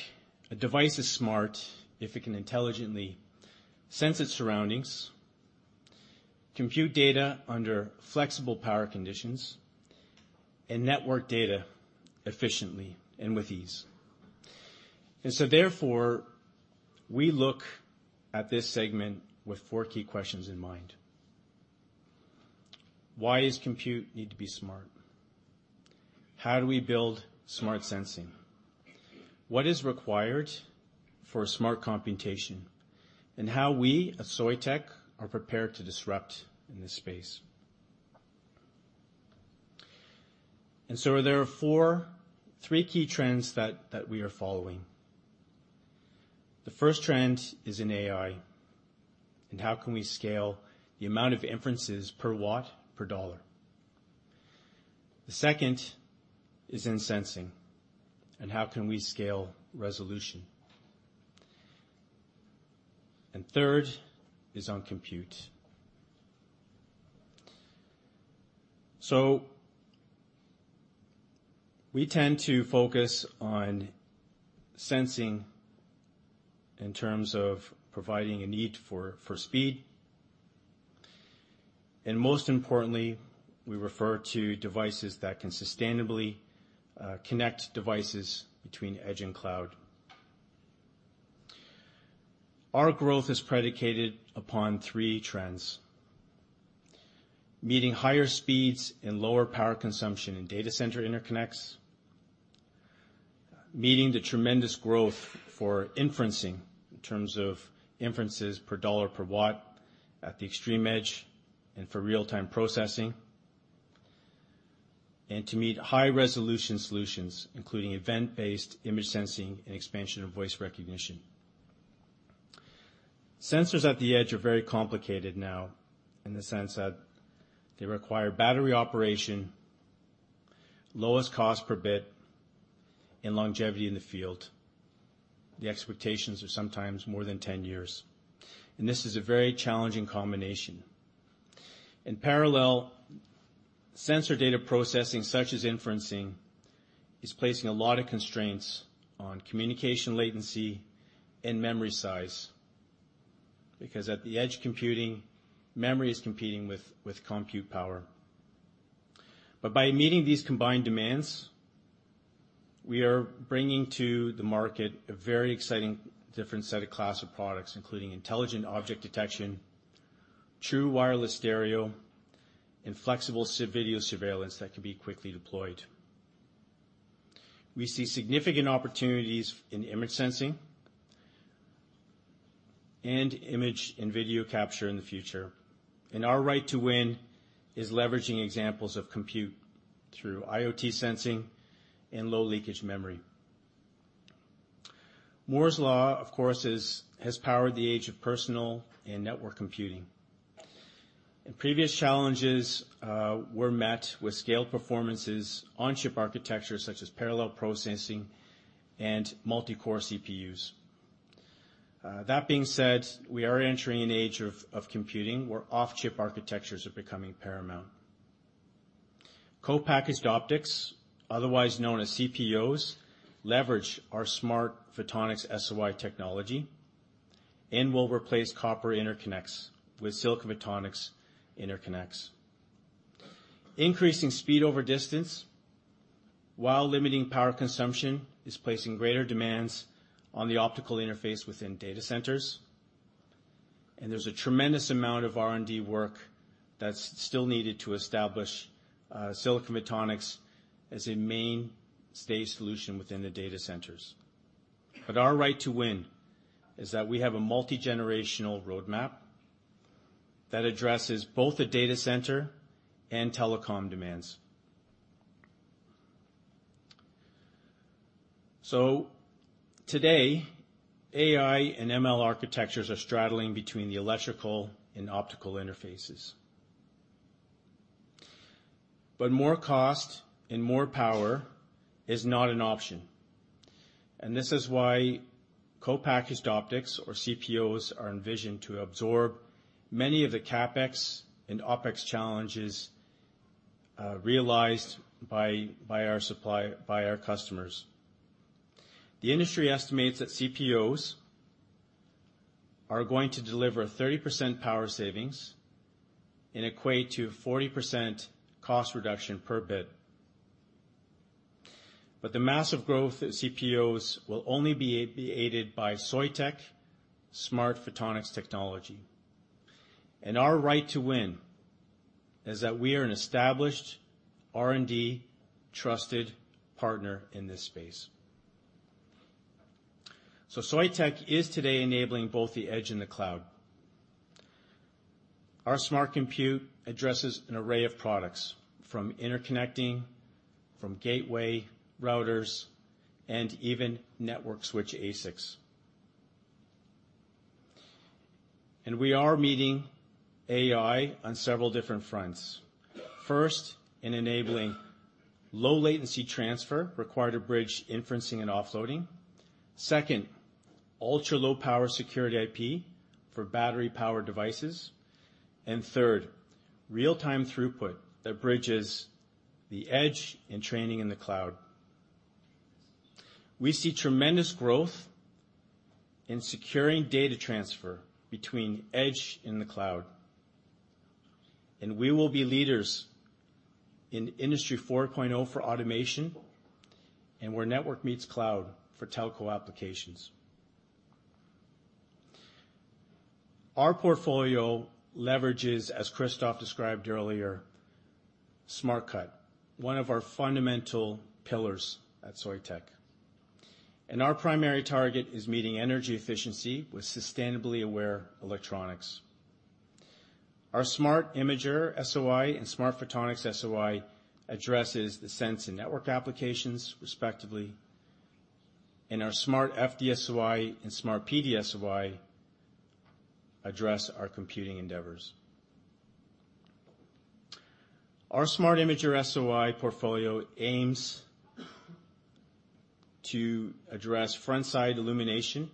a device is smart if it can intelligently sense its surroundings, compute data under flexible power conditions, and network data efficiently and with ease. Therefore, we look at this segment with four key questions in mind: Why is compute need to be smart? How do we build smart sensing? What is required for smart computation? How we, at Soitec, are prepared to disrupt in this space. There are three key trends that we are following. The first trend is in AI, and how can we scale the amount of inferences per watt, per dollar? The second is in sensing, how can we scale resolution? Third is on compute. We tend to focus on sensing in terms of providing a need for speed. Most importantly, we refer to devices that can sustainably connect devices between edge and cloud. Our growth is predicated upon three trends: meeting higher speeds and lower power consumption in data center interconnects, meeting the tremendous growth for inferencing in terms of inferences per dollar, per watt, at the extreme edge and for real-time processing, and to meet high-resolution solutions, including event-based image sensing and expansion of voice recognition. Sensors at the edge are very complicated now, in the sense that they require battery operation, lowest cost per bit, and longevity in the field. The expectations are sometimes more than 10 years, and this is a very challenging combination. In parallel, sensor data processing, such as inferencing, is placing a lot of constraints on communication latency and memory size, because at the edge computing, memory is competing with compute power. By meeting these combined demands, we are bringing to the market a very exciting different set of class of products, including intelligent object detection, true wireless stereo, and flexible video surveillance that can be quickly deployed. We see significant opportunities in image sensing and image and video capture in the future, and our right to win is leveraging examples of compute through IoT sensing and low-leakage memory. Moore's Law, of course, has powered the age of personal and network computing. Previous challenges were met with scaled performances on-chip architecture, such as parallel processing and multi-core CPUs. That being said, we are entering an age of computing, where off-chip architectures are becoming paramount. Co-packaged optics, otherwise known as CPOs, leverage our smart photonics SOI technology and will replace copper interconnects with silicon photonics interconnects. Increasing speed over distance, while limiting power consumption, is placing greater demands on the optical interface within data centers, and there's a tremendous amount of R&D work that's still needed to establish silicon photonics as a mainstay solution within the data centers. Our right to win is that we have a multi-generational roadmap that addresses both the data center and telecom demands. Today, AI and ML architectures are straddling between the electrical and optical interfaces. More cost and more power is not an option, and this is why co-packaged optics, or CPOs, are envisioned to absorb many of the CapEx and OpEx challenges, realized by our customers. The industry estimates that CPOs are going to deliver 30% power savings and equate to 40% cost reduction per bit. The massive growth at CPOs will only be aided by Soitec smart photonics technology. Our right to win is that we are an established R&D trusted partner in this space. Soitec is today enabling both the edge and the cloud. Our smart compute addresses an array of products, from interconnecting, from gateway, routers, and even network switch ASICs. We are meeting AI on several different fronts. First, in enabling low latency transfer required to bridge inferencing and offloading. Second, ultra-low power security IP for battery-powered devices. Third, real-time throughput that bridges the edge and training in the cloud. We see tremendous growth in securing data transfer between edge and the cloud, and we will be leaders in Industry 4.0 for automation and where network meets cloud for telco applications. Our portfolio leverages, as Christophe described earlier, Smart Cut, one of our fundamental pillars at Soitec. Our primary target is meeting energy efficiency with sustainably aware electronics. Our Smart Imager-SOI and Smart photonics SOI addresses the sense and network applications, respectively, and our Smart FD-SOI and Smart PDSOI address our computing endeavors. Our Smart Imager-SOI portfolio aims to address front-side illumination,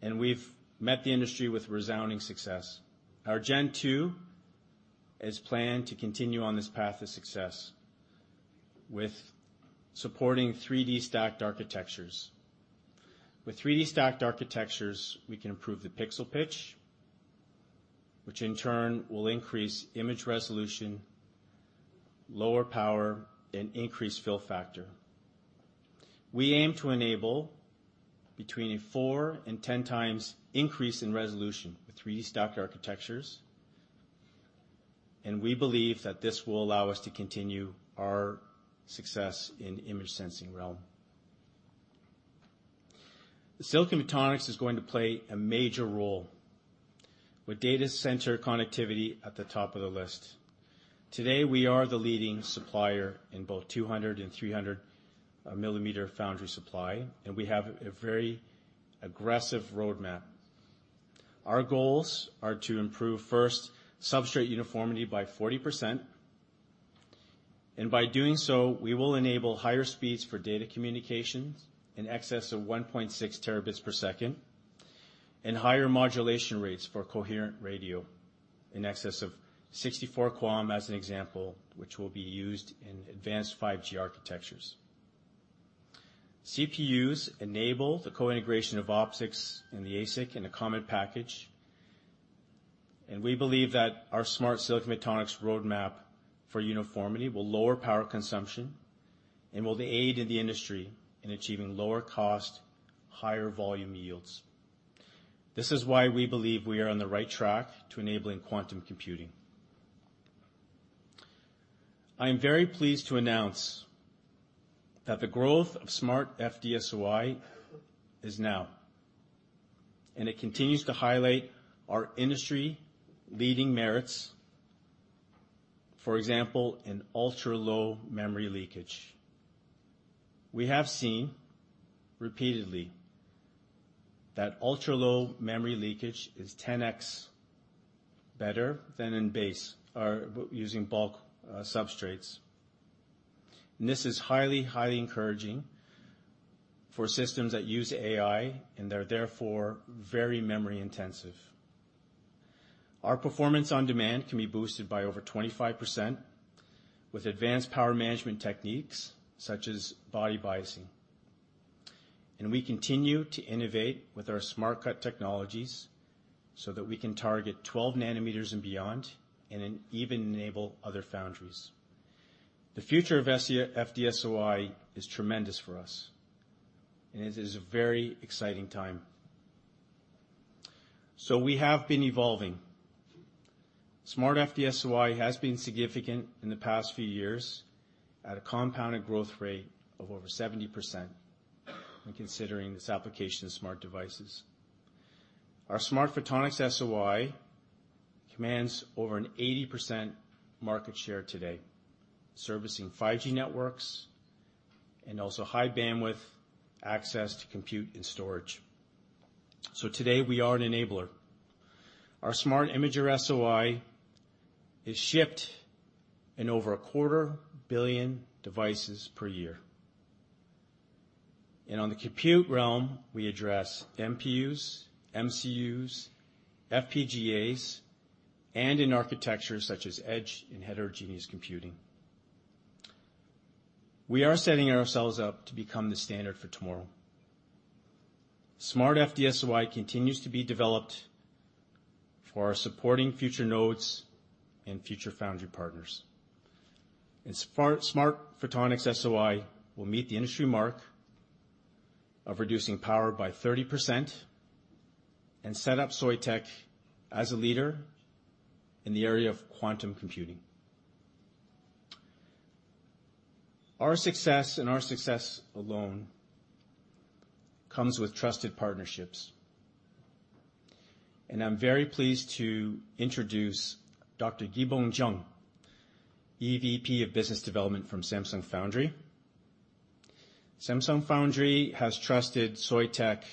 and we've met the industry with resounding success. Our Gen 2 is planned to continue on this path of success with supporting 3D stacked architectures. With 3D stacked architectures, we can improve the pixel pitch, which in turn will increase image resolution, lower power, and increase fill factor. We aim to enable between a 4 and 10 times increase in resolution with 3D stacked architectures, and we believe that this will allow us to continue our success in image sensing realm. silicon photonics is going to play a major role, with data center connectivity at the top of the list. Today, we are the leading supplier in both 200 and 300 millimeter foundry supply, and we have a very aggressive roadmap. Our goals are to improve, first, substrate uniformity by 40%, and by doing so, we will enable higher speeds for data communications in excess of 1.6 Tbps, and higher modulation rates for coherent radio in excess of 64 QAM, as an example, which will be used in advanced 5G architectures. CPOs enable the co-integration of optics in the ASIC in a common package, and we believe that our smart silicon photonics roadmap for uniformity will lower power consumption and will aid in the industry in achieving lower cost, higher volume yields. This is why we believe we are on the right track to enabling quantum computing. I am very pleased to announce that the growth of Smart FD-SOI is now, and it continues to highlight our industry-leading merits, for example, an ultra-low memory leakage. We have seen repeatedly that ultra-low memory leakage is 10x better than in base or using bulk substrates. This is highly encouraging for systems that use AI, and they're therefore very memory intensive. Our performance on demand can be boosted by over 25% with advanced power management techniques such as body biasing. We continue to innovate with our Smart Cut technologies so that we can target 12 nanometers and beyond, and then even enable other foundries. The future of FDSOI is tremendous for us, and it is a very exciting time. We have been evolving. Smart FDSOI has been significant in the past few years at a compounded growth rate of over 70% when considering this application of smart devices. Our smart photonics SOI commands over an 80% market share today, servicing 5G networks and also high bandwidth access to compute and storage. Today, we are an enabler. Our smart imager SOI is shipped in over a quarter billion devices per year. On the compute realm, we address MPUs, MCUs, FPGAs, and in architectures such as edge and heterogeneous computing. We are setting ourselves up to become the standard for tomorrow. Smart FD-SOI continues to be developed for our supporting future nodes and future foundry partners. Smart photonics SOI will meet the industry mark of reducing power by 30% and set up Soitec as a leader in the area of quantum computing. Our success, and our success alone, comes with trusted partnerships, and I'm very pleased to introduce Dr. Gibong Jeong, EVP of Business Development from Samsung Foundry. Samsung Foundry has trusted Soitec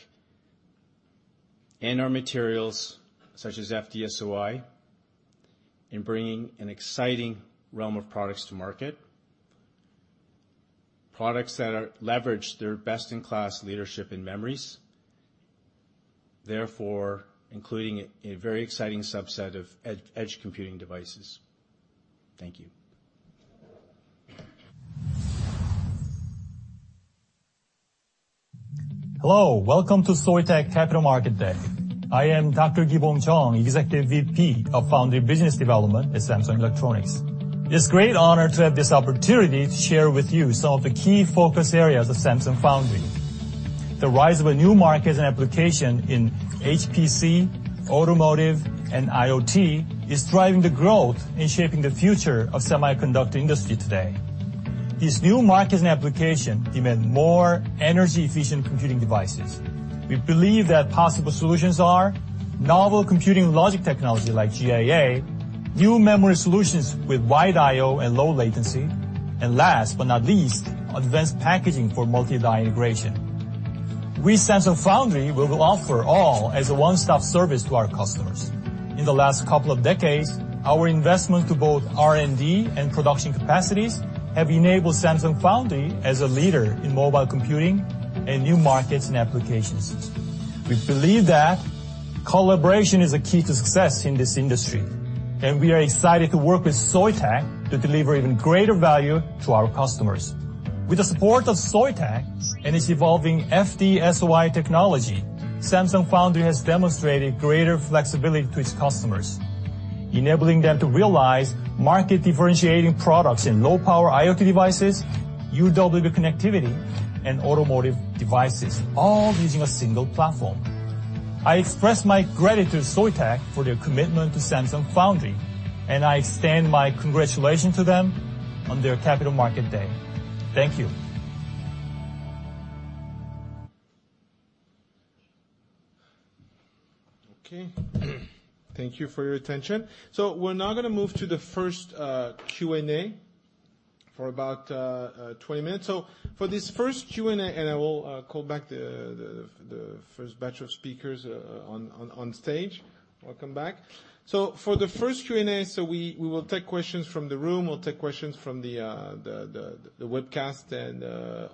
and our materials, such as FD-SOI, in bringing an exciting realm of products to market, products that are leverage their best-in-class leadership in memories, therefore, including a very exciting subset of edge computing devices. Thank you. Hello. Welcome to Soitec Capital Market Day. I am Dr. Gibong Jung, Executive VP of Foundry Business Development at Samsung Electronics. It's a great honor to have this opportunity to share with you some of the key focus areas of Samsung Foundry. The rise of a new market and application in HPC, automotive, and IoT is driving the growth and shaping the future of semiconductor industry today. These new markets and application demand more energy-efficient computing devices. We believe that possible solutions are novel computing logic technology like GAA, new memory solutions with Wide I/O and low latency, and last but not least, advanced packaging for multi-die integration. We, Samsung Foundry, will offer all as a one-stop service to our customers. In the last couple of decades, our investment to both R&D and production capacities have enabled Samsung Foundry as a leader in mobile computing and new markets and applications. We believe that collaboration is a key to success in this industry, and we are excited to work with Soitec to deliver even greater value to our customers. With the support of Soitec and its evolving FD-SOI technology, Samsung Foundry has demonstrated greater flexibility to its customers, enabling them to realize market-differentiating products in low-power IoT devices, UWB connectivity, and automotive devices, all using a single platform. I express my gratitude to Soitec for their commitment to Samsung Foundry, and I extend my congratulations to them on their Capital Market Day. Thank you. Okay. Thank you for your attention. We're now gonna move to the first Q&A for about 20 minutes. For this first Q&A, and I will call back the first batch of speakers on stage. Welcome back. For the first Q&A, so we will take questions from the room. We'll take questions from the webcast and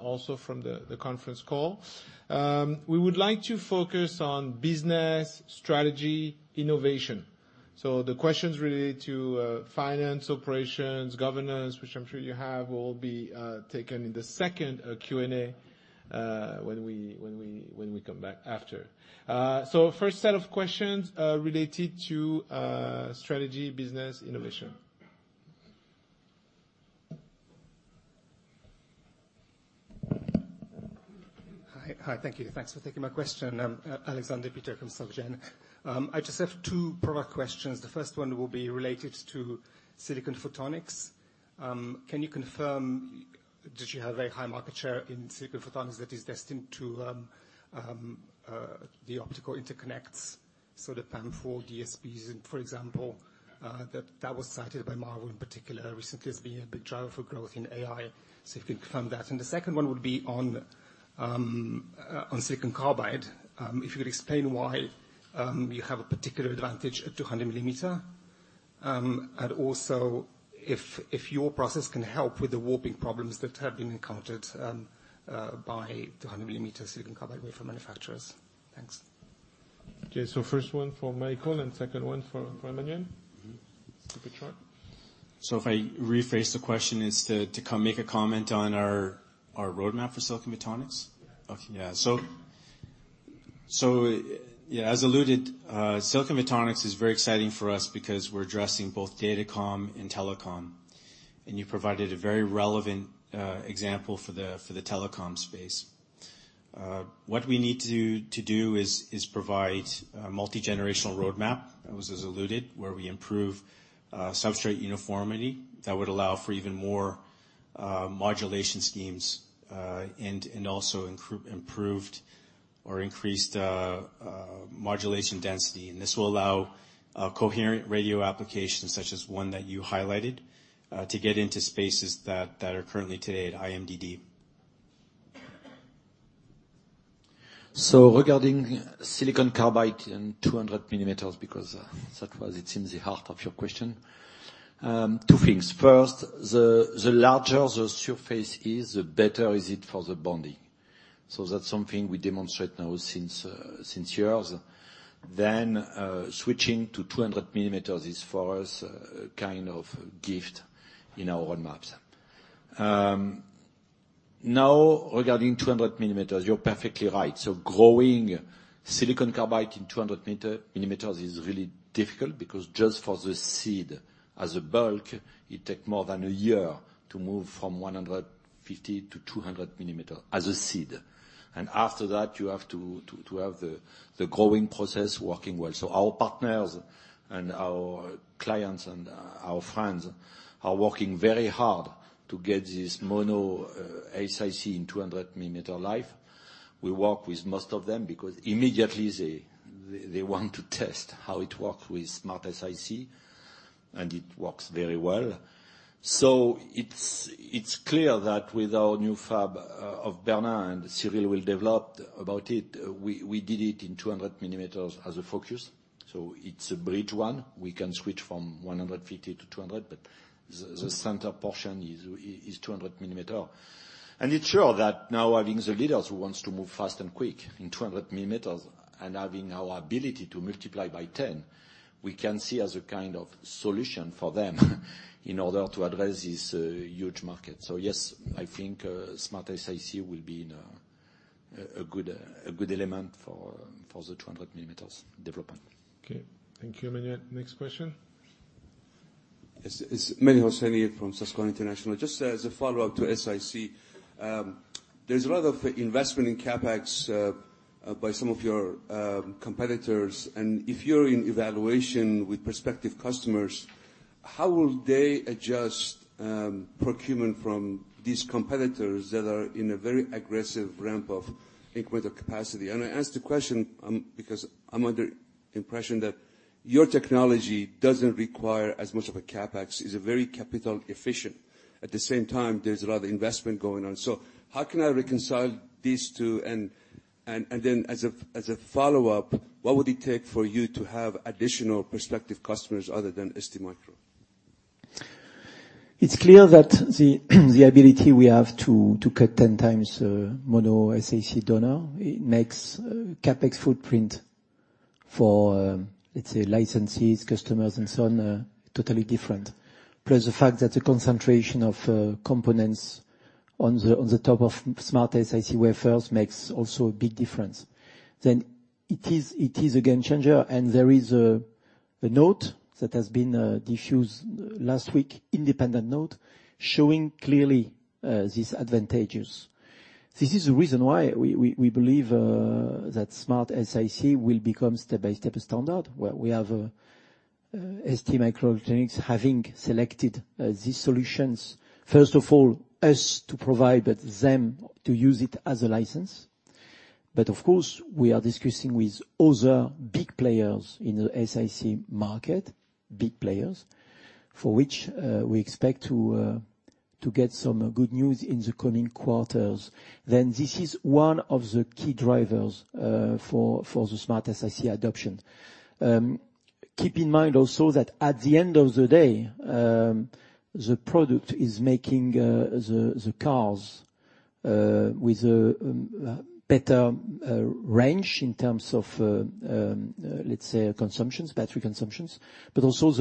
also from the conference call. We would like to focus on business, strategy, innovation. The questions related to finance, operations, governance, which I'm sure you have, will be taken in the second Q&A when we come back after. First set of questions related to strategy, business, innovation. Hi. Hi. Thank you. Thanks for taking my question. I'm Alexandre Peterc from Solgen. I just have two product questions. The first one will be related to silicon photonics. Can you confirm that you have a very high market share in silicon photonics that is destined to the optical interconnects, so the PAM4 DSPs, for example, that was cited by Marvell in particular recently as being a big driver for growth in AI. If you can confirm that. The second one would be on silicon carbide. If you could explain why you have a particular advantage at 200 millimeter, and also if your process can help with the warping problems that have been encountered by 200 millimeter silicon carbide wafer manufacturers. Thanks. Okay, so first one for Michael and second one for Manyen. Richard? If I rephrase the question, is to come make a comment on our roadmap for silicon photonics? Yeah. Okay, yeah. Yeah, as alluded, silicon photonics is very exciting for us because we're addressing both datacom and telecom, and you provided a very relevant example for the telecom space. What we need to do is provide a multigenerational roadmap, as was alluded, where we improve substrate uniformity that would allow for even more modulation schemes, and also improved or increased modulation density. This will allow a coherent radio application, such as one that you highlighted, to get into spaces that are currently today at IMDD. Regarding silicon carbide and 200 millimeters, because that was it's in the heart of your question. Two things. First, the larger the surface is, the better is it for the bonding. That's something we demonstrate now since years. Switching to 200 millimeters is, for us, a kind of gift in our roadmaps. Now, regarding 200 millimeters, you're perfectly right. Growing silicon carbide in 200 millimeters is really difficult because just for the seed as a bulk, it takes more than one year to move from 150 to 200 millimeter as a seed. After that, you have to have the growing process working well. Our partners and our clients and our friends are working very hard to get this monoSiC in 200 millimeter life. We work with most of them because immediately they want to test how it works with SmartSiC, and it works very well. It's clear that with our new fab of Bernard and Cyril will develop about it, we did it in 200 millimeters as a focus, so it's a bridge one. We can switch from 150 to 200, but the center portion is 200 millimeter. It's sure that now having the leaders who wants to move fast and quick in 200 millimeters and having our ability to multiply by 10, we can see as a kind of solution for them in order to address this huge market. Yes, I think, SmartSiC will be in a good element for the 200 millimeters development. Okay. Thank you, Manyen. Next question? It's Manny Hosseini from Susquehanna International. Just as a follow-up to SiC, there's a lot of investment in CapEx by some of your competitors. If you're in evaluation with prospective customers, how will they adjust procurement from these competitors that are in a very aggressive ramp of increasing capacity? I ask the question because I'm under impression that your technology doesn't require as much of a CapEx. It's a very capital efficient. At the same time, there's a lot of investment going on. How can I reconcile these two? Then as a follow-up, what would it take for you to have additional prospective customers other than STMicro? It's clear that the ability we have to cut 10 times monoSiC donor, it makes CapEx footprint for, let's say, licensees, customers, and so on, totally different. Plus, the fact that the concentration of components on the top of SmartSiC wafers makes also a big difference. It is a game changer, and there is a note that has been diffused last week, independent note, showing clearly these advantages. This is the reason why we believe that SmartSiC will become step by step standard, where we have STMicroelectronics having selected these solutions. First of all, us to provide but them to use it as a license. Of course, we are discussing with other big players in the SiC market, big players, for which we expect to get some good news in the coming quarters. This is one of the key drivers for the SmartSiC adoption. Keep in mind also that at the end of the day, the product is making the cars with a better range in terms of let's say, consumptions, battery consumptions, but also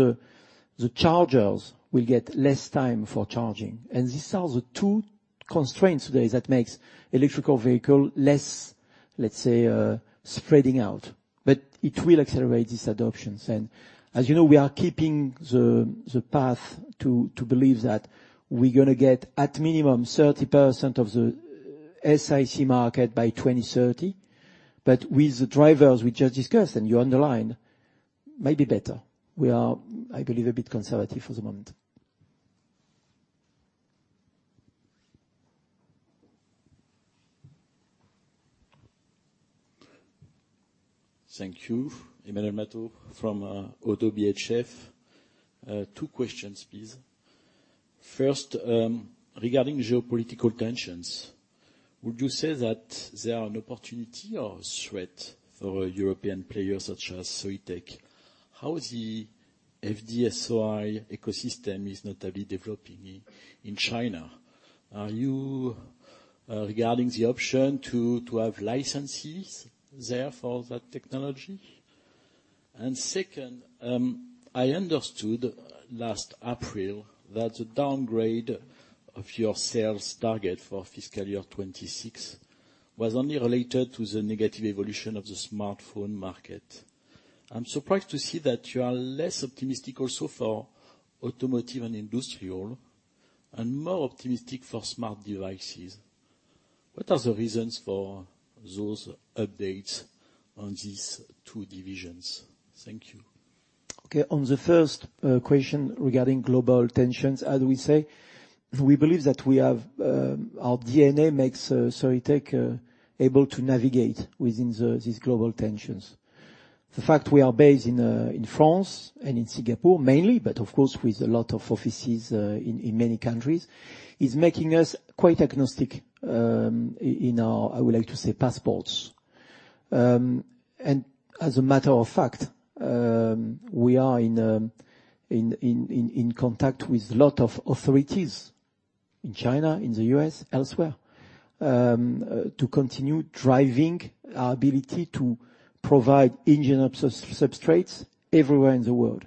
the chargers will get less time for charging. These are the two constraints today that makes electrical vehicle less, let's say, spreading out. It will accelerate these adoptions. As you know, we are keeping the path to believe that we're gonna get at minimum 30% of the SiC market by 2030. With the drivers we just discussed, and you underline, maybe better. We are, I believe, a bit conservative for the moment. Thank you. Emmanuel Matot from Oddo BHF. Two questions, please. First, regarding geopolitical tensions, would you say that they are an opportunity or a threat for European players such as Soitec? How the FD-SOI ecosystem is notably developing in China? Are you regarding the option to have licensees there for that technology? Second, I understood last April that the downgrade of your sales target for fiscal year 2026 was only related to the negative evolution of the smartphone market. I'm surprised to see that you are less optimistic also for automotive and industrial, and more optimistic for smart devices. What are the reasons for those updates on these two divisions? Thank you. Okay. On the first question regarding global tensions, as we say, we believe that we have our DNA makes Soitec able to navigate within these global tensions. The fact we are based in France and in Singapore, mainly, but of course, with a lot of offices in many countries, is making us quite agnostic in our, I would like to say, passports. As a matter of fact, we are in contact with a lot of authorities in China, in the U.S., elsewhere, to continue driving our ability to provide engine sub-substrates everywhere in the world.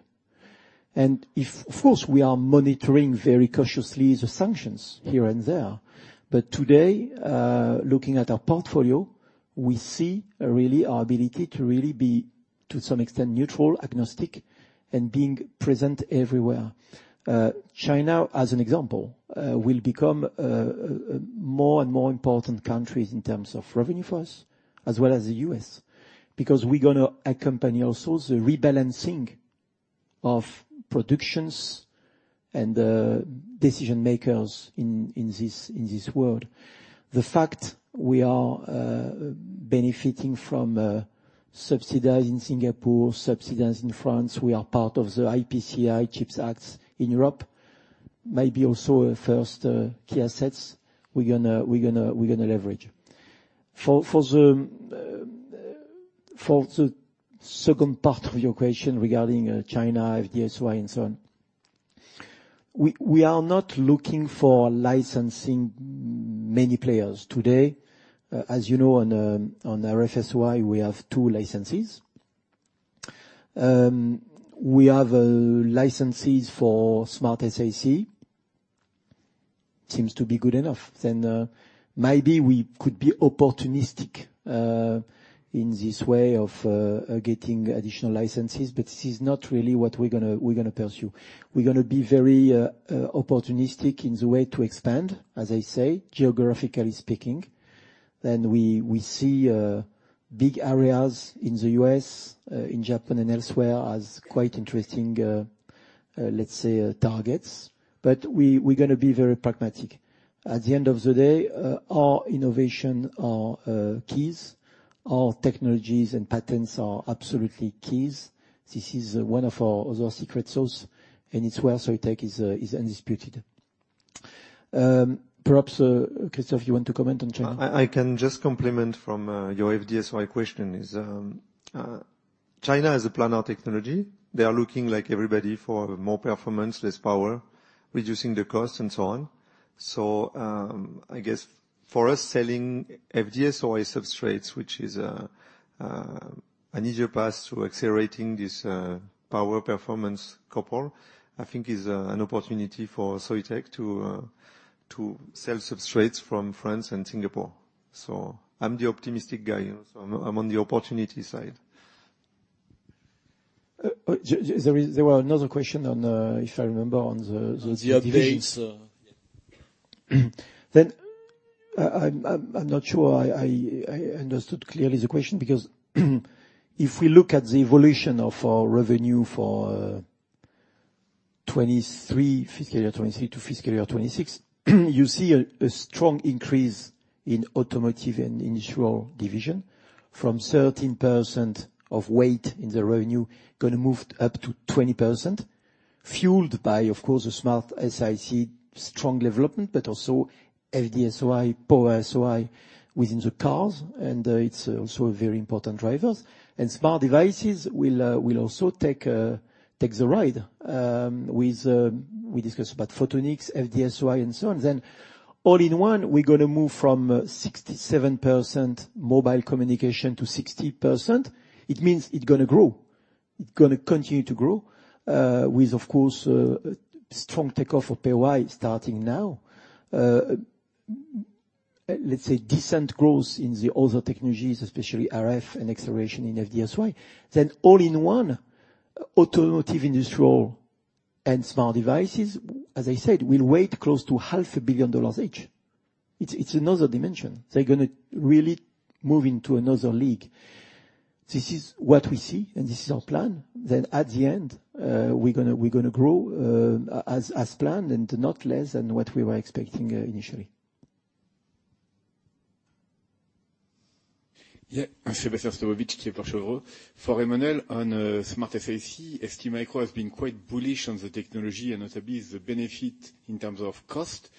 If, of course, we are monitoring very cautiously the sanctions here and there, but today, looking at our portfolio, we see really our ability to really be, to some extent, neutral, agnostic, and being present everywhere. China, as an example, will become a more and more important countries in terms of revenue for us, as well as the US, because we're gonna accompany also the rebalancing of productions and decision makers in this world. The fact we are benefiting from subsidies in Singapore, subsidies in France, we are part of the IPCEI Chips Act in Europe, might be also a first key assets we're gonna leverage. For the second part of your question regarding China, FDSOI, and so on, we are not looking for licensing many players today. As you know, on RFSOI, we have 2 licensees. We have licensees for SmartSiC seems to be good enough, maybe we could be opportunistic in this way of getting additional licenses, this is not really what we're gonna pursue. We're gonna be very opportunistic in the way to expand, as I say, geographically speaking. We see big areas in the U.S., in Japan and elsewhere as quite interesting, let's say, targets. We're gonna be very pragmatic. At the end of the day, our innovation are keys. Our technologies and patents are absolutely keys. This is one of our other secret sauce, and it's where Soitec is undisputed. Perhaps, Christophe, you want to comment on China? I can just complement from your FD-SOI question is China has a planar technology. They are looking, like everybody, for more performance, less power, reducing the cost and so on. I guess for us, selling FD-SOI substrates, which is an easier path to accelerating this power performance couple, I think is an opportunity for Soitec to sell substrates from France and Singapore. I'm the optimistic guy, so I'm on the opportunity side. There was another question on, if I remember, on the... On the updates, yeah. I'm not sure I understood clearly the question, because if we look at the evolution of our revenue for 2023, fiscal year 2023 to fiscal year 2026, you see a strong increase in automotive and industrial division from 13% of weight in the revenue gonna move up to 20%, fueled by, of course, the SmartSiC, strong development, but also FD-SOI, Power SOI within the cars, and it's also a very important drivers. Smart devices will also take the ride with we discussed about photonics, FD-SOI, and so on. All-in-one, we're gonna move from 67% mobile communication to 60%. It means it's gonna grow. It's gonna continue to grow with, of course, strong takeoff of POI starting now. Let's say decent growth in the other technologies, especially RF and acceleration in FD-SOI. All-in-one, automotive, industrial, and smart devices, as I said, will weight close to half a billion dollars each. It's another dimension. They're gonna really move into another league. This is what we see, and this is our plan. At the end, we're gonna grow as planned, and not less than what we were expecting initially. Yeah. I'm Sébastien Sztabowicz, Kepler Chevreux. For Emmanuel, on SmartSiC, ST Micro has been quite bullish on the technology and notably the benefit in terms of cost.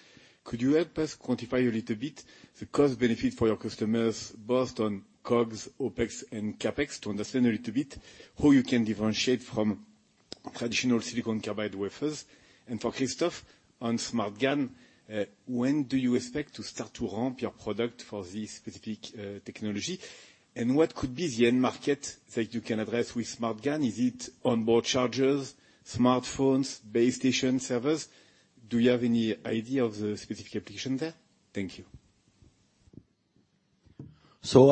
Could you help us quantify a little bit the cost benefit for your customers, both on COGS, OpEx, and CapEx, to understand a little bit how you can differentiate from traditional silicon carbide wafers? For Christophe, on SmartGaN, when do you expect to start to ramp your product for this specific technology? What could be the end market that you can address with SmartGaN? Is it onboard chargers, smartphones, base station servers? Do you have any idea of the specific application there? Thank you.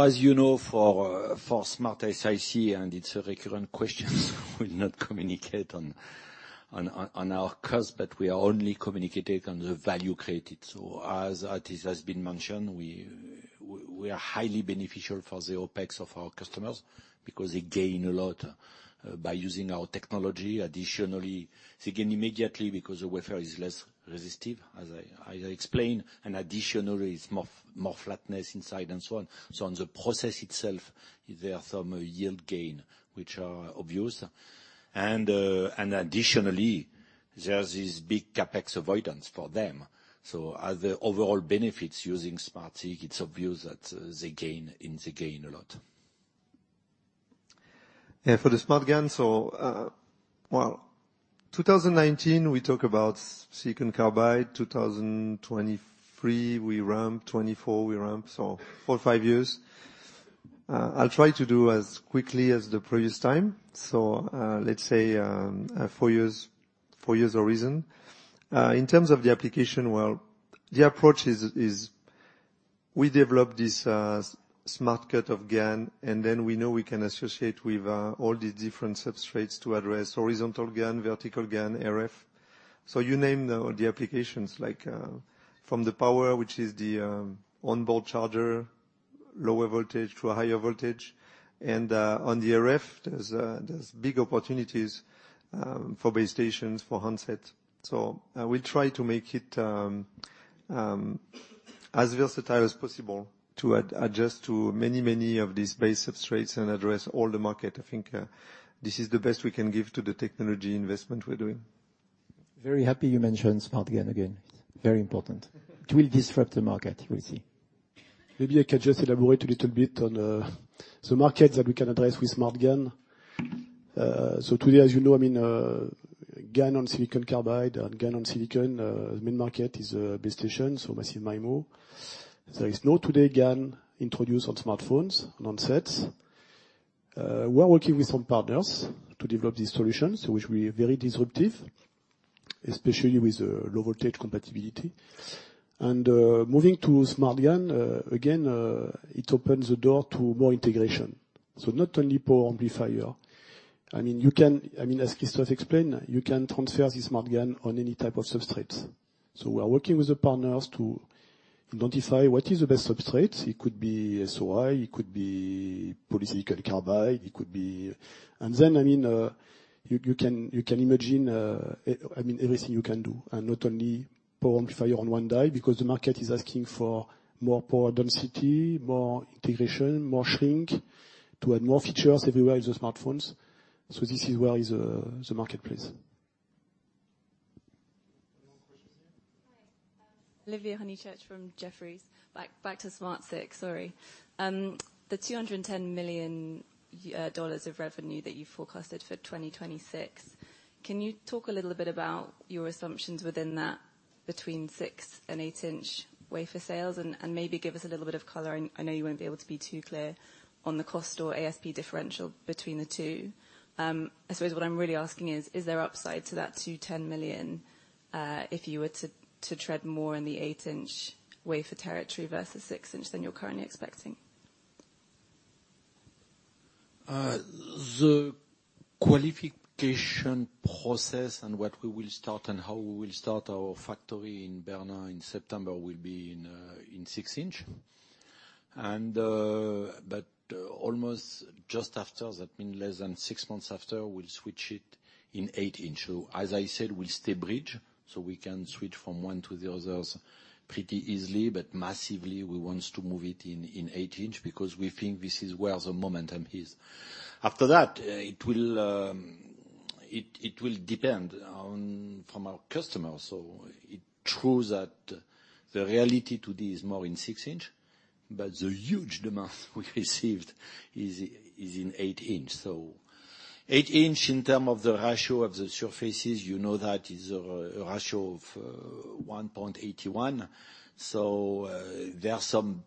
As you know, for SmartSiC, and it's a recurrent question, we'll not communicate on our cost, but we are only communicating on the value created. As it has been mentioned, we are highly beneficial for the OpEx of our customers because they gain a lot by using our technology. Additionally, they gain immediately because the wafer is less resistive, as I explained, and additionally, it's more flatness inside and so on. On the process itself, there are some yield gain, which are obvious. Additionally, there's this big CapEx avoidance for them. Are there overall benefits using SmartSiC? It's obvious that they gain and they gain a lot. For the SmartGaN, well, 2019, we talk about silicon carbide. 2023, we ramp, 2024, we ramp, so four, five years. I'll try to do as quickly as the previous time. Let's say, four years, four years horizon. In terms of the application, well, the approach is we develop this Smart Cut of GaN, and then we know we can associate with all the different substrates to address horizontal GaN, vertical GaN, RF. You name the applications, like, from the power, which is the onboard charger, lower voltage to a higher voltage. On the RF, there's big opportunities for base stations, for handset. I will try to make it as versatile as possible to adjust to many of these base substrates and address all the market. I think this is the best we can give to the technology investment we're doing. Very happy you mentioned SmartGaN again. Very important. It will disrupt the market, you will see. Maybe I can just elaborate a little bit on the market that we can address with SmartGaN. Today, as you know, I mean, GaN on silicon carbide and GaN on silicon, main market is base station, so massive MIMO. There is no today GaN introduced on smartphones and on sets. We are working with some partners to develop these solutions, which will be very disruptive, especially with the low voltage compatibility. Moving to SmartGaN, again, it opens the door to more integration. Not only power amplifier, I mean, as Christophe explained, you can transfer the SmartGaN on any type of substrates. We are working with the partners to identify what is the best substrates. It could be SOI, it could be polycrystalline silicon carbide, it could be... Then, I mean, you can imagine, I mean, everything you can do, and not only power amplifier on one die, because the market is asking for more power density, more integration, more shrink, to add more features everywhere in the smartphones. This is where is the marketplace. One more question here. Hi, Olivia Honychurch from Jefferies. Back to SmartSiC, sorry. The $210 million of revenue that you forecasted for 2026, can you talk a little bit about your assumptions within that between 6 and 8-inch wafer sales? Maybe give us a little bit of color, and I know you won't be able to be too clear on the cost or ASP differential between the two. I suppose what I'm really asking is there upside to that $210 million if you were to tread more in the 8-inch wafer territory versus 6-inch than you're currently expecting? The qualification process and what we will start and how we will start our factory in Bernin in September will be in 6 inch. Almost just after that, in less than 6 months after, we'll switch it in 8 inch. As I said, we'll stay bridge, so we can switch from one to the others pretty easily, but massively, we want to move it in 8 inch, because we think this is where the momentum is. After that, it will depend on From our customers. It's true that the reality today is more in 6 inch, but the huge demand we received is in 8 inch. 8 inch, in term of the ratio of the surfaces, you know that is a ratio of 1.81. There are some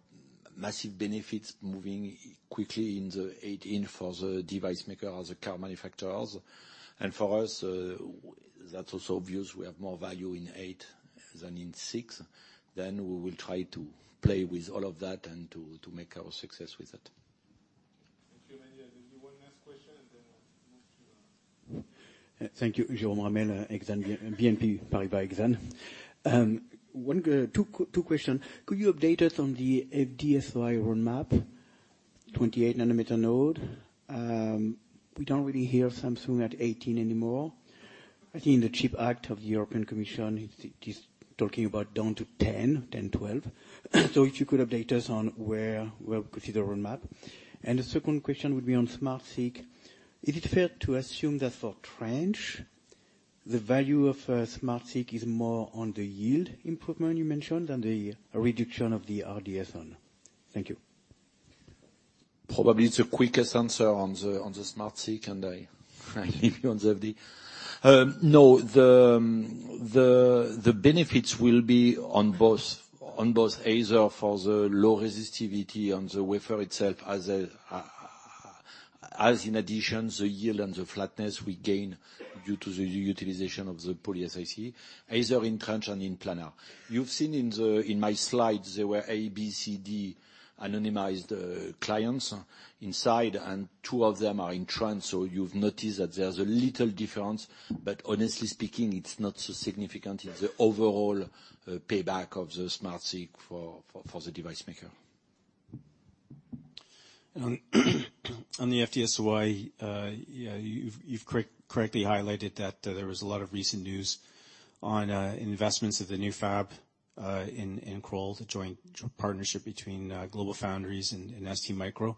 massive benefits moving quickly in the 8 inch for the device maker or the car manufacturers. For us, that's also obvious we have more value in 8 than in 6. We will try to play with all of that and to make our success with it. Thank you, Olivia. There will be one last question, and then we'll move to the next. Thank you. Jerome Ramel, Exane BNP Paribas. Two question. Could you update us on the FD-SOI roadmap, 28 nanometer node? We don't really hear Samsung at 18 anymore. I think the European Chips Act is talking about down to 10, 12. If you could update us on where we see the roadmap. The second question would be on SmartSiC. Is it fair to assume that for trench, the value of SmartSiC is more on the yield improvement you mentioned, than the reduction of the Ron zone? Thank you. Probably the quickest answer on the SmartSiC, and I leave you on the FD. No, the benefits will be on both, either for the low resistivity on the wafer itself, as in addition, the yield and the flatness we gain due to the utilization of the polySiC, either in trench and in planar. You've seen in my slides, there were A, B, C, D, anonymized clients inside, and two of them are in trench, so you've noticed that there's a little difference. Honestly speaking, it's not so significant in the overall payback of the SmartSiC for the device maker. You've correctly highlighted that there was a lot of recent news on investments of the new fab in Crolles, a joint partnership between GlobalFoundries and STMicro.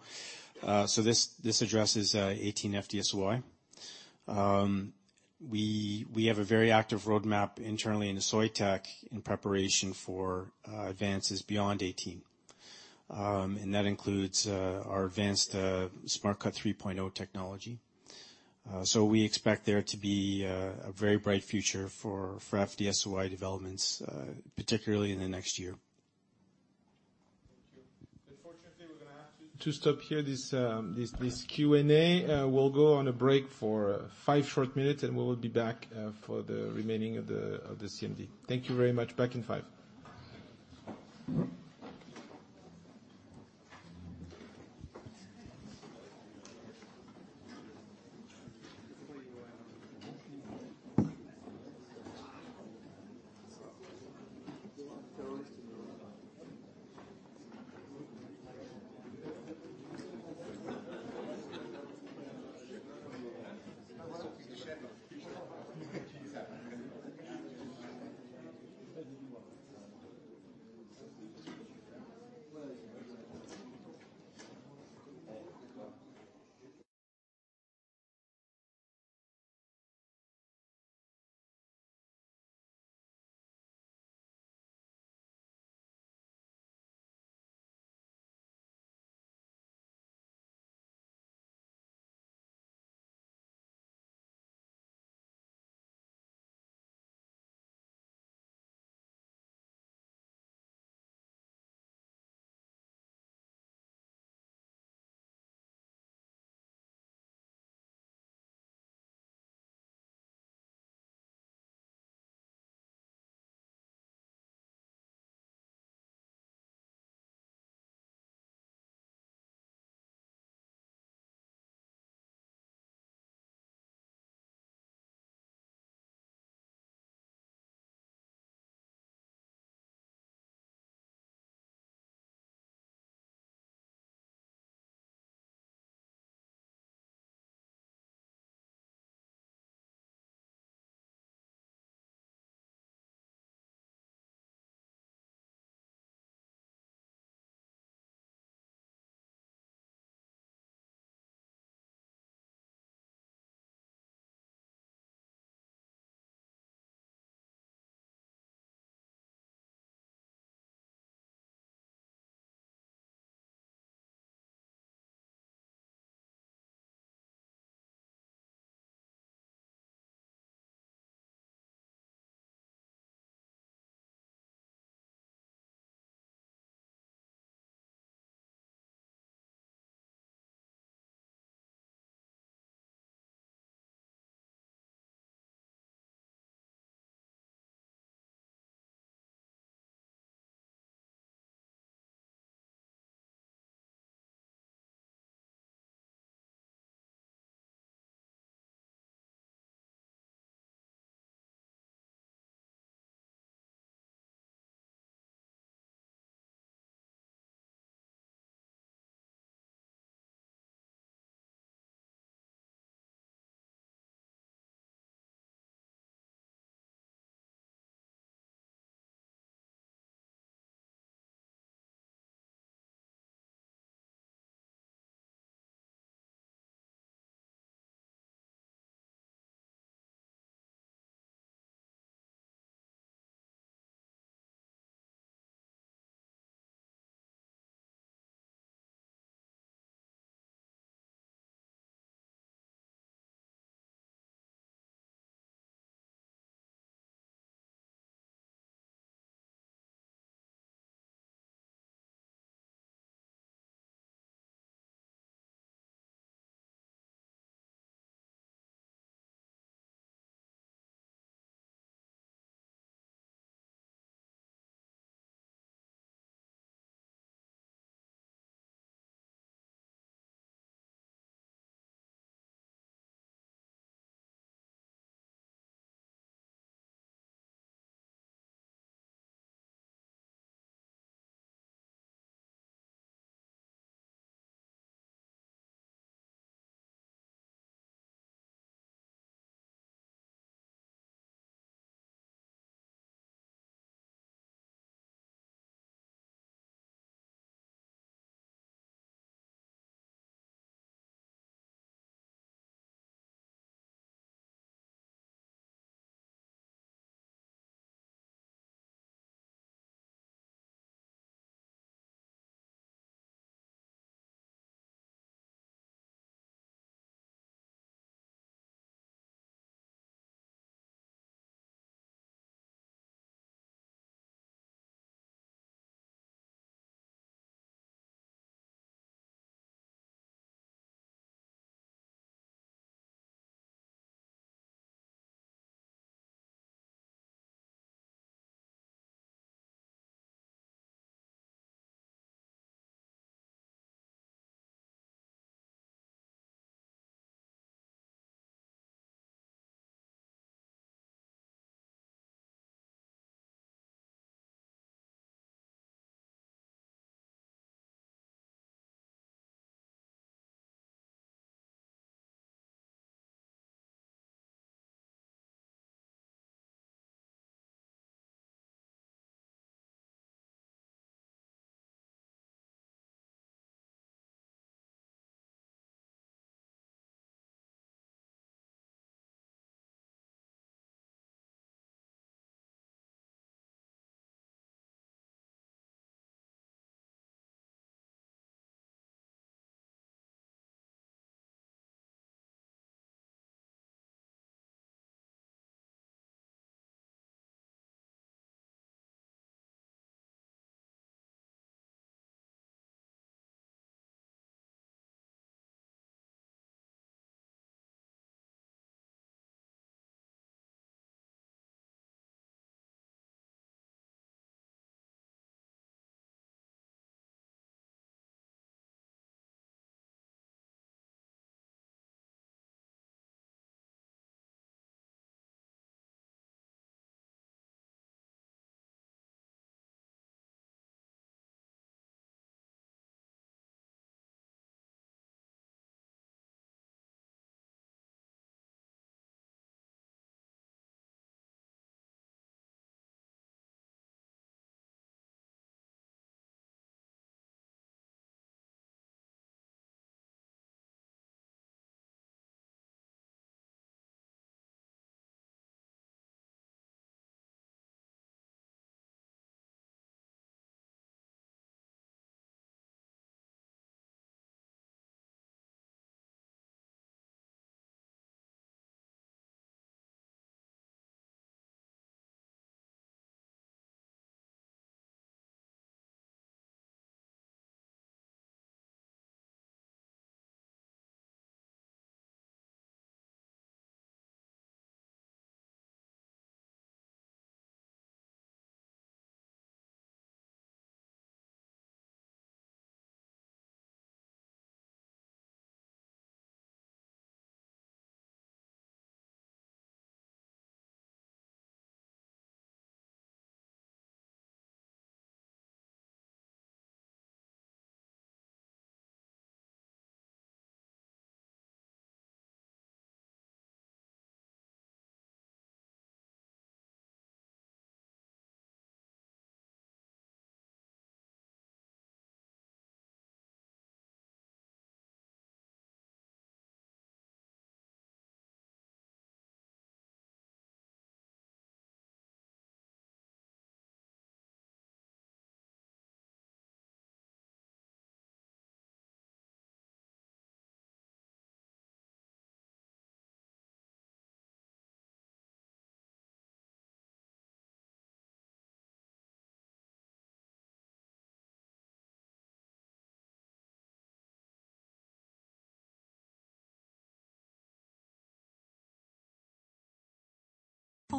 This addresses 18 FD-SOI. We have a very active roadmap internally in Soitec in preparation for advances beyond 18. That includes our advanced Smart Cut 3.0 technology. We expect there to be a very bright future for FD-SOI developments, particularly in the next year. Thank you. Unfortunately, we're gonna have to stop here this Q&A. We'll go on a break for five short minutes. We will be back for the remaining of the CMD. Thank you very much. Back in five.... Powerful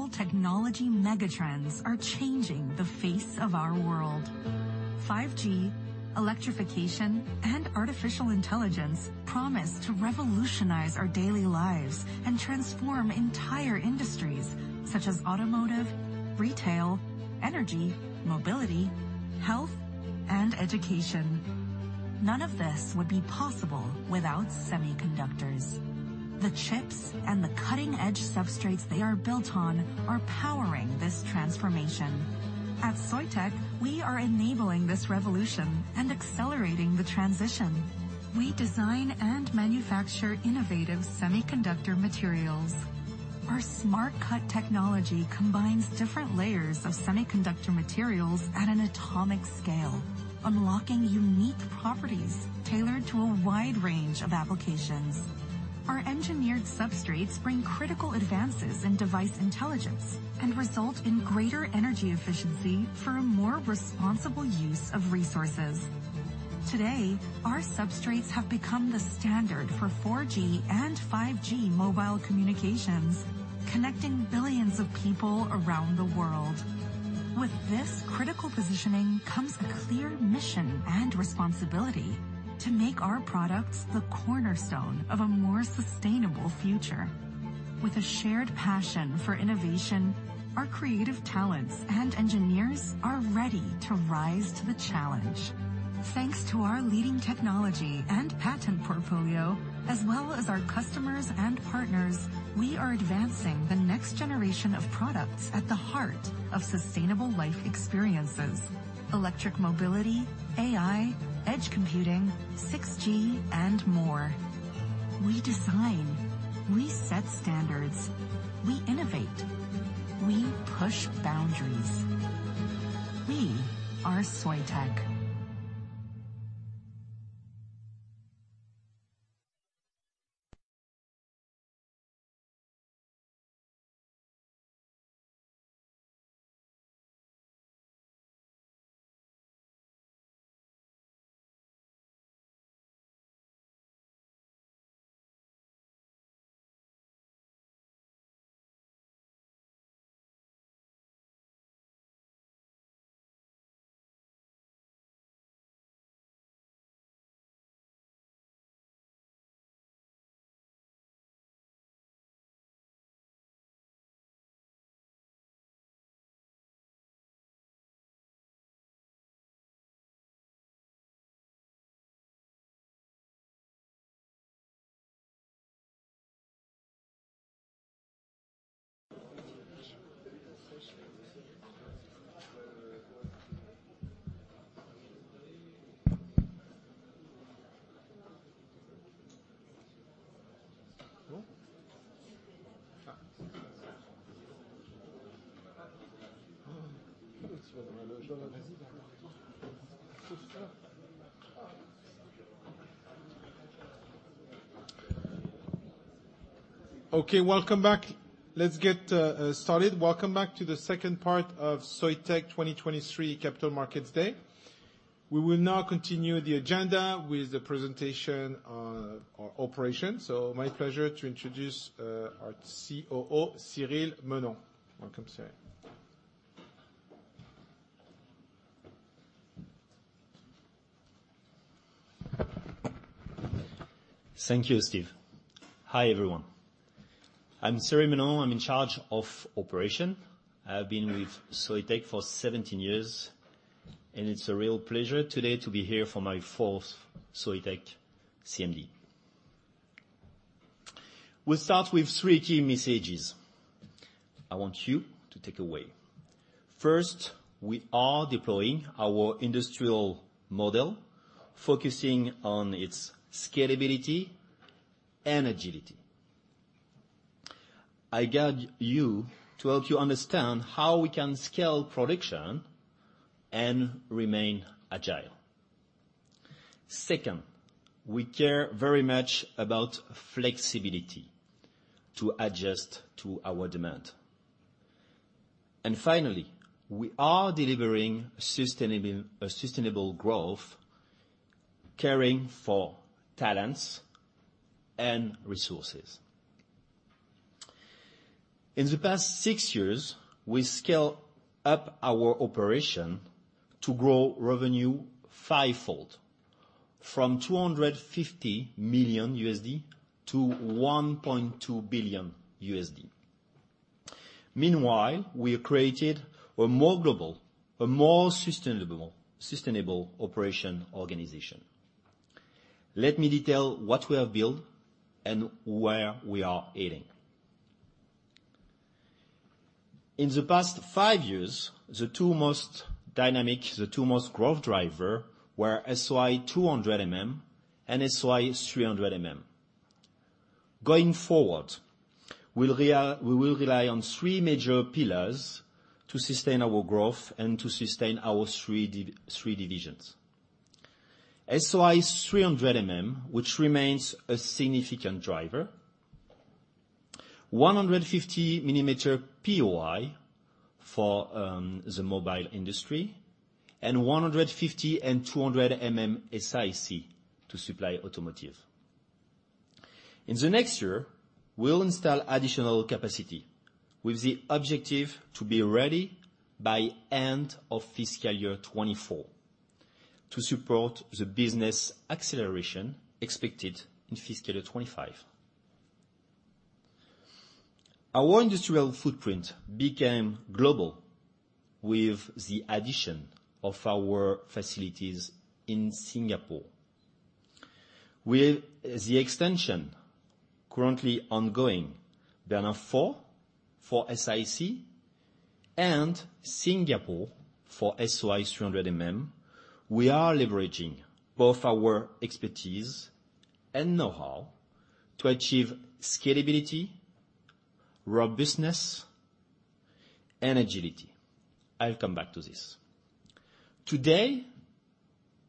technology megatrends are changing the face of our world. 5G, electrification, and artificial intelligence promise to revolutionize our daily lives and transform entire industries such as automotive, retail, energy, mobility, health, and education. None of this would be possible without semiconductors. The chips and the cutting-edge substrates they are built on are powering this transformation. At Soitec, we are enabling this revolution and accelerating the transition. We design and manufacture innovative semiconductor materials. Our Smart Cut technology combines different layers of semiconductor materials at an atomic scale, unlocking unique properties tailored to a wide range of applications. Our engineered substrates bring critical advances in device intelligence and result in greater energy efficiency for a more responsible use of resources. Today, our substrates have become the standard for 4G and 5G mobile communications, connecting billions of people around the world. With this critical positioning comes a clear mission and responsibility: to make our products the cornerstone of a more sustainable future. With a shared passion for innovation, our creative talents and engineers are ready to rise to the challenge. Thanks to our leading technology and patent portfolio, as well as our customers and partners, we are advancing the next generation of products at the heart of sustainable life experiences, electric mobility, AI, edge computing, 6G, and more. We design, we set standards, we innovate, we push boundaries. We are Soitec. Okay, welcome back. Let's get started. Welcome back to the second part of Soitec 2023 Capital Markets Day. We will now continue the agenda with the presentation on our operation. My pleasure to introduce our COO, Cyril Menon. Welcome, Cyril. Thank you, Steve. Hi, everyone. I'm Cyril Menon. I'm in charge of operation. I have been with Soitec for 17 years, and it's a real pleasure today to be here for my 4th Soitec CMD. We start with three key messages I want you to take away. First, we are deploying our industrial model, focusing on its scalability and agility. I guide you to help you understand how we can scale production and remain agile. Second, we care very much about flexibility to adjust to our demand. Finally, we are delivering a sustainable growth, caring for talents and resources. In the past six years, we scale up our operation to grow revenue fivefold, from $250 million to $1.2 billion. Meanwhile, we have created a more global, a more sustainable operation organization. Let me detail what we have built and where we are heading. In the past five years, the two most dynamic, the two most growth driver, were SOI 200 mm and SOI 300 mm. Going forward, we will rely on three major pillars to sustain our growth and to sustain our three divisions. SOI 300 mm, which remains a significant driver, 150 mm POI for the mobile industry, and 150 and 200 mm SiC to supply automotive. In the next year, we'll install additional capacity with the objective to be ready by end of fiscal year 2024, to support the business acceleration expected in fiscal year 2025. Our industrial footprint became global with the addition of our facilities in Singapore. With the extension currently ongoing, Bernin 4 for SiC and Singapore for SOI 300mm, we are leveraging both our expertise and know-how to achieve scalability, robustness, and agility. I'll come back to this. Today,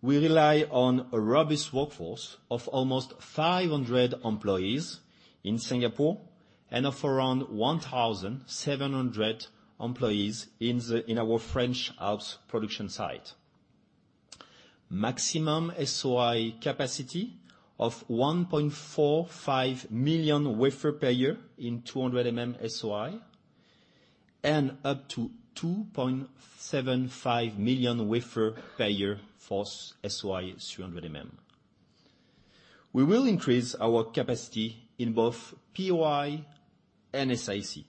we rely on a robust workforce of almost 500 employees in Singapore and of around 1,700 employees in our French Alps production site. Maximum SOI capacity of 1.45 million wafer per year in 200 mm SOI, and up to 2.75 million wafer per year for SOI 300mm. We will increase our capacity in both POI and SiC,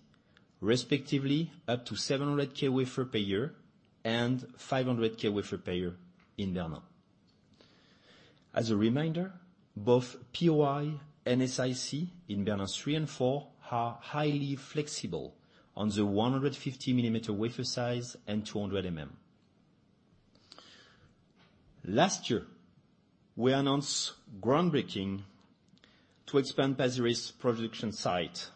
respectively, up to 700K wafer per year and 500K wafer per year in Bernin. A reminder, both POI and SiC in Bernin 3 and 4 are highly flexible on the 150 mm wafer size and 200 mm. Last year, we announced groundbreaking to expand Pasir Ris' production site,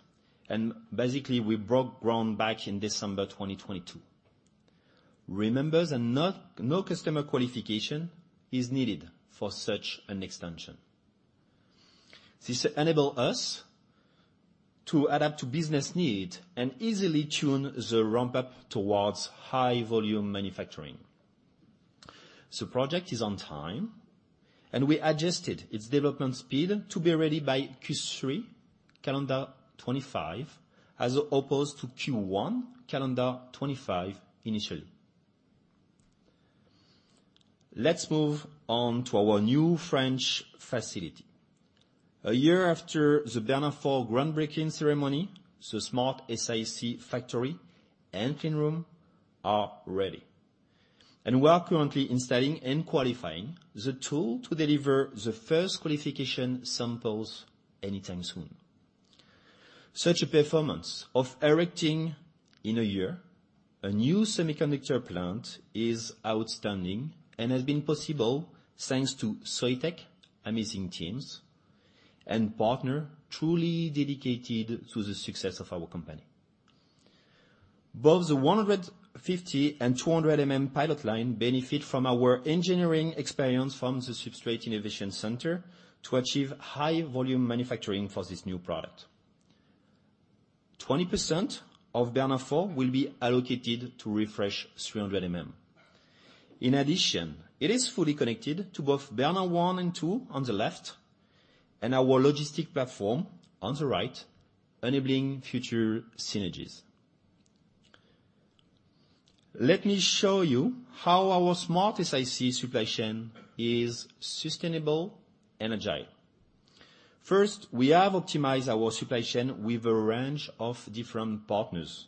basically, we broke ground back in December 2022. Remember that no customer qualification is needed for such an extension. This enable us to adapt to business need and easily tune the ramp-up towards high volume manufacturing. The project is on time, we adjusted its development speed to be ready by Q3, calendar 2025, as opposed to Q1, calendar 2025, initially. Let's move on to our new French facility. A year after the Bernin 4 groundbreaking ceremony, the SmartSiC factory and clean room are ready, we are currently installing and qualifying the tool to deliver the first qualification samples anytime soon. Such a performance of erecting in a year a new semiconductor plant is outstanding and has been possible thanks to Soitec, amazing teams, and partner truly dedicated to the success of our company. Both the 150 and 200 mm pilot line benefit from our engineering experience from the substrate innovation center to achieve high volume manufacturing for this new product. 20% of Bernin 4 will be allocated to refresh 300 mm. In addition, it is fully connected to both Bernin 1 and 2 on the left, and our logistic platform on the right, enabling future synergies. Let me show you how our SmartSiC supply chain is sustainable and agile. First, we have optimized our supply chain with a range of different partners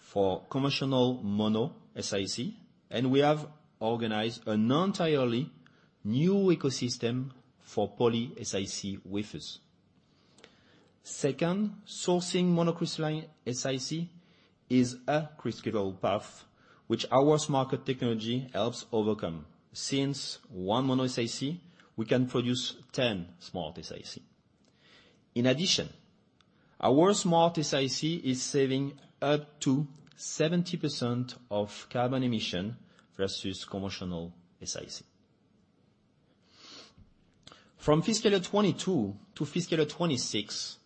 for commercial monoSiC, and we have organized an entirely new ecosystem for poly-SiC wafers. Second, sourcing monocrystalline SiC is a critical path, which our market technology helps overcome. Since 1 monoSiC, we can produce 10 SmartSiC. In addition, our SmartSiC is saving up to 70% of carbon emission versus conventional SiC. From fiscal year 2022 to fiscal year 2026,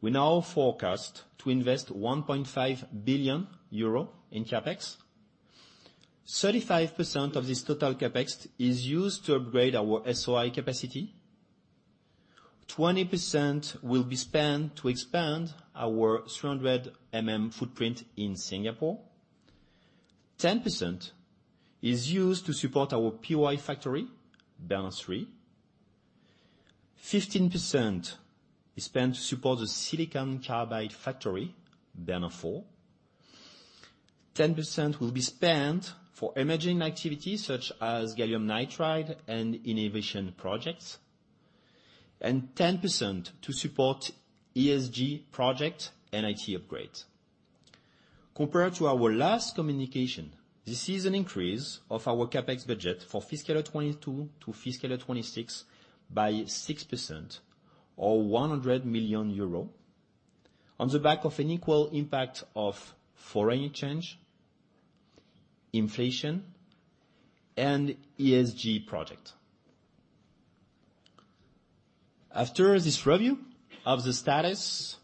we now forecast to invest 1.5 billion euro in CapEx. 35% of this total CapEx is used to upgrade our SOI capacity. 20% will be spent to expand our 300 mm footprint in Singapore. 10% is used to support our POI factory, Bernin 3. 15% is spent to support the silicon carbide factory, Bernin 4. 10% will be spent for emerging activities such as gallium nitride and innovation projects, and 10% to support ESG project and IT upgrade. Compared to our last communication, this is an increase of our CapEx budget for fiscal year 2022 to fiscal year 2026 by 6% or 100 million euro, on the back of an equal impact of foreign exchange, inflation, and ESG project. After this review of the status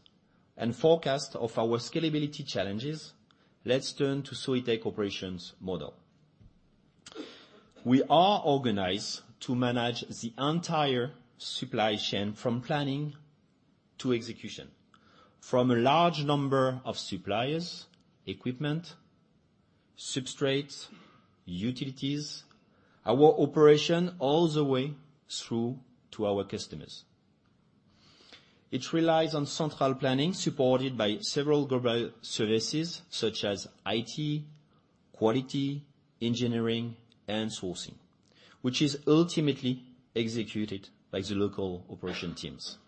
and forecast of our scalability challenges, let's turn to Soitec operations model. We are organized to manage the entire supply chain from planning to execution, from a large number of suppliers, equipment, substrates, utilities, our operation all the way through to our customers. It relies on central planning, supported by several global services such as IT, quality, engineering, and sourcing, which is ultimately executed by the local operation teams.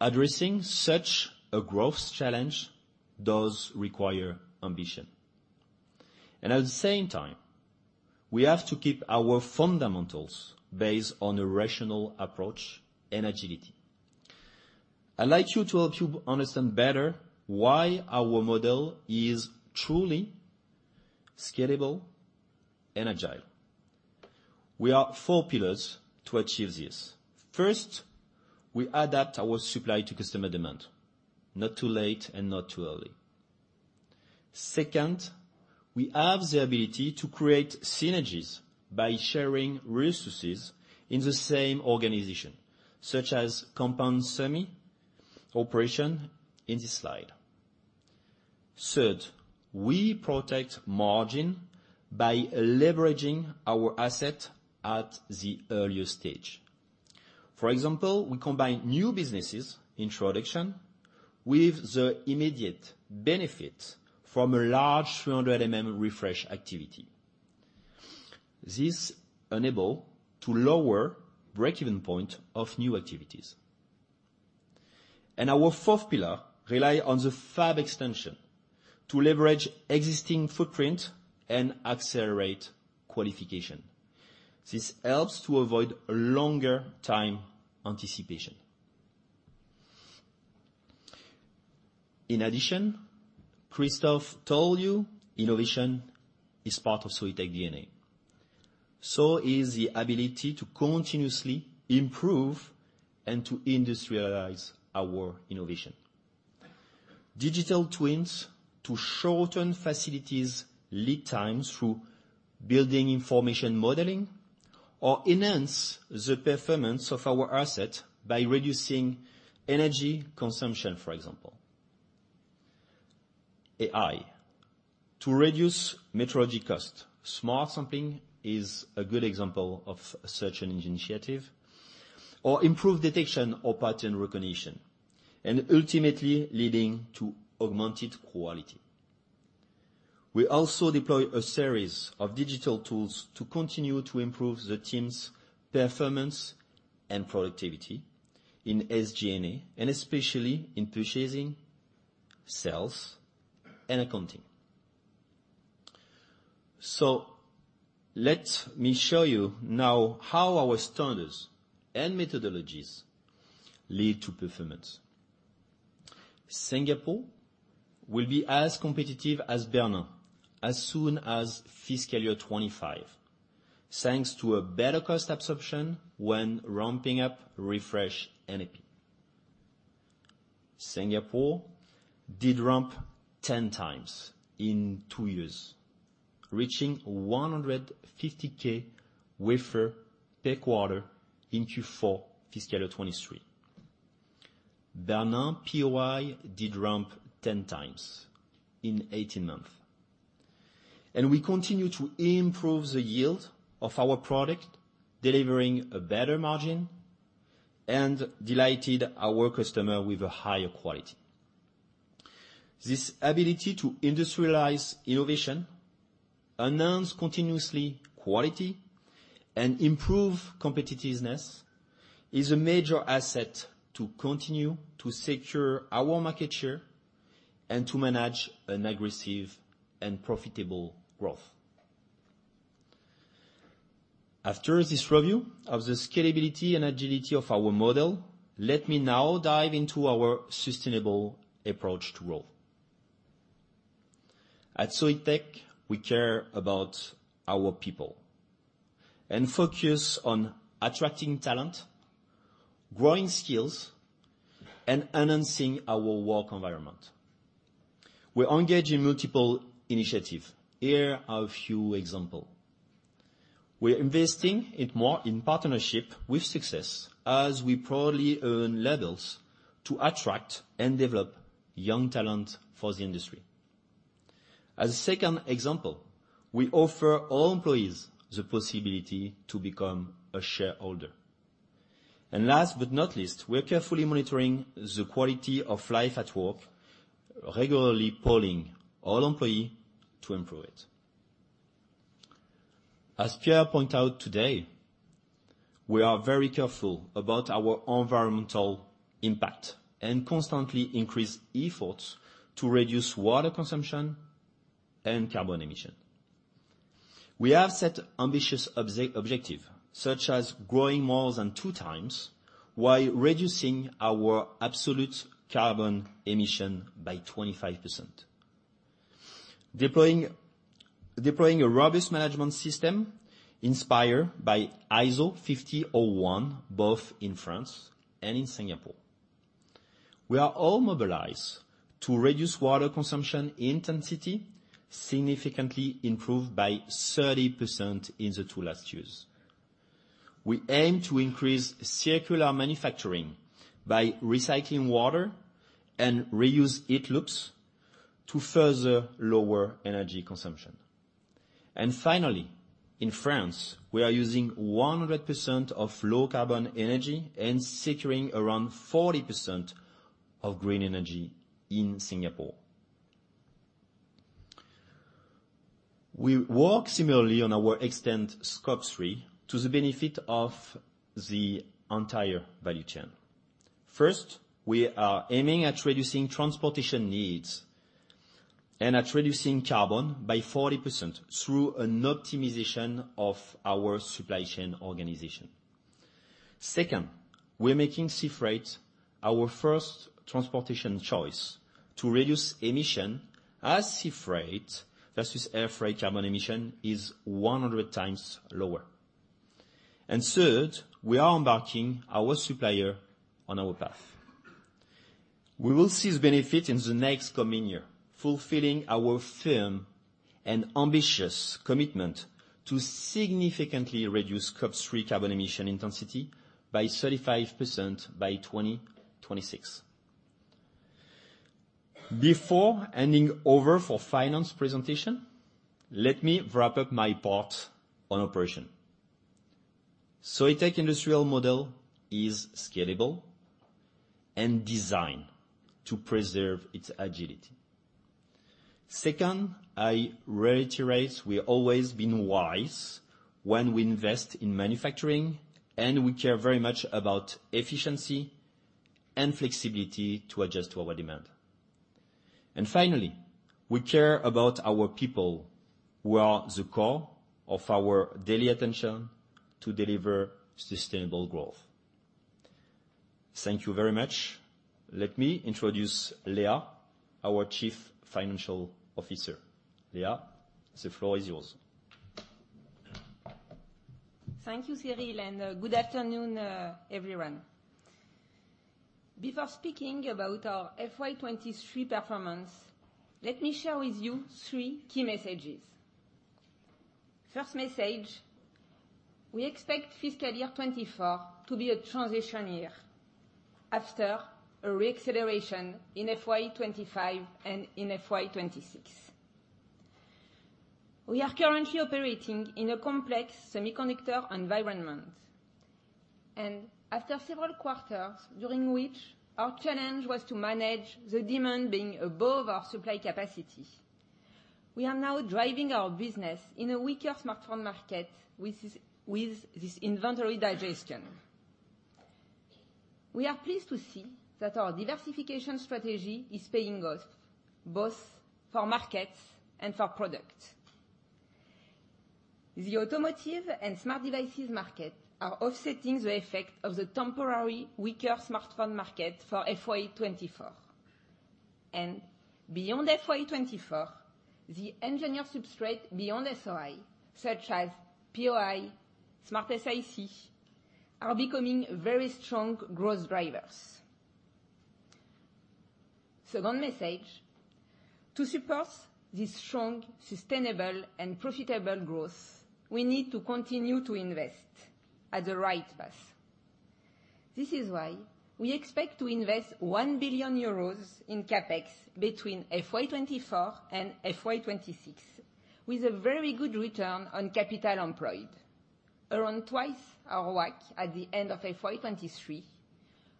Addressing such a growth challenge does require ambition. At the same time, we have to keep our fundamentals based on a rational approach and agility. I'd like you to help you understand better why our model is truly scalable and agile. We are four pillars to achieve this. First, we adapt our supply to customer demand, not too late and not too early. Second, we have the ability to create synergies by sharing resources in the same organization, such as compound semi operation in this slide. Third, we protect margin by leveraging our asset at the earliest stage. For example, we combine new businesses introduction with the immediate benefit from a large 300 mm refresh activity. This enable to lower break-even point of new activities. Our fourth pillar rely on the fab extension to leverage existing footprint and accelerate qualification. This helps to avoid longer time anticipation. In addition, Christophe told you, innovation is part of Soitec DNA, so is the ability to continuously improve and to industrialize our innovation. Digital twins to shorten facilities lead times through Building Information Modeling or enhance the performance of our asset by reducing energy consumption, for example. AI, to reduce metrology cost. Smart sampling is a good example of such an initiative or improved detection or pattern recognition, and ultimately leading to augmented quality. We also deploy a series of digital tools to continue to improve the team's performance and productivity in SG&A, and especially in purchasing, sales, and accounting. Let me show you now how our standards and methodologies lead to performance. Singapore will be as competitive as Bernin as soon as fiscal year 2025, thanks to a better cost absorption when ramping up refresh NAP. Singapore did ramp 10 times in two years, reaching 150K wafer per quarter in Q4 fiscal year 2023. Bernin POI did ramp 10 times in 18 months, and we continue to improve the yield of our product, delivering a better margin and delighted our customer with a higher quality. This ability to industrialize innovation, enhance continuously quality, and improve competitiveness is a major asset to continue to secure our market share and to manage an aggressive and profitable growth. After this review of the scalability and agility of our model, let me now dive into our sustainable approach to growth. At Soitec, we care about our people, and focus on attracting talent, growing skills, and enhancing our work environment. We engage in multiple initiative. Here are a few example: We're investing it more in partnership with success, as we proudly earn levels to attract and develop young talent for the industry. As a second example, we offer all employees the possibility to become a shareholder. Last but not least, we are carefully monitoring the quality of life at work, regularly polling all employee to improve it. As Pierre pointed out today, we are very careful about our environmental impact, constantly increase efforts to reduce water consumption and carbon emission. We have set ambitious objective, such as growing more than two times while reducing our absolute carbon emission by 25%. Deploying a robust management system inspired by ISO 50001, both in France and in Singapore. We are all mobilized to reduce water consumption intensity, significantly improved by 30% in the two last years. We aim to increase circular manufacturing by recycling water and reuse heat loops to further lower energy consumption. Finally, in France, we are using 100% of low carbon energy and securing around 40% of green energy in Singapore. We work similarly on our extent Scope 3 to the benefit of the entire value chain. First, we are aiming at reducing transportation needs and at reducing carbon by 40% through an optimization of our supply chain organization. Second, we're making sea freight our first transportation choice to reduce emission, as sea freight versus air freight carbon emission is 100 times lower. Third, we are embarking our supplier on our path. We will see the benefit in the next coming year, fulfilling our firm and ambitious commitment to significantly reduce Scope 3 carbon emission intensity by 35% by 2026. Before handing over for finance presentation, let me wrap up my part on operation. Soitec industrial model is scalable and designed to preserve its agility. Second, I reiterate, we always been wise when we invest in manufacturing, and we care very much about efficiency and flexibility to adjust to our demand. Finally, we care about our people, who are the core of our daily attention to deliver sustainable growth. Thank you very much. Let me introduce Léa, our Chief Financial Officer. Léa, the floor is yours. Thank you, Cyril, and good afternoon, everyone. Before speaking about our FY 2023 performance, let me share with you three key messages. First message, we expect fiscal year 2024 to be a transition year after a re-acceleration in FY 2025 and in FY 2026. We are currently operating in a complex semiconductor environment. After several quarters during which our challenge was to manage the demand being above our supply capacity, we are now driving our business in a weaker smartphone market with this inventory digestion. We are pleased to see that our diversification strategy is paying off, both for markets and for product. The automotive and smart devices market are offsetting the effect of the temporary weaker smartphone market for FY 2024. Beyond FY 2024, the engineered substrate beyond SOI, such as POI, SmartSiC, are becoming very strong growth drivers. Second message, to support this strong, sustainable, and profitable growth, we need to continue to invest at the right pace. This is why we expect to invest 1 billion euros in CapEx between FY 2024 and FY 2026, with a very good return on capital employed, around twice our WACC at the end of FY 2023,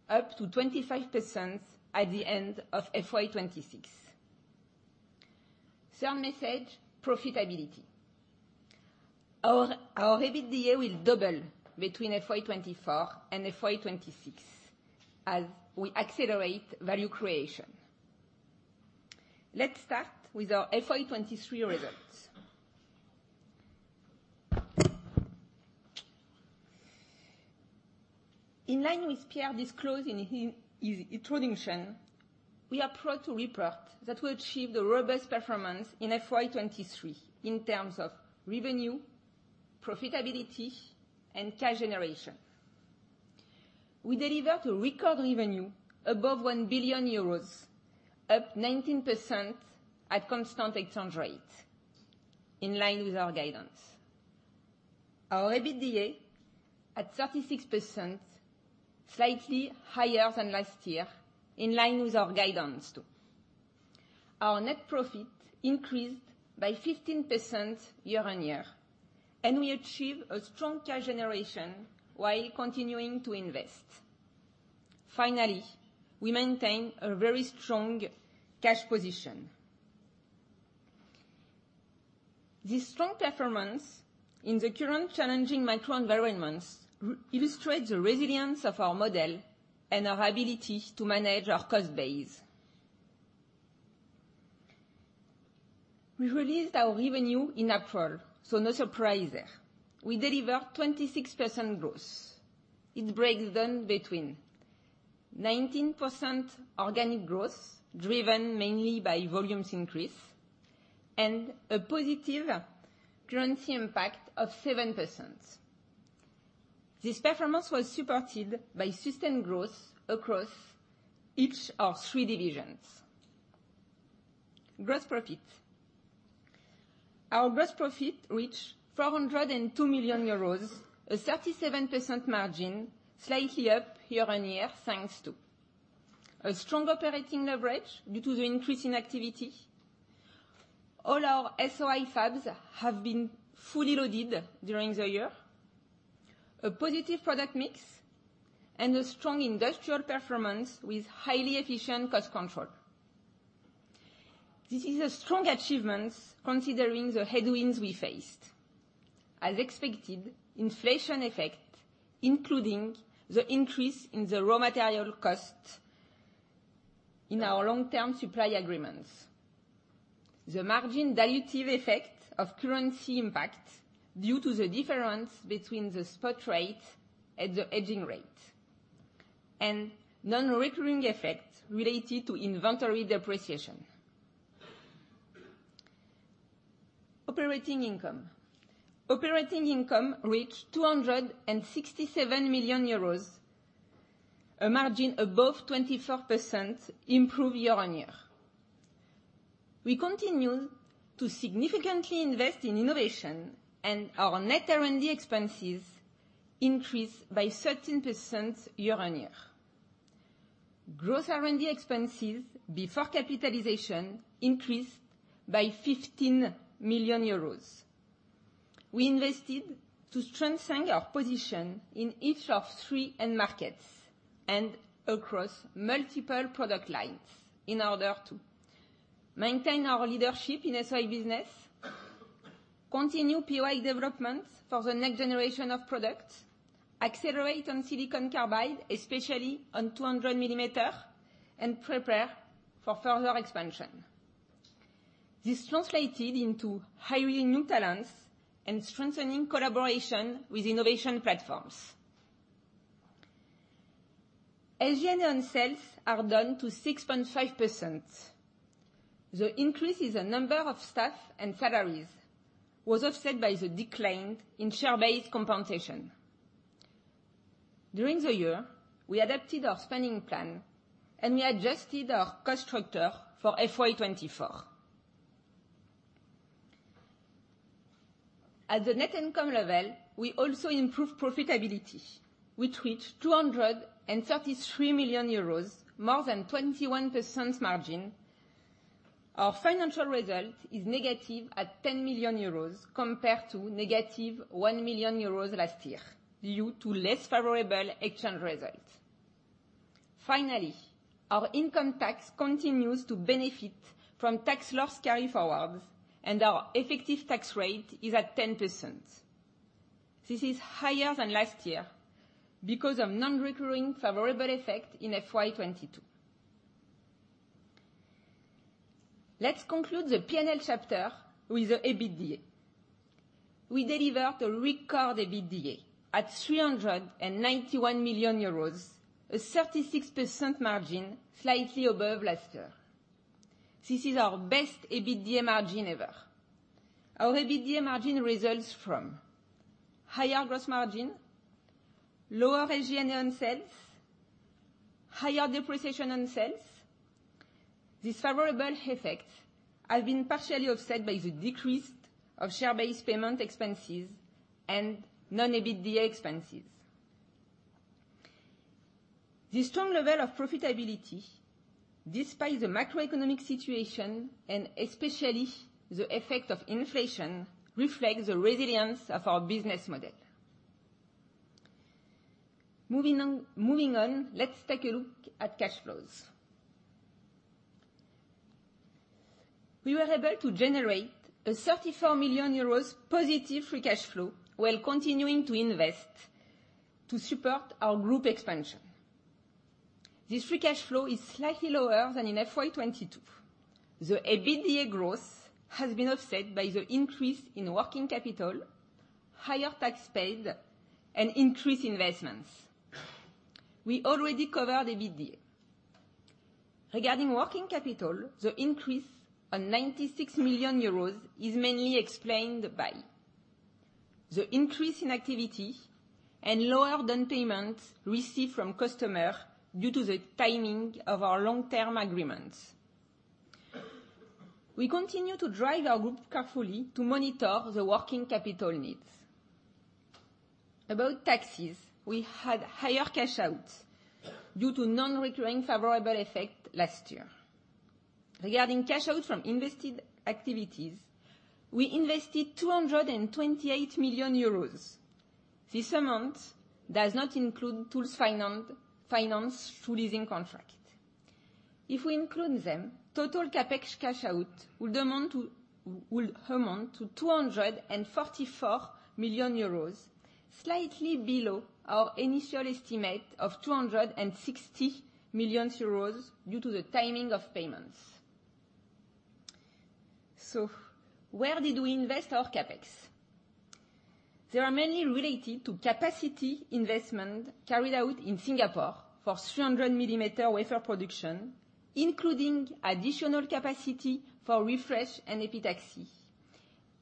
up to 25% at the end of FY 2026. Third message, profitability. Our EBITDA will double between FY 2024 and FY 2026 as we accelerate value creation. Let's start with our FY 2023 results. In line with Pierre disclose in his introduction, we are proud to report that we achieved a robust performance in FY 2023 in terms of revenue, profitability, and cash generation. We delivered a record revenue above 1 billion euros, up 19% at constant exchange rate, in line with our guidance. Our EBITDA at 36%, slightly higher than last year, in line with our guidance, too. Our net profit increased by 15% year-on-year, and we achieved a strong cash generation while continuing to invest. Finally, we maintain a very strong cash position. This strong performance in the current challenging macro environments illustrate the resilience of our model and our ability to manage our cost base. We released our revenue in April, so no surprise there. We delivered 26% growth. It breaks down between 19% organic growth, driven mainly by volumes increase, and a positive currency impact of 7%. This performance was supported by sustained growth across each of three divisions. Gross profit. Our gross profit reached 402 million euros, a 37% margin, slightly up year-on-year, thanks to: a strong operating leverage due to the increase in activity, all our SOI fabs have been fully loaded during the year, a positive product mix, and a strong industrial performance with highly efficient cost control. This is a strong achievement, considering the headwinds we faced. As expected, inflation effect, including the increase in the raw material cost in our long-term supply agreements, the margin dilutive effect of currency impact due to the difference between the spot rate and the hedging rate, and non-recurring effects related to inventory depreciation. Operating income. Operating income reached 267 million euros, a margin above 24%, improve year-on-year. We continue to significantly invest in innovation, our net R&D expenses increased by 13% year-on-year. Gross R&D expenses before capitalization increased by 15 million euros. We invested to strengthen our position in each of three end markets and across multiple product lines in order to maintain our leadership in SOI business, continue POI development for the next generation of products, accelerate on silicon carbide, especially on 200 millimeter, and prepare for further expansion. This translated into hiring new talents and strengthening collaboration with innovation platforms. SG&A on sales are down to 6.5%. The increase in the number of staff and salaries was offset by the decline in share-based compensation. During the year, we adapted our spending plan, and we adjusted our cost structure for FY 2024. At the net income level, we also improved profitability, which reached 233 million euros, more than 21% margin. Our financial result is negative at 10 million euros compared to negative 1 million euros last year, due to less favorable exchange results. Our income tax continues to benefit from tax loss carry-forwards, and our effective tax rate is at 10%. This is higher than last year because of non-recurring favorable effect in FY 2022. Let's conclude the P&L chapter with the EBITDA. We delivered a record EBITDA at 391 million euros, a 36% margin, slightly above last year. This is our best EBITDA margin ever. Our EBITDA margin results from higher gross margin, lower SG&A on sales, higher depreciation on sales. This favorable effect has been partially offset by the decrease of share-based payment expenses and non-EBITDA expenses. The strong level of profitability, despite the macroeconomic situation, and especially the effect of inflation, reflects the resilience of our business model. Moving on, let's take a look at cash flows. We were able to generate a 34 million euros positive free cash flow while continuing to invest to support our group expansion. This free cash flow is slightly lower than in FY 2022. The EBITDA growth has been offset by the increase in working capital, higher tax paid, and increased investments. We already covered EBITDA. Regarding working capital, the increase on 96 million euros is mainly explained by the increase in activity and lower than payments received from customer due to the timing of our long-term agreements. We continue to drive our group carefully to monitor the working capital needs. About taxes, we had higher cash outs due to non-recurring favorable effect last year. Regarding cash out from invested activities, we invested 228 million euros. This amount does not include tools financed through leasing contract. If we include them, total CapEx cash out would amount to 244 million euros, slightly below our initial estimate of 260 million euros, due to the timing of payments. Where did we invest our CapEx? They are mainly related to capacity investment carried out in Singapore for 300 millimeter wafer production, including additional capacity for refresh and epitaxy,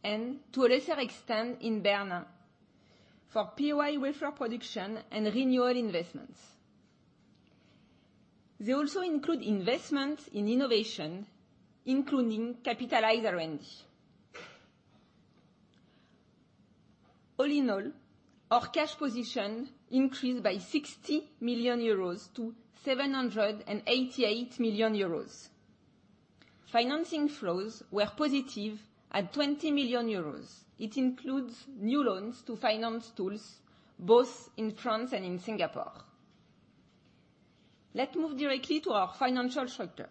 and to a lesser extent, in Bernin, for POI wafer production and renewal investments. They also include investments in innovation, including capitalized R&D. All in all, our cash position increased by 60 million euros to 788 million euros. Financing flows were positive at 20 million euros. It includes new loans to finance tools, both in France and in Singapore. Let's move directly to our financial structure.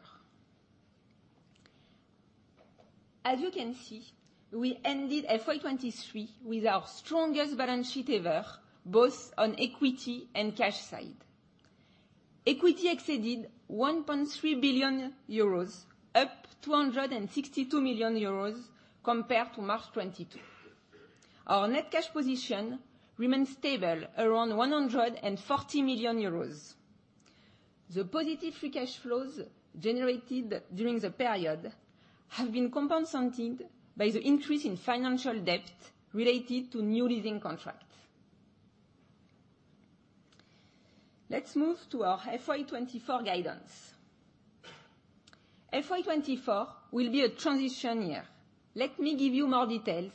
As you can see, we ended FY 2023 with our strongest balance sheet ever, both on equity and cash side. Equity exceeded 1.3 billion euros, up 262 million euros compared to March 2022. Our net cash position remains stable around 140 million euros. The positive free cash flows generated during the period have been compensated by the increase in financial debt related to new leasing contracts. Let's move to our FY 2024 guidance. FY 2024 will be a transition year. Let me give you more details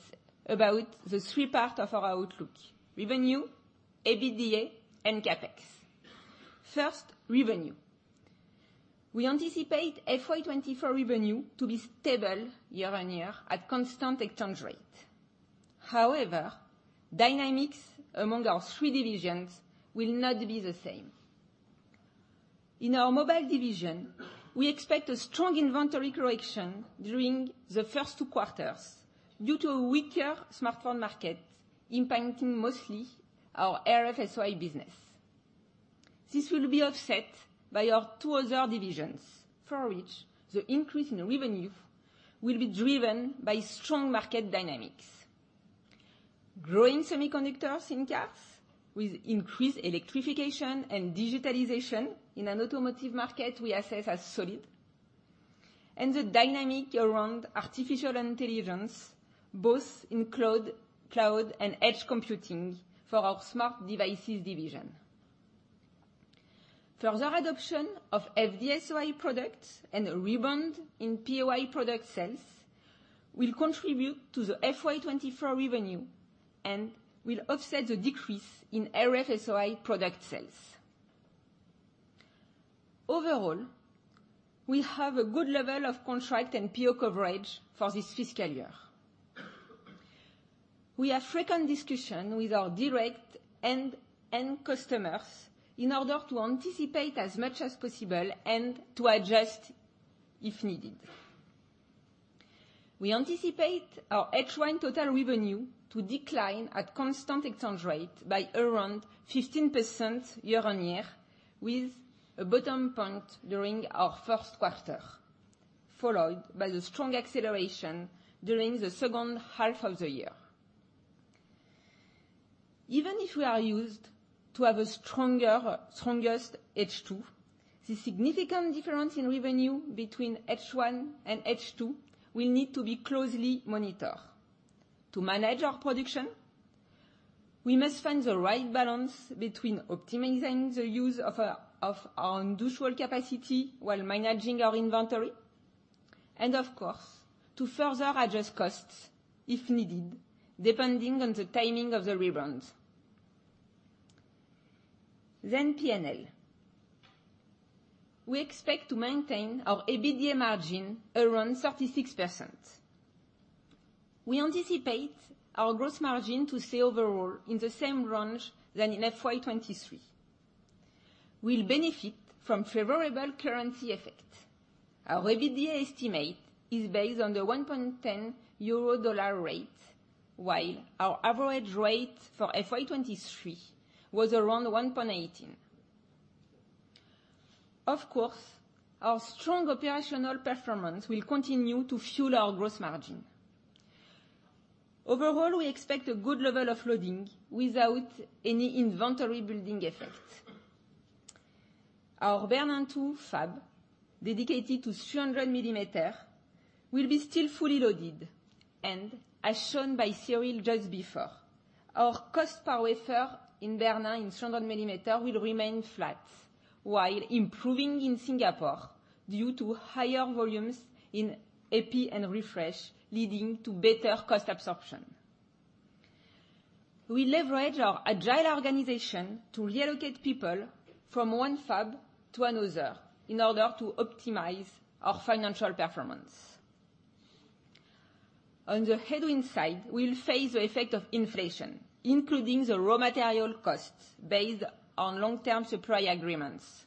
about the three part of our outlook: revenue, EBITDA, and CapEx. First, revenue. We anticipate FY 2024 revenue to be stable year-on-year at constant exchange rate. However, dynamics among our three divisions will not be the same. In our mobile division, we expect a strong inventory correction during the first two quarters due to a weaker smartphone market, impacting mostly our RF-SOI business. This will be offset by our two other divisions, for which the increase in revenue will be driven by strong market dynamics. Growing semiconductors in cats with increased electrification and digitalization in an automotive market we assess as solid, and the dynamic around artificial intelligence, both in cloud and edge computing for our smart devices division. Further adoption of FD-SOI products and a rebound in POI product sales will contribute to the FY 2024 revenue and will offset the decrease in RF-SOI product sales. Overall, we have a good level of contract and PO coverage for this fiscal year. We have frequent discussion with our direct end-end customers in order to anticipate as much as possible and to adjust, if needed. We anticipate our H1 total revenue to decline at constant exchange rate by around 15% year-on-year, with a bottom point during our first quarter, followed by the strong acceleration during the second half of the year. Even if we are used to have a strongest H2, the significant difference in revenue between H1 and H2 will need to be closely monitored. To manage our production, we must find the right balance between optimizing the use of our industrial capacity while managing our inventory, and of course, to further adjust costs, if needed, depending on the timing of the rebound. P&L. We expect to maintain our EBITDA margin around 36%. We anticipate our gross margin to stay overall in the same range than in FY 2023. Will benefit from favorable currency effect. Our EBITDA estimate is based on the 1.10 euro dollar rate, while our average rate for FY 2023 was around 1.18. Of course, our strong operational performance will continue to fuel our growth margin. Overall, we expect a good level of loading without any inventory building effect. Our Bernin 2 fab, dedicated to 300 millimeter, will be still fully loaded. As shown by Cyril just before, our cost per wafer in Bernin, in 300 millimeter, will remain flat, while improving in Singapore due to higher volumes in epi and refresh, leading to better cost absorption. We leverage our agile organization to reallocate people from one fab to another in order to optimize our financial performance. On the headwind side, we'll face the effect of inflation, including the raw material costs, based on long-term supply agreements.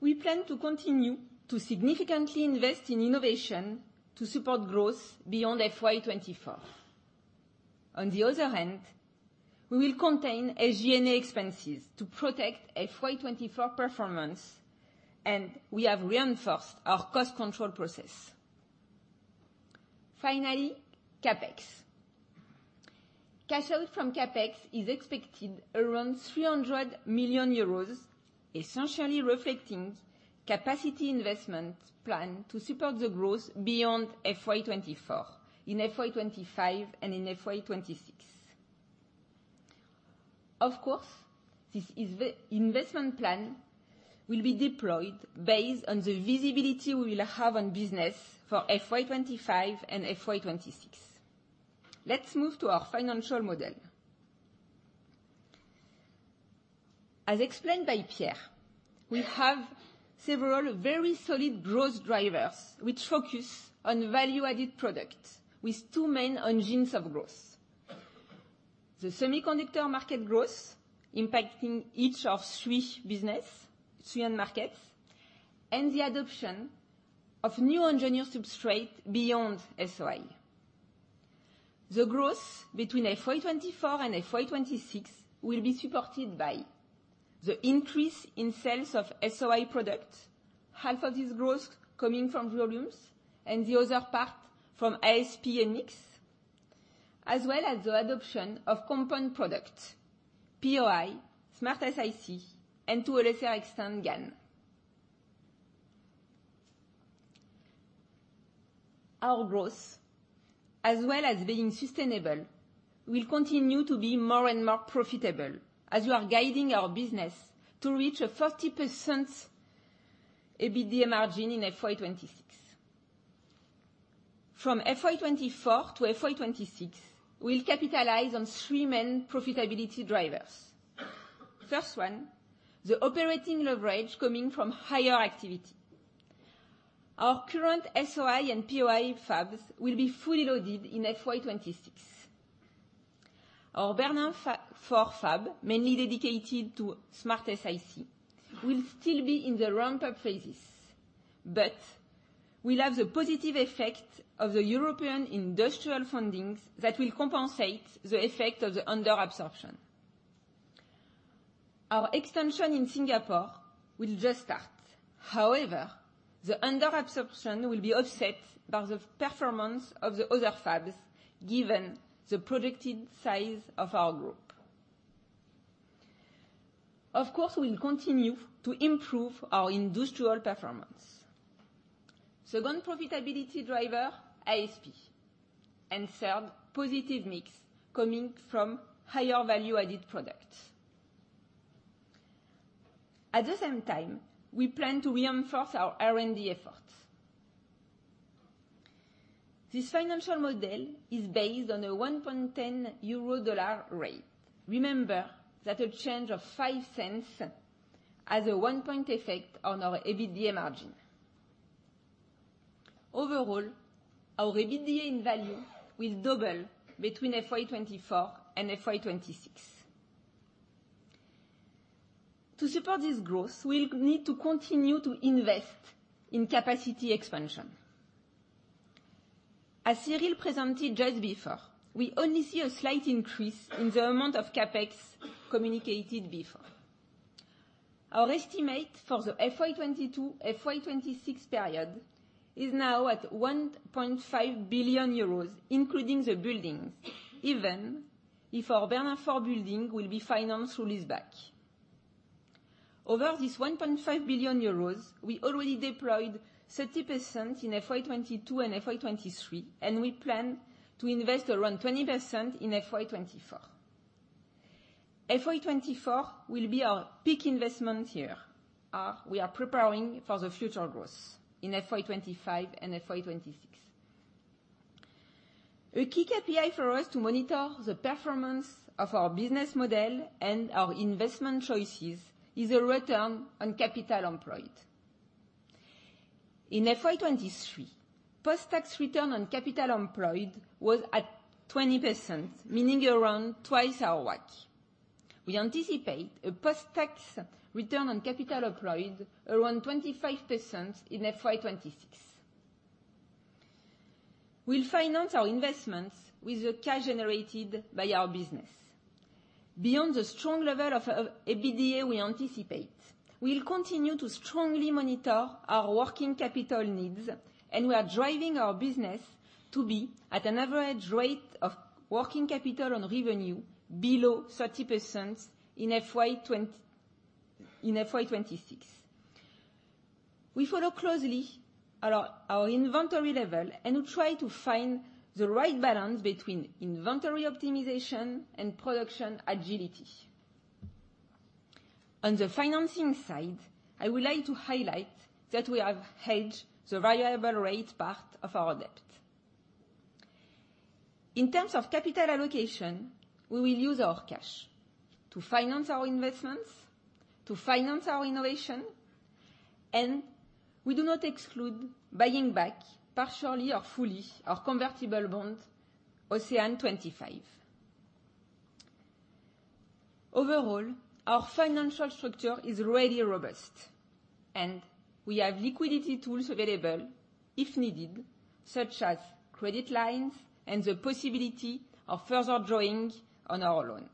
We plan to continue to significantly invest in innovation to support growth beyond FY 2024. On the other hand, we will contain SG&A expenses to protect FY 2024 performance, and we have reinforced our cost control process. Finally, CapEx. Cash out from CapEx is expected around 300 million euros, essentially reflecting capacity investment plan to support the growth beyond FY 2024, in FY 2025, and in FY 2026. Of course, this investment plan will be deployed based on the visibility we will have on business for FY 2025 and FY 2026. Let's move to our financial model. As explained by Pierre, we have several very solid growth drivers, which focus on value-added products, with two main engines of growth: the semiconductor market growth, impacting each of three business, three end markets, and the adoption of new engineering substrate beyond SOI. The growth between FY 2024 and FY 2026 will be supported by the increase in sales of SOI products, half of this growth coming from volumes and the other part from ASP and mix, as well as the adoption of compound product, POI, SmartSiC, and to a lesser extent, GaN. Our growth, as well as being sustainable, will continue to be more and more profitable, as we are guiding our business to reach a 30% EBITDA margin in FY 2026. From FY 2024 to FY 2026, we'll capitalize on three main profitability drivers. First one, the operating leverage coming from higher activity. Our current SOI and POI fabs will be fully loaded in FY 2026. Our Bernin 4 fab, mainly dedicated to SmartSiC, will still be in the ramp-up phases, will have the positive effect of the European industrial fundings that will compensate the effect of the under absorption. Our expansion in Singapore will just start. The under absorption will be offset by the performance of the other fabs, given the projected size of our group. We'll continue to improve our industrial performance. Second profitability driver, ASP. Third, positive mix coming from higher value-added products. At the same time, we plan to reinforce our R&D efforts. This financial model is based on a 1.10 euro dollar rate. Remember that a change of $0.05 has a 1 point effect on our EBITDA margin. Overall, our EBITDA in value will double between FY 2024 and FY 2026. To support this growth, we'll need to continue to invest in capacity expansion. As Cyril presented just before, we only see a slight increase in the amount of CapEx communicated before. Our estimate for the FY 2022-FY 2026 period is now at 1.5 billion euros, including the buildings, even if our Bernin four building will be financed through leaseback. Over this 1.5 billion euros, we already deployed 30% in FY 2022 and FY 2023, and we plan to invest around 20% in FY 2024. FY 2024 will be our peak investment year, we are preparing for the future growth in FY 2025 and FY 2026. A key KPI for us to monitor the performance of our business model and our investment choices is a return on capital employed. In FY 2023, post-tax return on capital employed was at 20%, meaning around twice our WACC. We anticipate a post-tax return on capital employed around 25% in FY 2026. We'll finance our investments with the cash generated by our business. Beyond the strong level of EBITDA we anticipate, we'll continue to strongly monitor our working capital needs. We are driving our business to be at an average rate of working capital on revenue below 30% in FY 2026. We follow closely our inventory level. We try to find the right balance between inventory optimization and production agility. On the financing side, I would like to highlight that we have hedged the variable rate part of our debt. In terms of capital allocation, we will use our cash to finance our investments, to finance our innovation, and we do not exclude buying back, partially or fully, our convertible bond, OCEANE 2025. Overall, our financial structure is really robust, and we have liquidity tools available if needed, such as credit lines and the possibility of further drawing on our loan.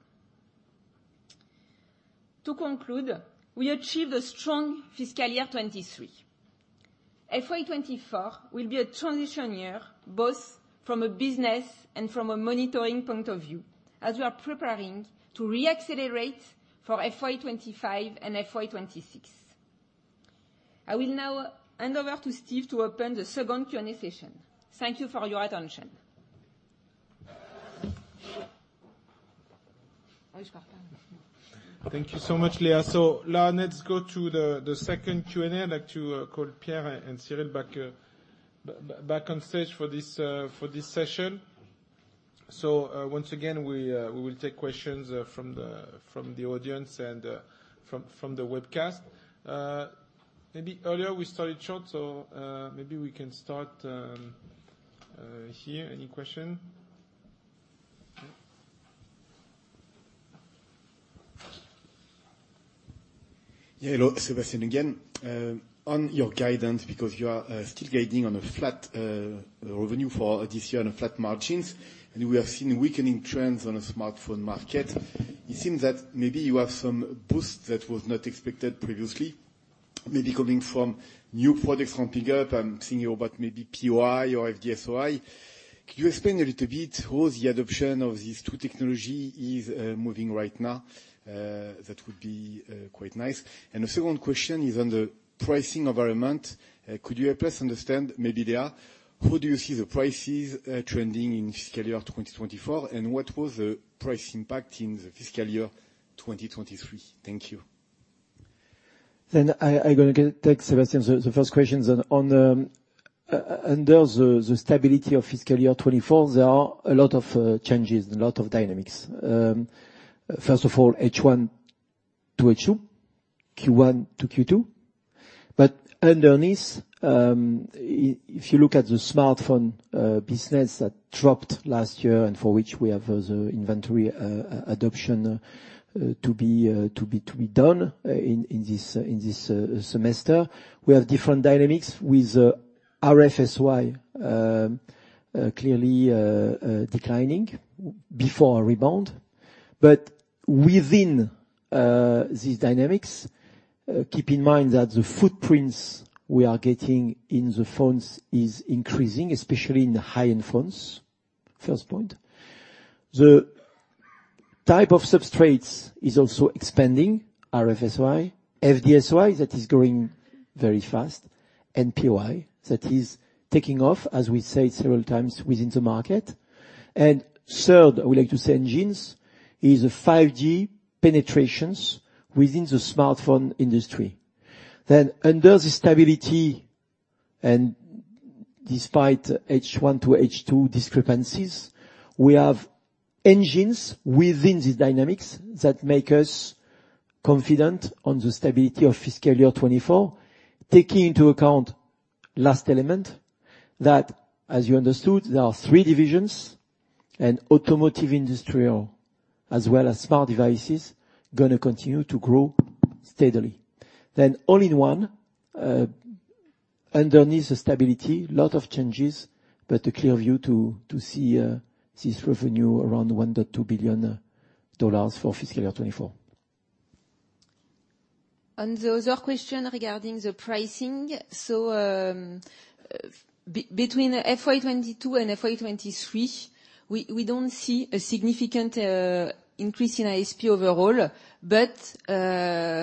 To conclude, we achieved a strong fiscal year 2023. FY 2024 will be a transition year, both from a business and from a monitoring point of view, as we are preparing to re-accelerate for FY 2025 and FY 2026. I will now hand over to Steve to open the second Q&A session. Thank you for your attention. Thank you so much, Léa. Now let's go to the second Q&A. I'd like to call Pierre and Cyril back on stage for this session. Once again, we will take questions from the audience and from the webcast. Maybe earlier we started short, so maybe we can start here. Any question? Hello, Sébastien again. On your guidance, because you are still guiding on a flat revenue for this year and flat margins, and we have seen weakening trends on the smartphone market, it seems that maybe you have some boost that was not expected previously, maybe coming from new products ramping up. I'm thinking about maybe POI or FD-SOI. Could you explain a little bit how the adoption of these two technology is moving right now? That would be quite nice. The second question is on the pricing environment. Could you help us understand, maybe Léa, how do you see the prices trending in fiscal year 2024, and what was the price impact in the fiscal year 2023? Thank you. I'm gonna take, Sébastien, the first question. Under the stability of fiscal year 2024, there are a lot of changes and a lot of dynamics. First of all, H1 to H2, Q1 to Q2. Underneath, if you look at the smartphone business that dropped last year and for which we have the inventory adoption to be done in this semester, we have different dynamics with RF-SOI clearly declining before a rebound. Within these dynamics, keep in mind that the footprints we are getting in the phones is increasing, especially in the high-end phones, first point. The type of substrates is also expanding RF-SOI, FD-SOI, that is growing very fast, and POI, that is taking off, as we said several times, within the market. Third, I would like to say engines, is a 5G penetrations within the smartphone industry. Under the stability, despite H1 to H2 discrepancies, we have engines within these dynamics that make us confident on the stability of fiscal year 2024, taking into account last element, that as you understood, there are three divisions, and automotive, industrial, as well as smart devices, gonna continue to grow steadily. All-in-one, underneath the stability, lot of changes, but a clear view to see, this revenue around $1.2 billion for fiscal year 2024. On the other question regarding the pricing, between FY 2022 and FY 2023, we don't see a significant increase in ASP overall, but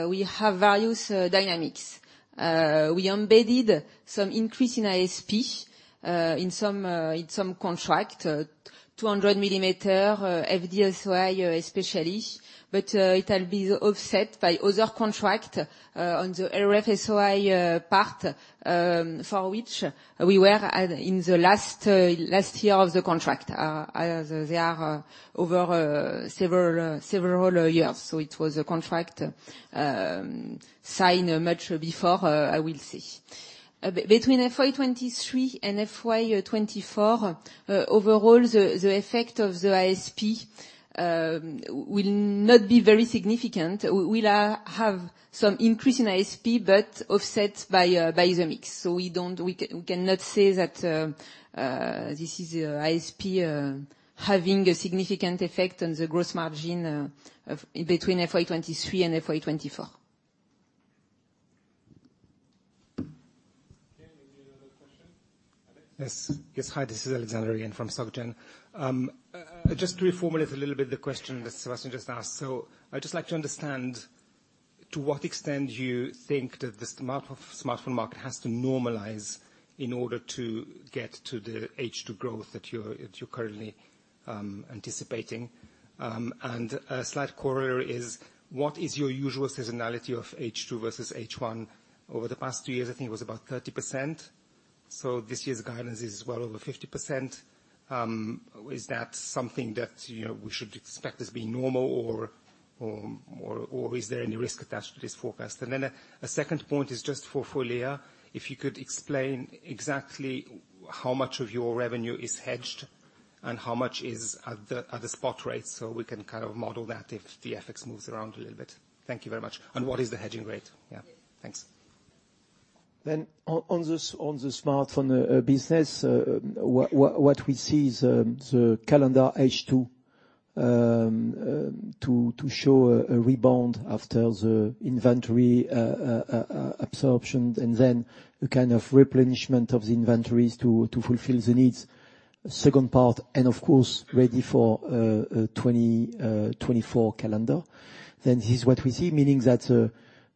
we have various dynamics. We embedded some increase in ASP in some in some contract, 200 millimeter FDSOI especially, but it will be offset by other contract on the RFSOI part, for which we were at in the last year of the contract. As they are over several years, it was a contract signed much before I will say. between FY 2023 and FY 2024, overall, the effect of the ASP will not be very significant. We'll have some increase in ASP, but offset by the mix. We cannot say that this is ASP having a significant effect on the gross margin of between FY 2023 and FY 2024. Okay, maybe another question, Alex? Yes, yes. Hi, this Alexander Peterc again from Soc Gen. Just to reformulate a little bit the question that Sébastien Sztabowicz just asked, so I'd just like to understand, to what extent do you think that the smartphone market has to normalize in order to get to the H2 growth that you're currently anticipating? A slight corollary is, what is your usual seasonality of H2 versus H1? Over the past two years, I think it was about 30%, so this year's guidance is well over 50%. Is that something that, you know, we should expect as being normal, or is there any risk attached to this forecast? A second point is just for Léa Alzingre. If you could explain exactly how much of your revenue is hedged and how much is at the spot rate, so we can kind of model that if the FX moves around a little bit? Thank you very much. What is the hedging rate? Yeah, thanks. On the smartphone business, what we see is the calendar H2 to show a rebound after the inventory absorption, and then a kind of replenishment of the inventories to fulfill the needs. Second part, of course, ready for 2024 calendar. This is what we see, meaning that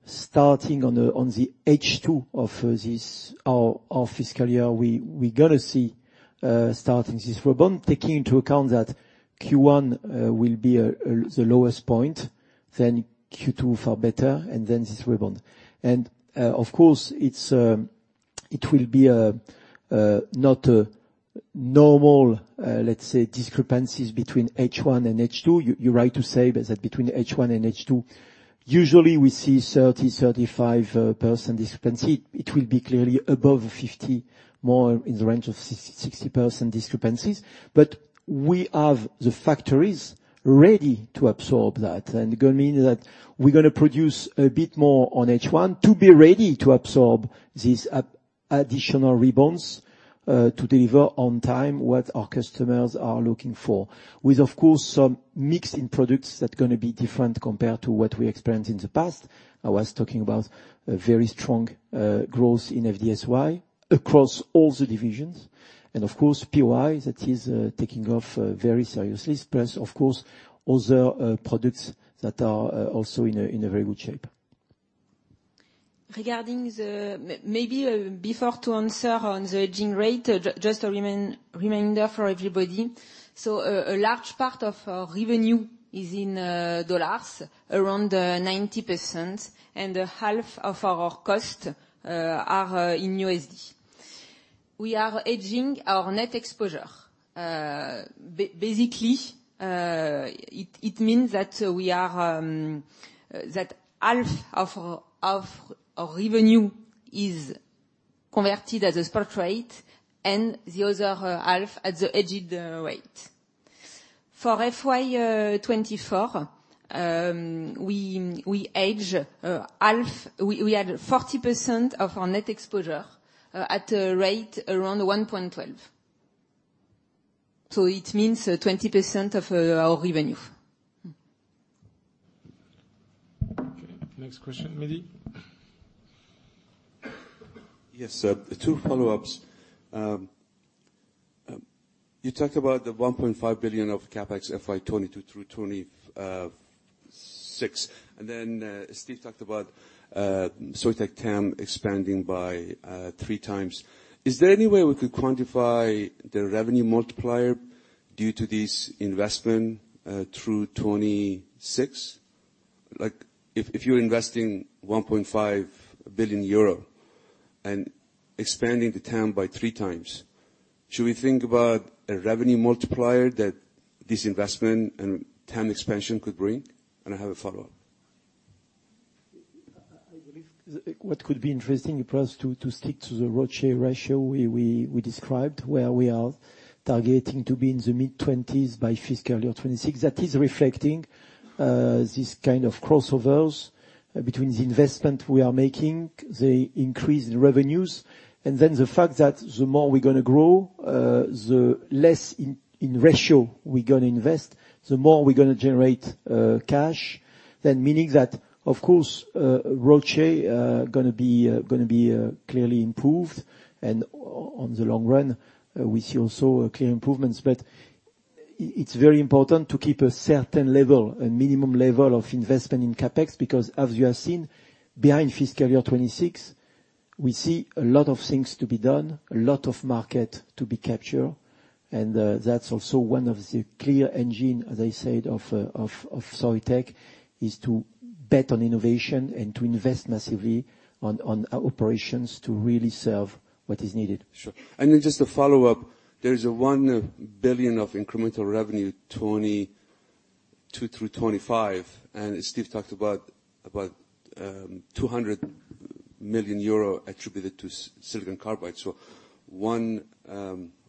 starting on the H2 of this, our fiscal year, we gotta see starting this rebound, taking into account that Q1 will be the lowest point, then Q2 far better, and then this rebound. Of course, it's it will be not a normal, let's say, discrepancies between H1 and H2. You're right to say that between H1 and H2, usually we see 30-35% discrepancy. It will be clearly above 50, more in the range of 60% discrepancies. We have the factories ready to absorb that, and gonna mean that we're gonna produce a bit more on H1 to be ready to absorb these additional rebounds to deliver on time what our customers are looking for. With, of course, some mix in products that are gonna be different compared to what we experienced in the past. I was talking about a very strong growth in FD-SOI across all the divisions, and of course, POI, that is taking off very seriously, plus, of course, other products that are also in a very good shape. Regarding the maybe, before to answer on the hedging rate, just a reminder for everybody. A large part of our revenue is in dollars, around 90%, and half of our cost are in USD. We are hedging our net exposure. Basically, it means that we are that half of our revenue is converted at the spot rate, and the other half at the hedged rate. For FY 2024, we hedge half, we had 40% of our net exposure at a rate around 1.12. It means 20% of our revenue. Okay. Next question, Mehdi? Yes, sir, two follow-ups. You talked about the 1.5 billion of CapEx, FY 2022 through 2026, then Steve talked about Soitec TAM expanding by 3 times. Is there any way we could quantify the revenue multiplier due to this investment through 2026? If you're investing 1.5 billion euro and expanding the TAM by 3 times, should we think about a revenue multiplier that this investment and TAM expansion could bring? I have a follow-up. I believe what could be interesting for us to stick to the ROCE ratio we described, where we are targeting to be in the mid-20s by fiscal year 2026. That is reflecting this kind of crossovers between the investment we are making, the increased revenues, and the fact that the more we're gonna grow, the less in ratio we're gonna invest, the more we're gonna generate cash. Meaning that, of course, ROCE gonna be gonna be clearly improved, and on the long run, we see also clear improvements. It's very important to keep a certain level, a minimum level of investment in CapEx, because as you have seen, behind fiscal year 2026, we see a lot of things to be done, a lot of market to be captured, and that's also one of the clear engine, as I said, of Soitec, is to bet on innovation and to invest massively on our operations to really serve what is needed. Sure. Just a follow-up, there's a $1 billion of incremental revenue.... 2025. Steve talked about 200 million euro attributed to silicon carbide. One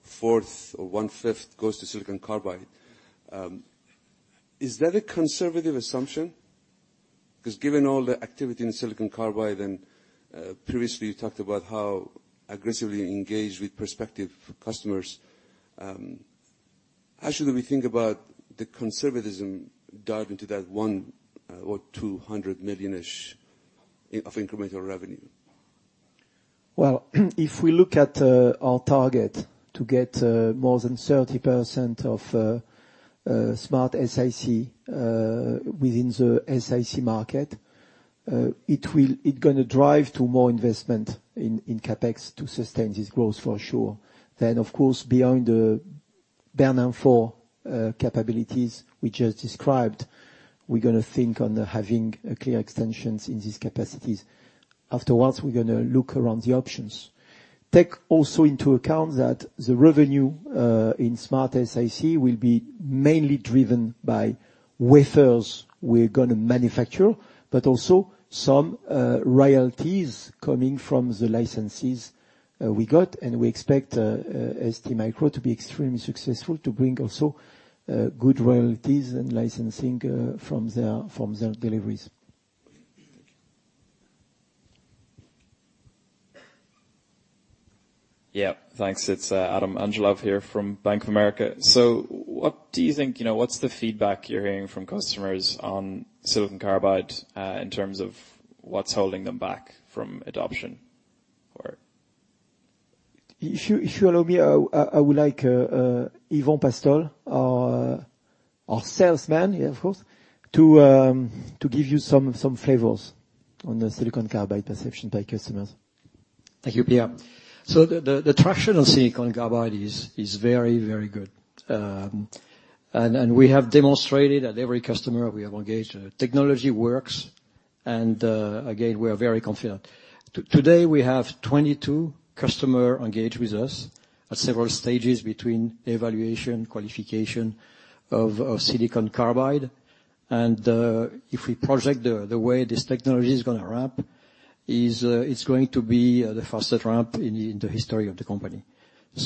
fourth or one fifth goes to silicon carbide. Is that a conservative assumption? Given all the activity in silicon carbide and previously you talked about how aggressively engaged with prospective customers, how should we think about the conservatism dive into that 100 million or 200 million-ish of incremental revenue? Well, if we look at our target to get more than 30% of SmartSiC within the SiC market, it gonna drive to more investment in CapEx to sustain this growth for sure. Of course, beyond the Bernin 4 capabilities we just described, we're gonna think on having clear extensions in these capacities. Afterwards, we're gonna look around the options. Take also into account that the revenue in SmartSiC will be mainly driven by wafers we're gonna manufacture, but also some royalties coming from the licenses we got. We expect STMicroelectronics to be extremely successful to bring also good royalties and licensing from their deliveries. Yeah. Thanks. It's Adam Angelov here from Bank of America. What do you think, you know, what's the feedback you're hearing from customers on silicon carbide in terms of what's holding them back from adoption, or? If you allow me, I would like Yvon Pastol, our salesman, of course, to give you some flavors on the silicon carbide perception by customers. Thank you, Pierre. The traction on silicon carbide is very, very good. We have demonstrated at every customer we have engaged, technology works, and again, we are very confident. Today, we have 22 customer engaged with us at several stages between evaluation, qualification of silicon carbide. If we project the way this technology is gonna ramp, it's going to be the fastest ramp in the history of the company.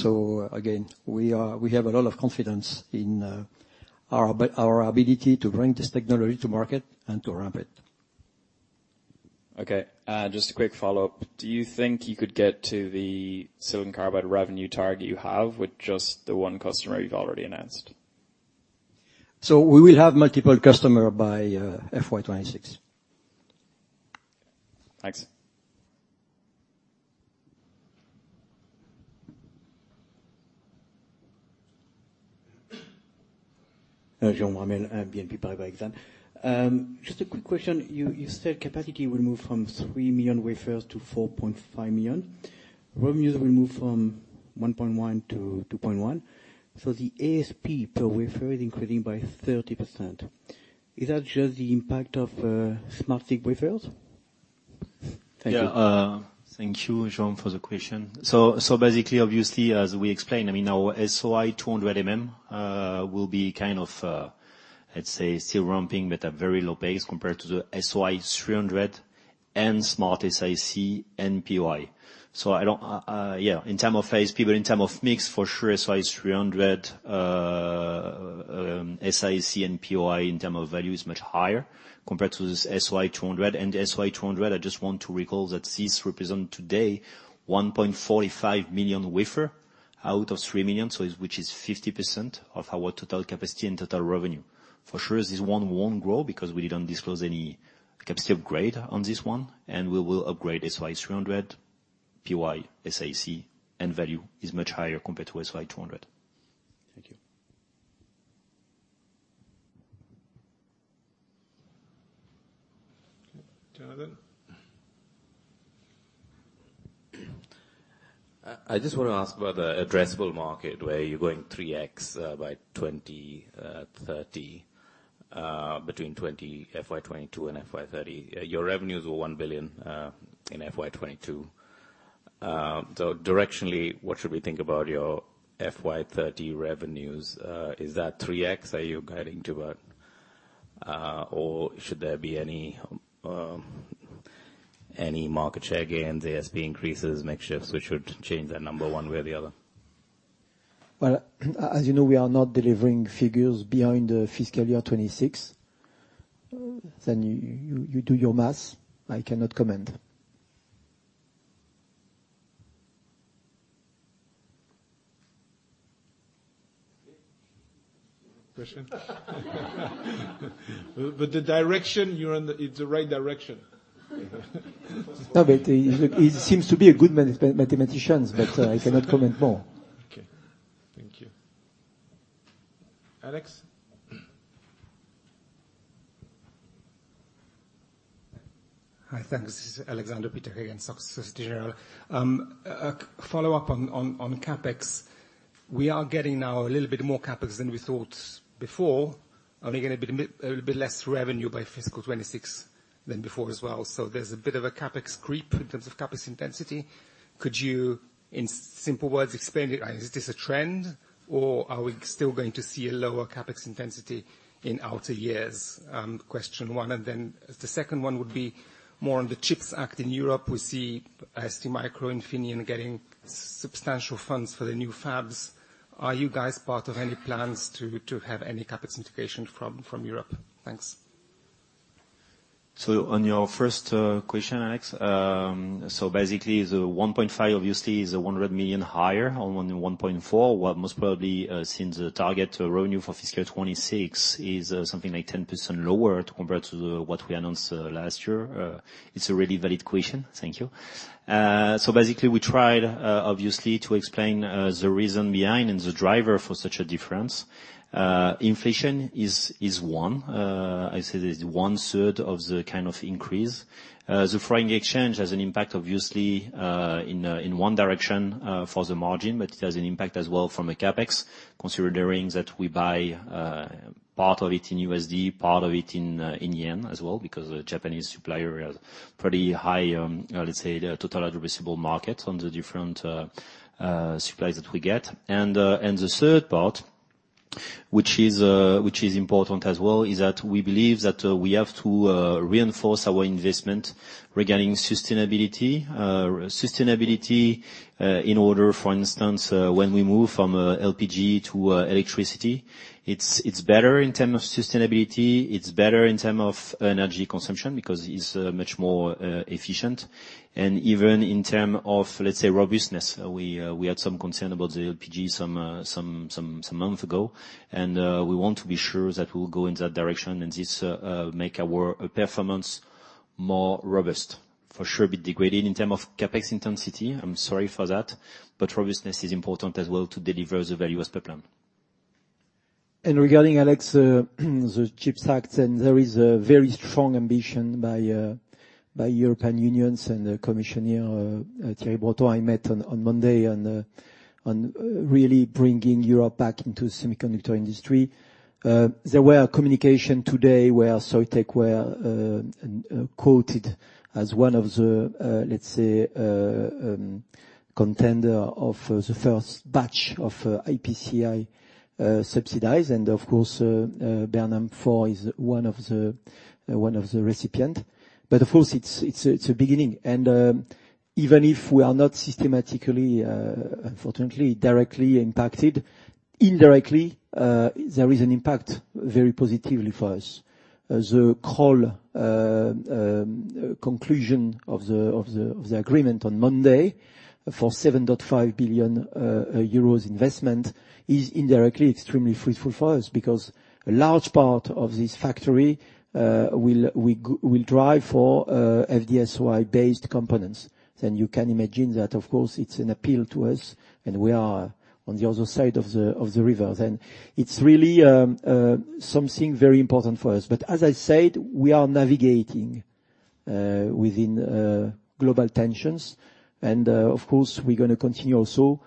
Again, we have a lot of confidence in our ability to bring this technology to market and to ramp it. Just a quick follow-up. Do you think you could get to the silicon carbide revenue target you have with just the one customer you've already announced? We will have multiple customer by FY 2026. Thanks. Jean-Marie, BNP Paribas Exane. Just a quick question. You said capacity will move from 3 million wafers to 4.5 million. Revenues will move from 1.1 billion to 2.1 billion. The ASP per wafer is increasing by 30%. Is that just the impact of smart SiC wafers? Thank you. Thank you, Jean, for the question. Basically, obviously, as we explained, I mean, our SOI 200 mm will be kind of, let's say, still ramping, but at very low pace compared to the SOI 300 and SmartSiC and POI. I don't. In term of phase, but in term of mix, for sure, SOI 300, SiC and POI in term of value is much higher compared to this SOI 200. SOI 200, I just want to recall that this represent today 1.45 million wafer out of 3 million, which is 50% of our total capacity and total revenue. For sure, this one won't grow because we didn't disclose any capacity upgrade on this one, and we will upgrade SOI 300, POI, SiC, and value is much higher compared to SOI 200. Thank you. Okay. Jonathan? I just want to ask about the addressable market, where you're going 3x by 2030 between 20 FY 2022 and FY 2030. Your revenues were 1 billion in FY 2022. Directionally, what should we think about your FY 2030 revenues? Is that 3x, are you guiding to, or should there be any market share gains, ASP increases, mix shifts, which should change that number one way or the other? Well, as you know, we are not delivering figures beyond the fiscal year 2026. You do your math, I cannot comment. Question? The direction you're on, it's the right direction. No, he seems to be a good mathematicians, but I cannot comment more. Okay. Thank you. Alex? Hi, thanks. This is Alexander Peterc again, Société Générale. A follow-up on CapEx. We are getting now a little bit more CapEx than we thought before. I think it'll be a little bit less revenue by fiscal 2026 than before as well. There's a bit of a CapEx creep in terms of CapEx intensity. Could you, in simple words, explain, is this a trend, or are we still going to see a lower CapEx intensity in outer years? Question one. The second one would be more on the Chips Act in Europe. We see STMicro, Infineon getting substantial funds for the new fabs. Are you guys part of any plans to have any CapEx integration from Europe? Thanks. On your first question, Alex, basically, the $1.5 billion obviously is $100 million higher on the $1.4 billion. Well, most probably, since the target revenue for fiscal 2026 is something like 10% lower compared to the what we announced last year, it's a really valid question. Thank you. Basically, we tried obviously to explain the reason behind and the driver for such a difference. Inflation is one. I say it's one-third of the kind of increase. The foreign exchange has an impact, obviously, in one direction for the margin, but it has an impact as well from a CapEx, considering that we buy part of it in USD, part of it in yen as well, because the Japanese supplier is pretty high. Let's say, the total addressable market on the different supplies that we get. The third part, which is important as well, is that we believe that we have to reinforce our investment regarding sustainability. Sustainability, in order, for instance, when we move from LPG to electricity, it's better in terms of sustainability, it's better in term of energy consumption because it's much more efficient. Even in term of, let's say, robustness, we had some concern about the LPG some month ago. We want to be sure that we'll go in that direction. This make our performance more robust. For sure, a bit degraded in term of CapEx intensity. I'm sorry for that. Robustness is important as well to deliver the value as per plan. Regarding Alex, the Chips Act, there is a very strong ambition by European Union and Commissioner Thierry Breton, I met on Monday, on really bringing Europe back into semiconductor industry. There were communication today where Soitec were quoted as one of the, let's say, contender of the first batch of IPCEI subsidize, and of course, Bernin 4 is one of the, one of the recipient. Of course, it's a beginning, and even if we are not systematically, unfortunately, directly impacted, indirectly, there is an impact very positively for us. The call, conclusion of the agreement on Monday for 7.5 billion euros investment is indirectly extremely fruitful for us, because a large part of this factory will drive for FD-SOI-based components. You can imagine that, of course, it's an appeal to us, and we are on the other side of the river. It's really something very important for us. As I said, we are navigating within global tensions. Of course, we're gonna continue also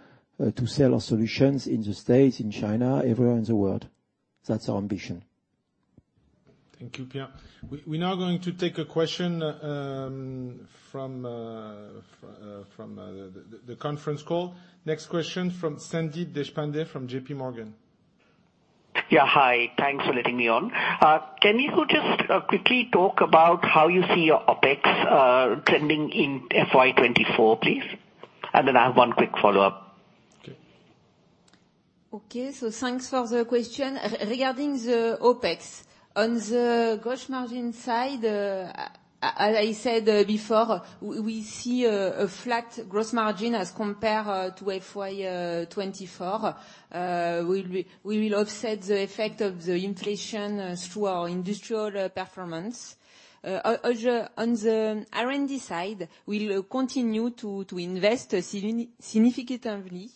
to sell our solutions in the States, in China, everywhere in the world. That's our ambition. Thank you, Pierre. We're now going to take a question from the conference call. Next question from Sandeep Deshpande, from JP Morgan. Yeah, hi. Thanks for letting me on. Can you just quickly talk about how you see your OpEx trending in FY 2024, please? I have 1 quick follow-up. Okay. Thanks for the question. Regarding the OpEx, on the gross margin side, as I said before, we see a flat gross margin as compared to FY 2024. We will offset the effect of the inflation through our industrial performance. On the R&D side, we'll continue to invest significantly,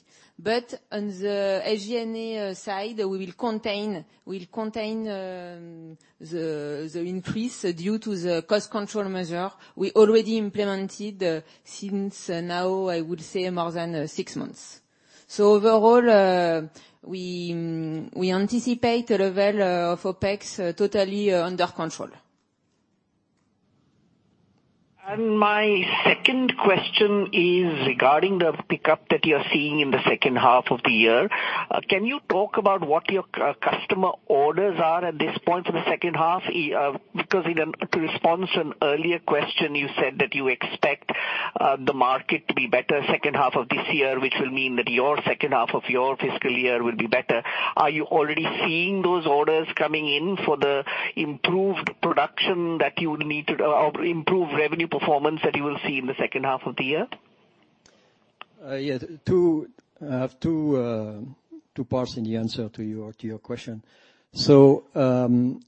but on the SG&A side, we will contain the increase due to the cost control measure we already implemented since now, I would say more than six months. Overall, we anticipate the level of OpEx totally under control. My second question is regarding the pickup that you're seeing in the second half of the year. Can you talk about what your customer orders are at this point in the second half? Because in a response to an earlier question, you said that you expect the market to be better second half of this year, which will mean that your second half of your fiscal year will be better. Are you already seeing those orders coming in for the improved production that you would need to or improved revenue performance that you will see in the second half of the year? Yes, two, I have two parts in the answer to your question. First of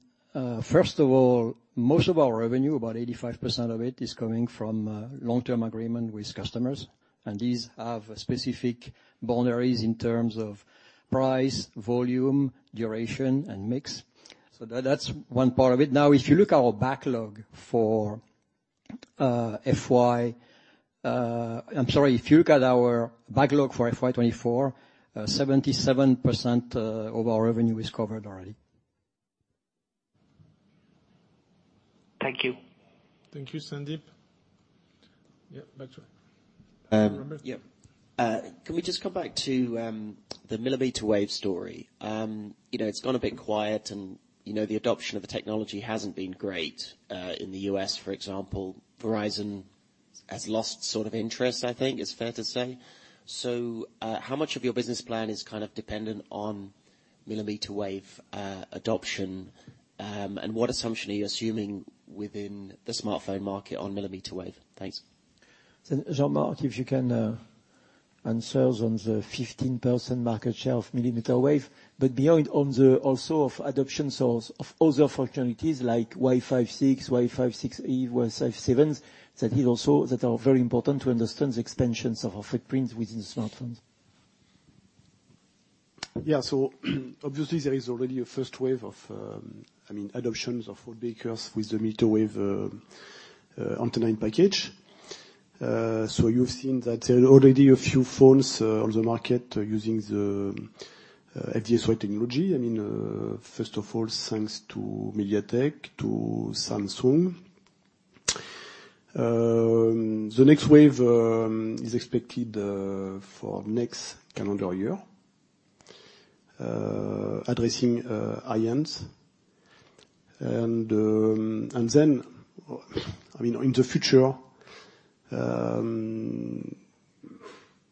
all, most of our revenue, about 85% of it, is coming from long-term agreement with customers, and these have specific boundaries in terms of price, volume, duration, and mix. That's one part of it. If you look at our backlog for FY, I'm sorry. If you look at our backlog for FY 2024, 77% of our revenue is covered already. Thank you. Thank you, Sandeep. Yeah, back to Robert. Can we just come back to the millimeter wave story? You know, it's gone a bit quiet, and, you know, the adoption of the technology hasn't been great. In the U.S., for example, Verizon has lost sort of interest, I think, is fair to say. How much of your business plan is kind of dependent on millimeter wave adoption? What assumption are you assuming within the smartphone market on millimeter wave? Thanks. Jean-Marc, if you can, answers on the 15% market share of millimeter wave, but beyond, on the also of adoption, so of other functionalities like Wi-Fi 6, Wi-Fi 6, Wi-Fi 7, that are very important to understand the extensions of our footprint within smartphones. Yeah. So obviously, there is already a first wave of, um, I mean, adoptions of all-dielectric back-end with the millimeter wave, uh, antenna and package. Uh, so you've seen that there are already a few phones, uh, on the market using the, uh, FD-SOI technology. I mean, uh, first of all, thanks to MediaTek, to Samsung. Um, the next wave, um, is expected, uh, for next calendar year, uh, addressing, uh, INS. And, um, and then, I mean, in the future, um,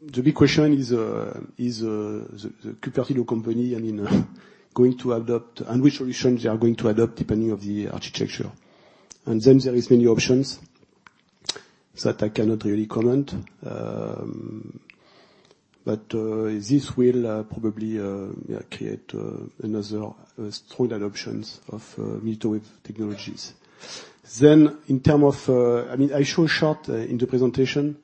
the big question is, uh, is, uh, the Cupertino company, I mean, going to adopt, and which solution they are going to adopt depending on the architecture. And then there is many options that I cannot really comment, um, but, uh, this will, uh, probably, uh, yeah, create, uh, another strong adoptions of, uh, millimeter wave technologies. Then in term of, uh... I mean, I show a shot in the presentation,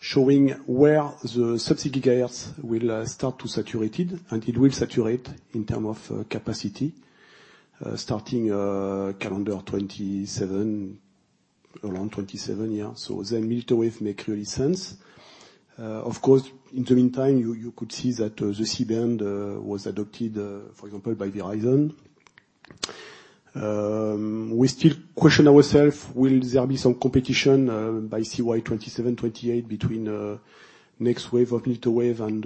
showing where the sub-6 GHz will start to saturated, and it will saturate in term of capacity, starting calendar 27, around 27, yeah. Millimeter wave make really sense. Of course, in the meantime, you could see that the C-band was adopted, for example, by Verizon. We still question ourselves, will there be some competition by CY 27, 28 between next wave of millimeter wave and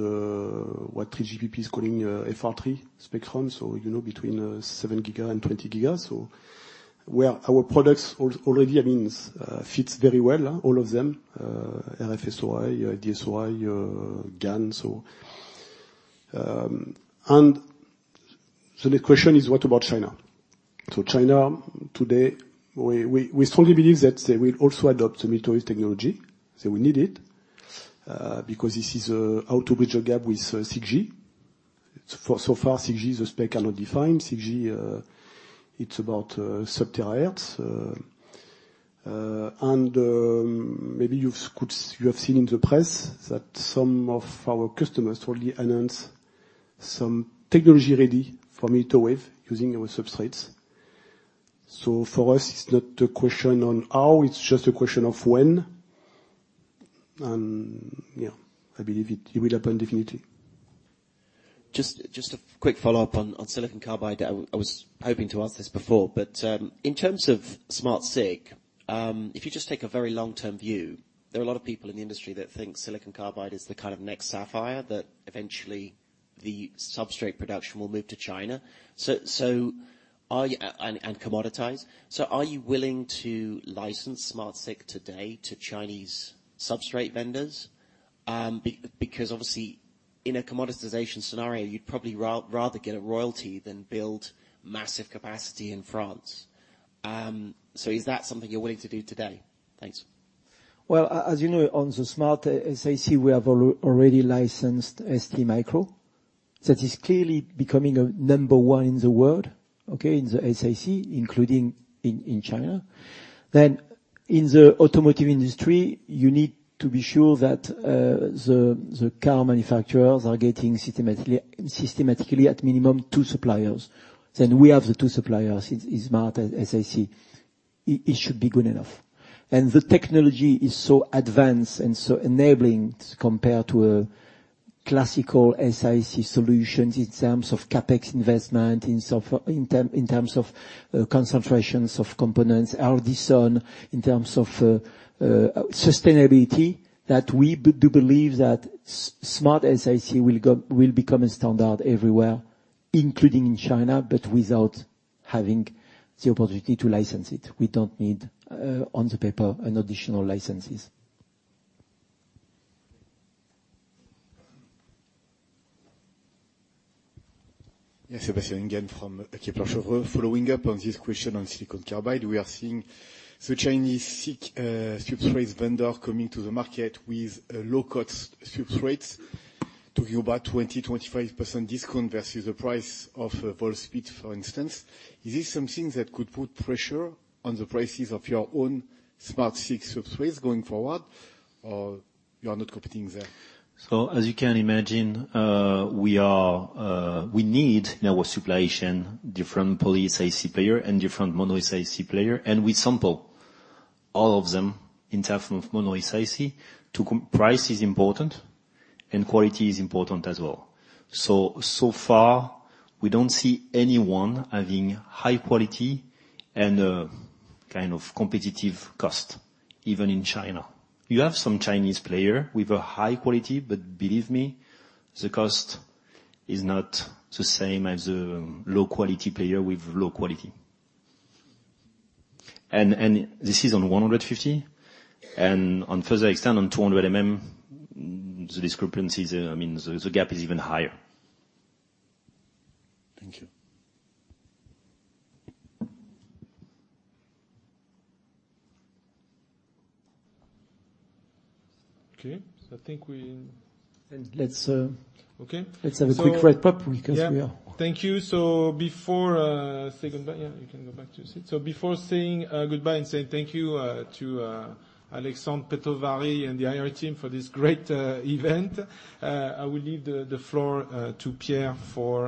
what 3GPP is calling FR3 spectrum, so you know, between 7 GHz and 20 GHz? Where our products already, I mean, fits very well, all of them, RF-SOI, FD-SOI, GaN, so... The question is, what about China? China, today, we strongly believe that they will also adopt the millimeter wave technology. They will need it, because this is how to bridge a gap with 6G. For so far, 6G, the spec cannot define. 6G, it's about, sub-terahertz. Maybe you have seen in the press that some of our customers already announced some technology ready for millimeter wave using our substrates. For us, it's not a question on how, it's just a question of when. Yeah, I believe it will happen definitely. Just a quick follow-up on silicon carbide. I was hoping to ask this before, but in terms of SmartSiC, if you just take a very long-term view, there are a lot of people in the industry that think silicon carbide is the kind of next sapphire, that eventually the substrate production will move to China. And commoditize. Are you willing to license SmartSiC today to Chinese substrate vendors? Because obviously, in a commoditization scenario, you'd probably rather get a royalty than build massive capacity in France. Is that something you're willing to do today? Thanks. As you know, on the SmartSiC, we have already licensed STMicroelectronics. That is clearly becoming a number 1 in the world, okay, in the SiC, including in China. In the automotive industry, you need to be sure that the car manufacturers are getting systematically, at minimum 2 suppliers. We have the 2 suppliers in SmartSiC. It should be good enough. The technology is so advanced and so enabling compared to a classical SiC solutions in terms of CapEx investment, in terms of concentrations of components, R&D spend, in terms of sustainability, that we do believe that SmartSiC will become a standard everywhere, including in China, without having the opportunity to license it. We don't need on the paper an additional licenses. Yes, Sébastien again from Kepler Cheuvreux. Following up on this question on silicon carbide, we are seeing the Chinese SiC substrates vendor coming to the market with a low-cost substrates, talking about 20-25% discount versus the price of Wolfspeed, for instance. Is this something that could put pressure on the prices of your own substrates?... SmartSiC substrates going forward, or you are not competing there? As you can imagine, we need in our supply chain different poly-SiC player and different mono-SiC player, and we sample all of them in term of mono-SiC. Price is important and quality is important as well. So far, we don't see anyone having high quality and kind of competitive cost, even in China. You have some Chinese player with a high quality, but believe me, the cost is not the same as the low-quality player with low quality. This is on 150, and on further extent, on 200 mm, the discrepancy is, I mean, the gap is even higher. Thank you. Okay, I think let's... Okay. Let's have a quick wrap up. Thank you. You can go back to your seat. Before saying goodbye and saying thank you to Alexandre Pétaut and the IR team for this great event, I will leave the floor to Pierre for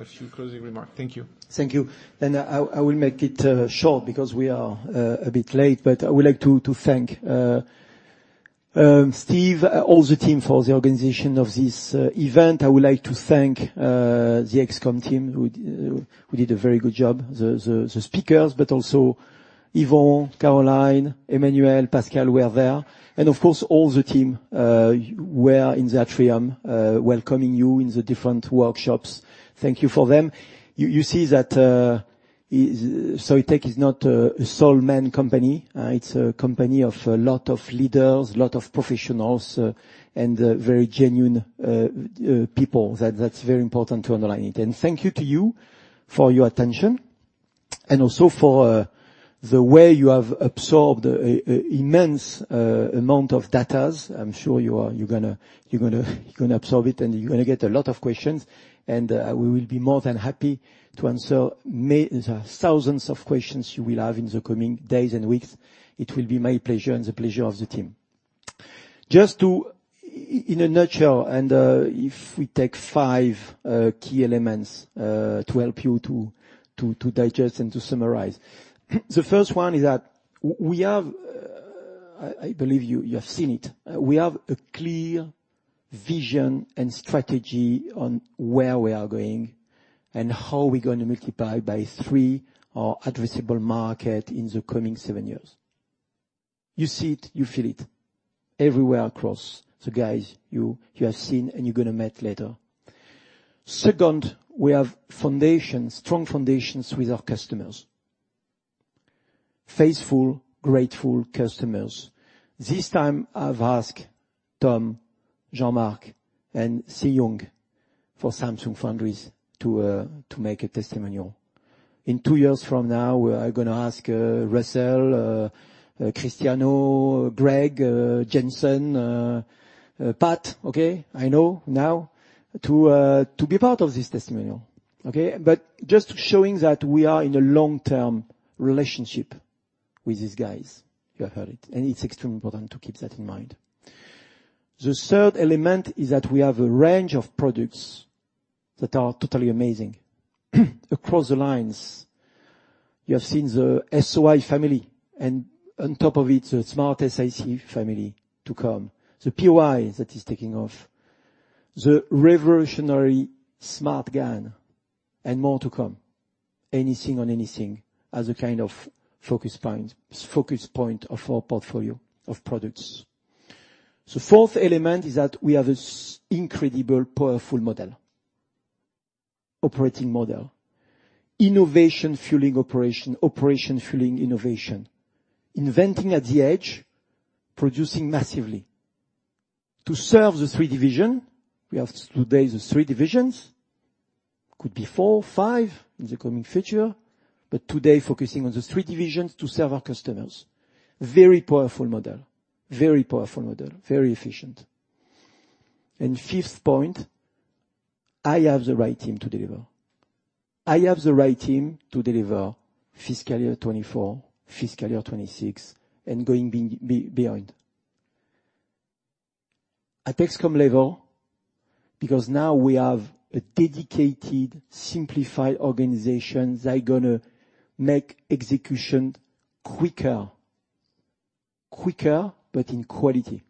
a few closing remarks. Thank you. Thank you. I will make it short because we are a bit late, but I would like to thank Steve, all the team for the organization of this event. I would like to thank the ExCom team, who did a very good job. The speakers, but also Yvon, Caroline, Emmanuel, Pascal, were there. Of course, all the team were in the atrium, welcoming you in the different workshops. Thank you for them. You see that Soitec is not a sole man company, it's a company of a lot of leaders, a lot of professionals, and very genuine people. That's very important to underline it. Thank you to you for your attention, and also for the way you have absorbed immense amount of data. I'm sure you're gonna absorb it, and you're gonna get a lot of questions, and we will be more than happy to answer the thousands of questions you will have in the coming days and weeks. It will be my pleasure and the pleasure of the team. Just to in a nutshell, and if we take five key elements to help you to digest and to summarize. The first one is that we have. I believe you have seen it. We have a clear vision and strategy on where we are going and how we're gonna multiply by three our addressable market in the coming seven years. You see it, you feel it, everywhere across the guys you have seen and you're gonna meet later. Second, we have foundations, strong foundations with our customers. Faithful, grateful customers. This time, I've asked Tom, Jean-Marc, and Siyoung Choi for Samsung Foundry to make a testimonial. In two years from now, we are gonna ask Russell, Cristiano Amon, Gregg Lowe, Jensen Huang, Pat Gelsinger, okay? I know now, to be part of this testimonial, okay? Just showing that we are in a long-term relationship with these guys. You have heard it, and it's extremely important to keep that in mind. The third element is that we have a range of products that are totally amazing, across the lines. You have seen the SOI family, and on top of it, the SmartSiC family to come. The POI that is taking off, the revolutionary SmartGaN, and more to come. Anything on anything as a kind of focus point of our portfolio of products. The fourth element is that we have an incredible, powerful model, operating model. Innovation fueling operation fueling innovation, inventing at the edge, producing massively. To serve the three division, we have today the three divisions, could be four, five in the coming future, but today focusing on the three divisions to serve our customers. Very powerful model. Very powerful model, very efficient. Fifth point, I have the right team to deliver. I have the right team to deliver fiscal year 2024, fiscal year 2026, and going beyond. At excom level, because now we have a dedicated, simplified organization that are gonna make execution quicker, but in quality.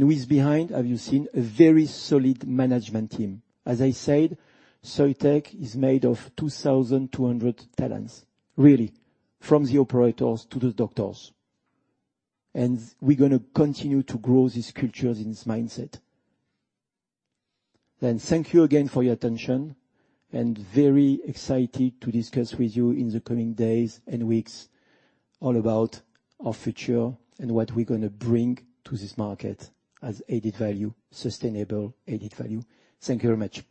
Who is behind? Have you seen a very solid management team? As I said, Soitec is made of 2,200 talents, really, from the operators to the doctors. We're gonna continue to grow this culture and this mindset. thank you again for your attention, and very excited to discuss with you in the coming days and weeks, all about our future and what we're gonna bring to this market as added value, sustainable added value. Thank you very much.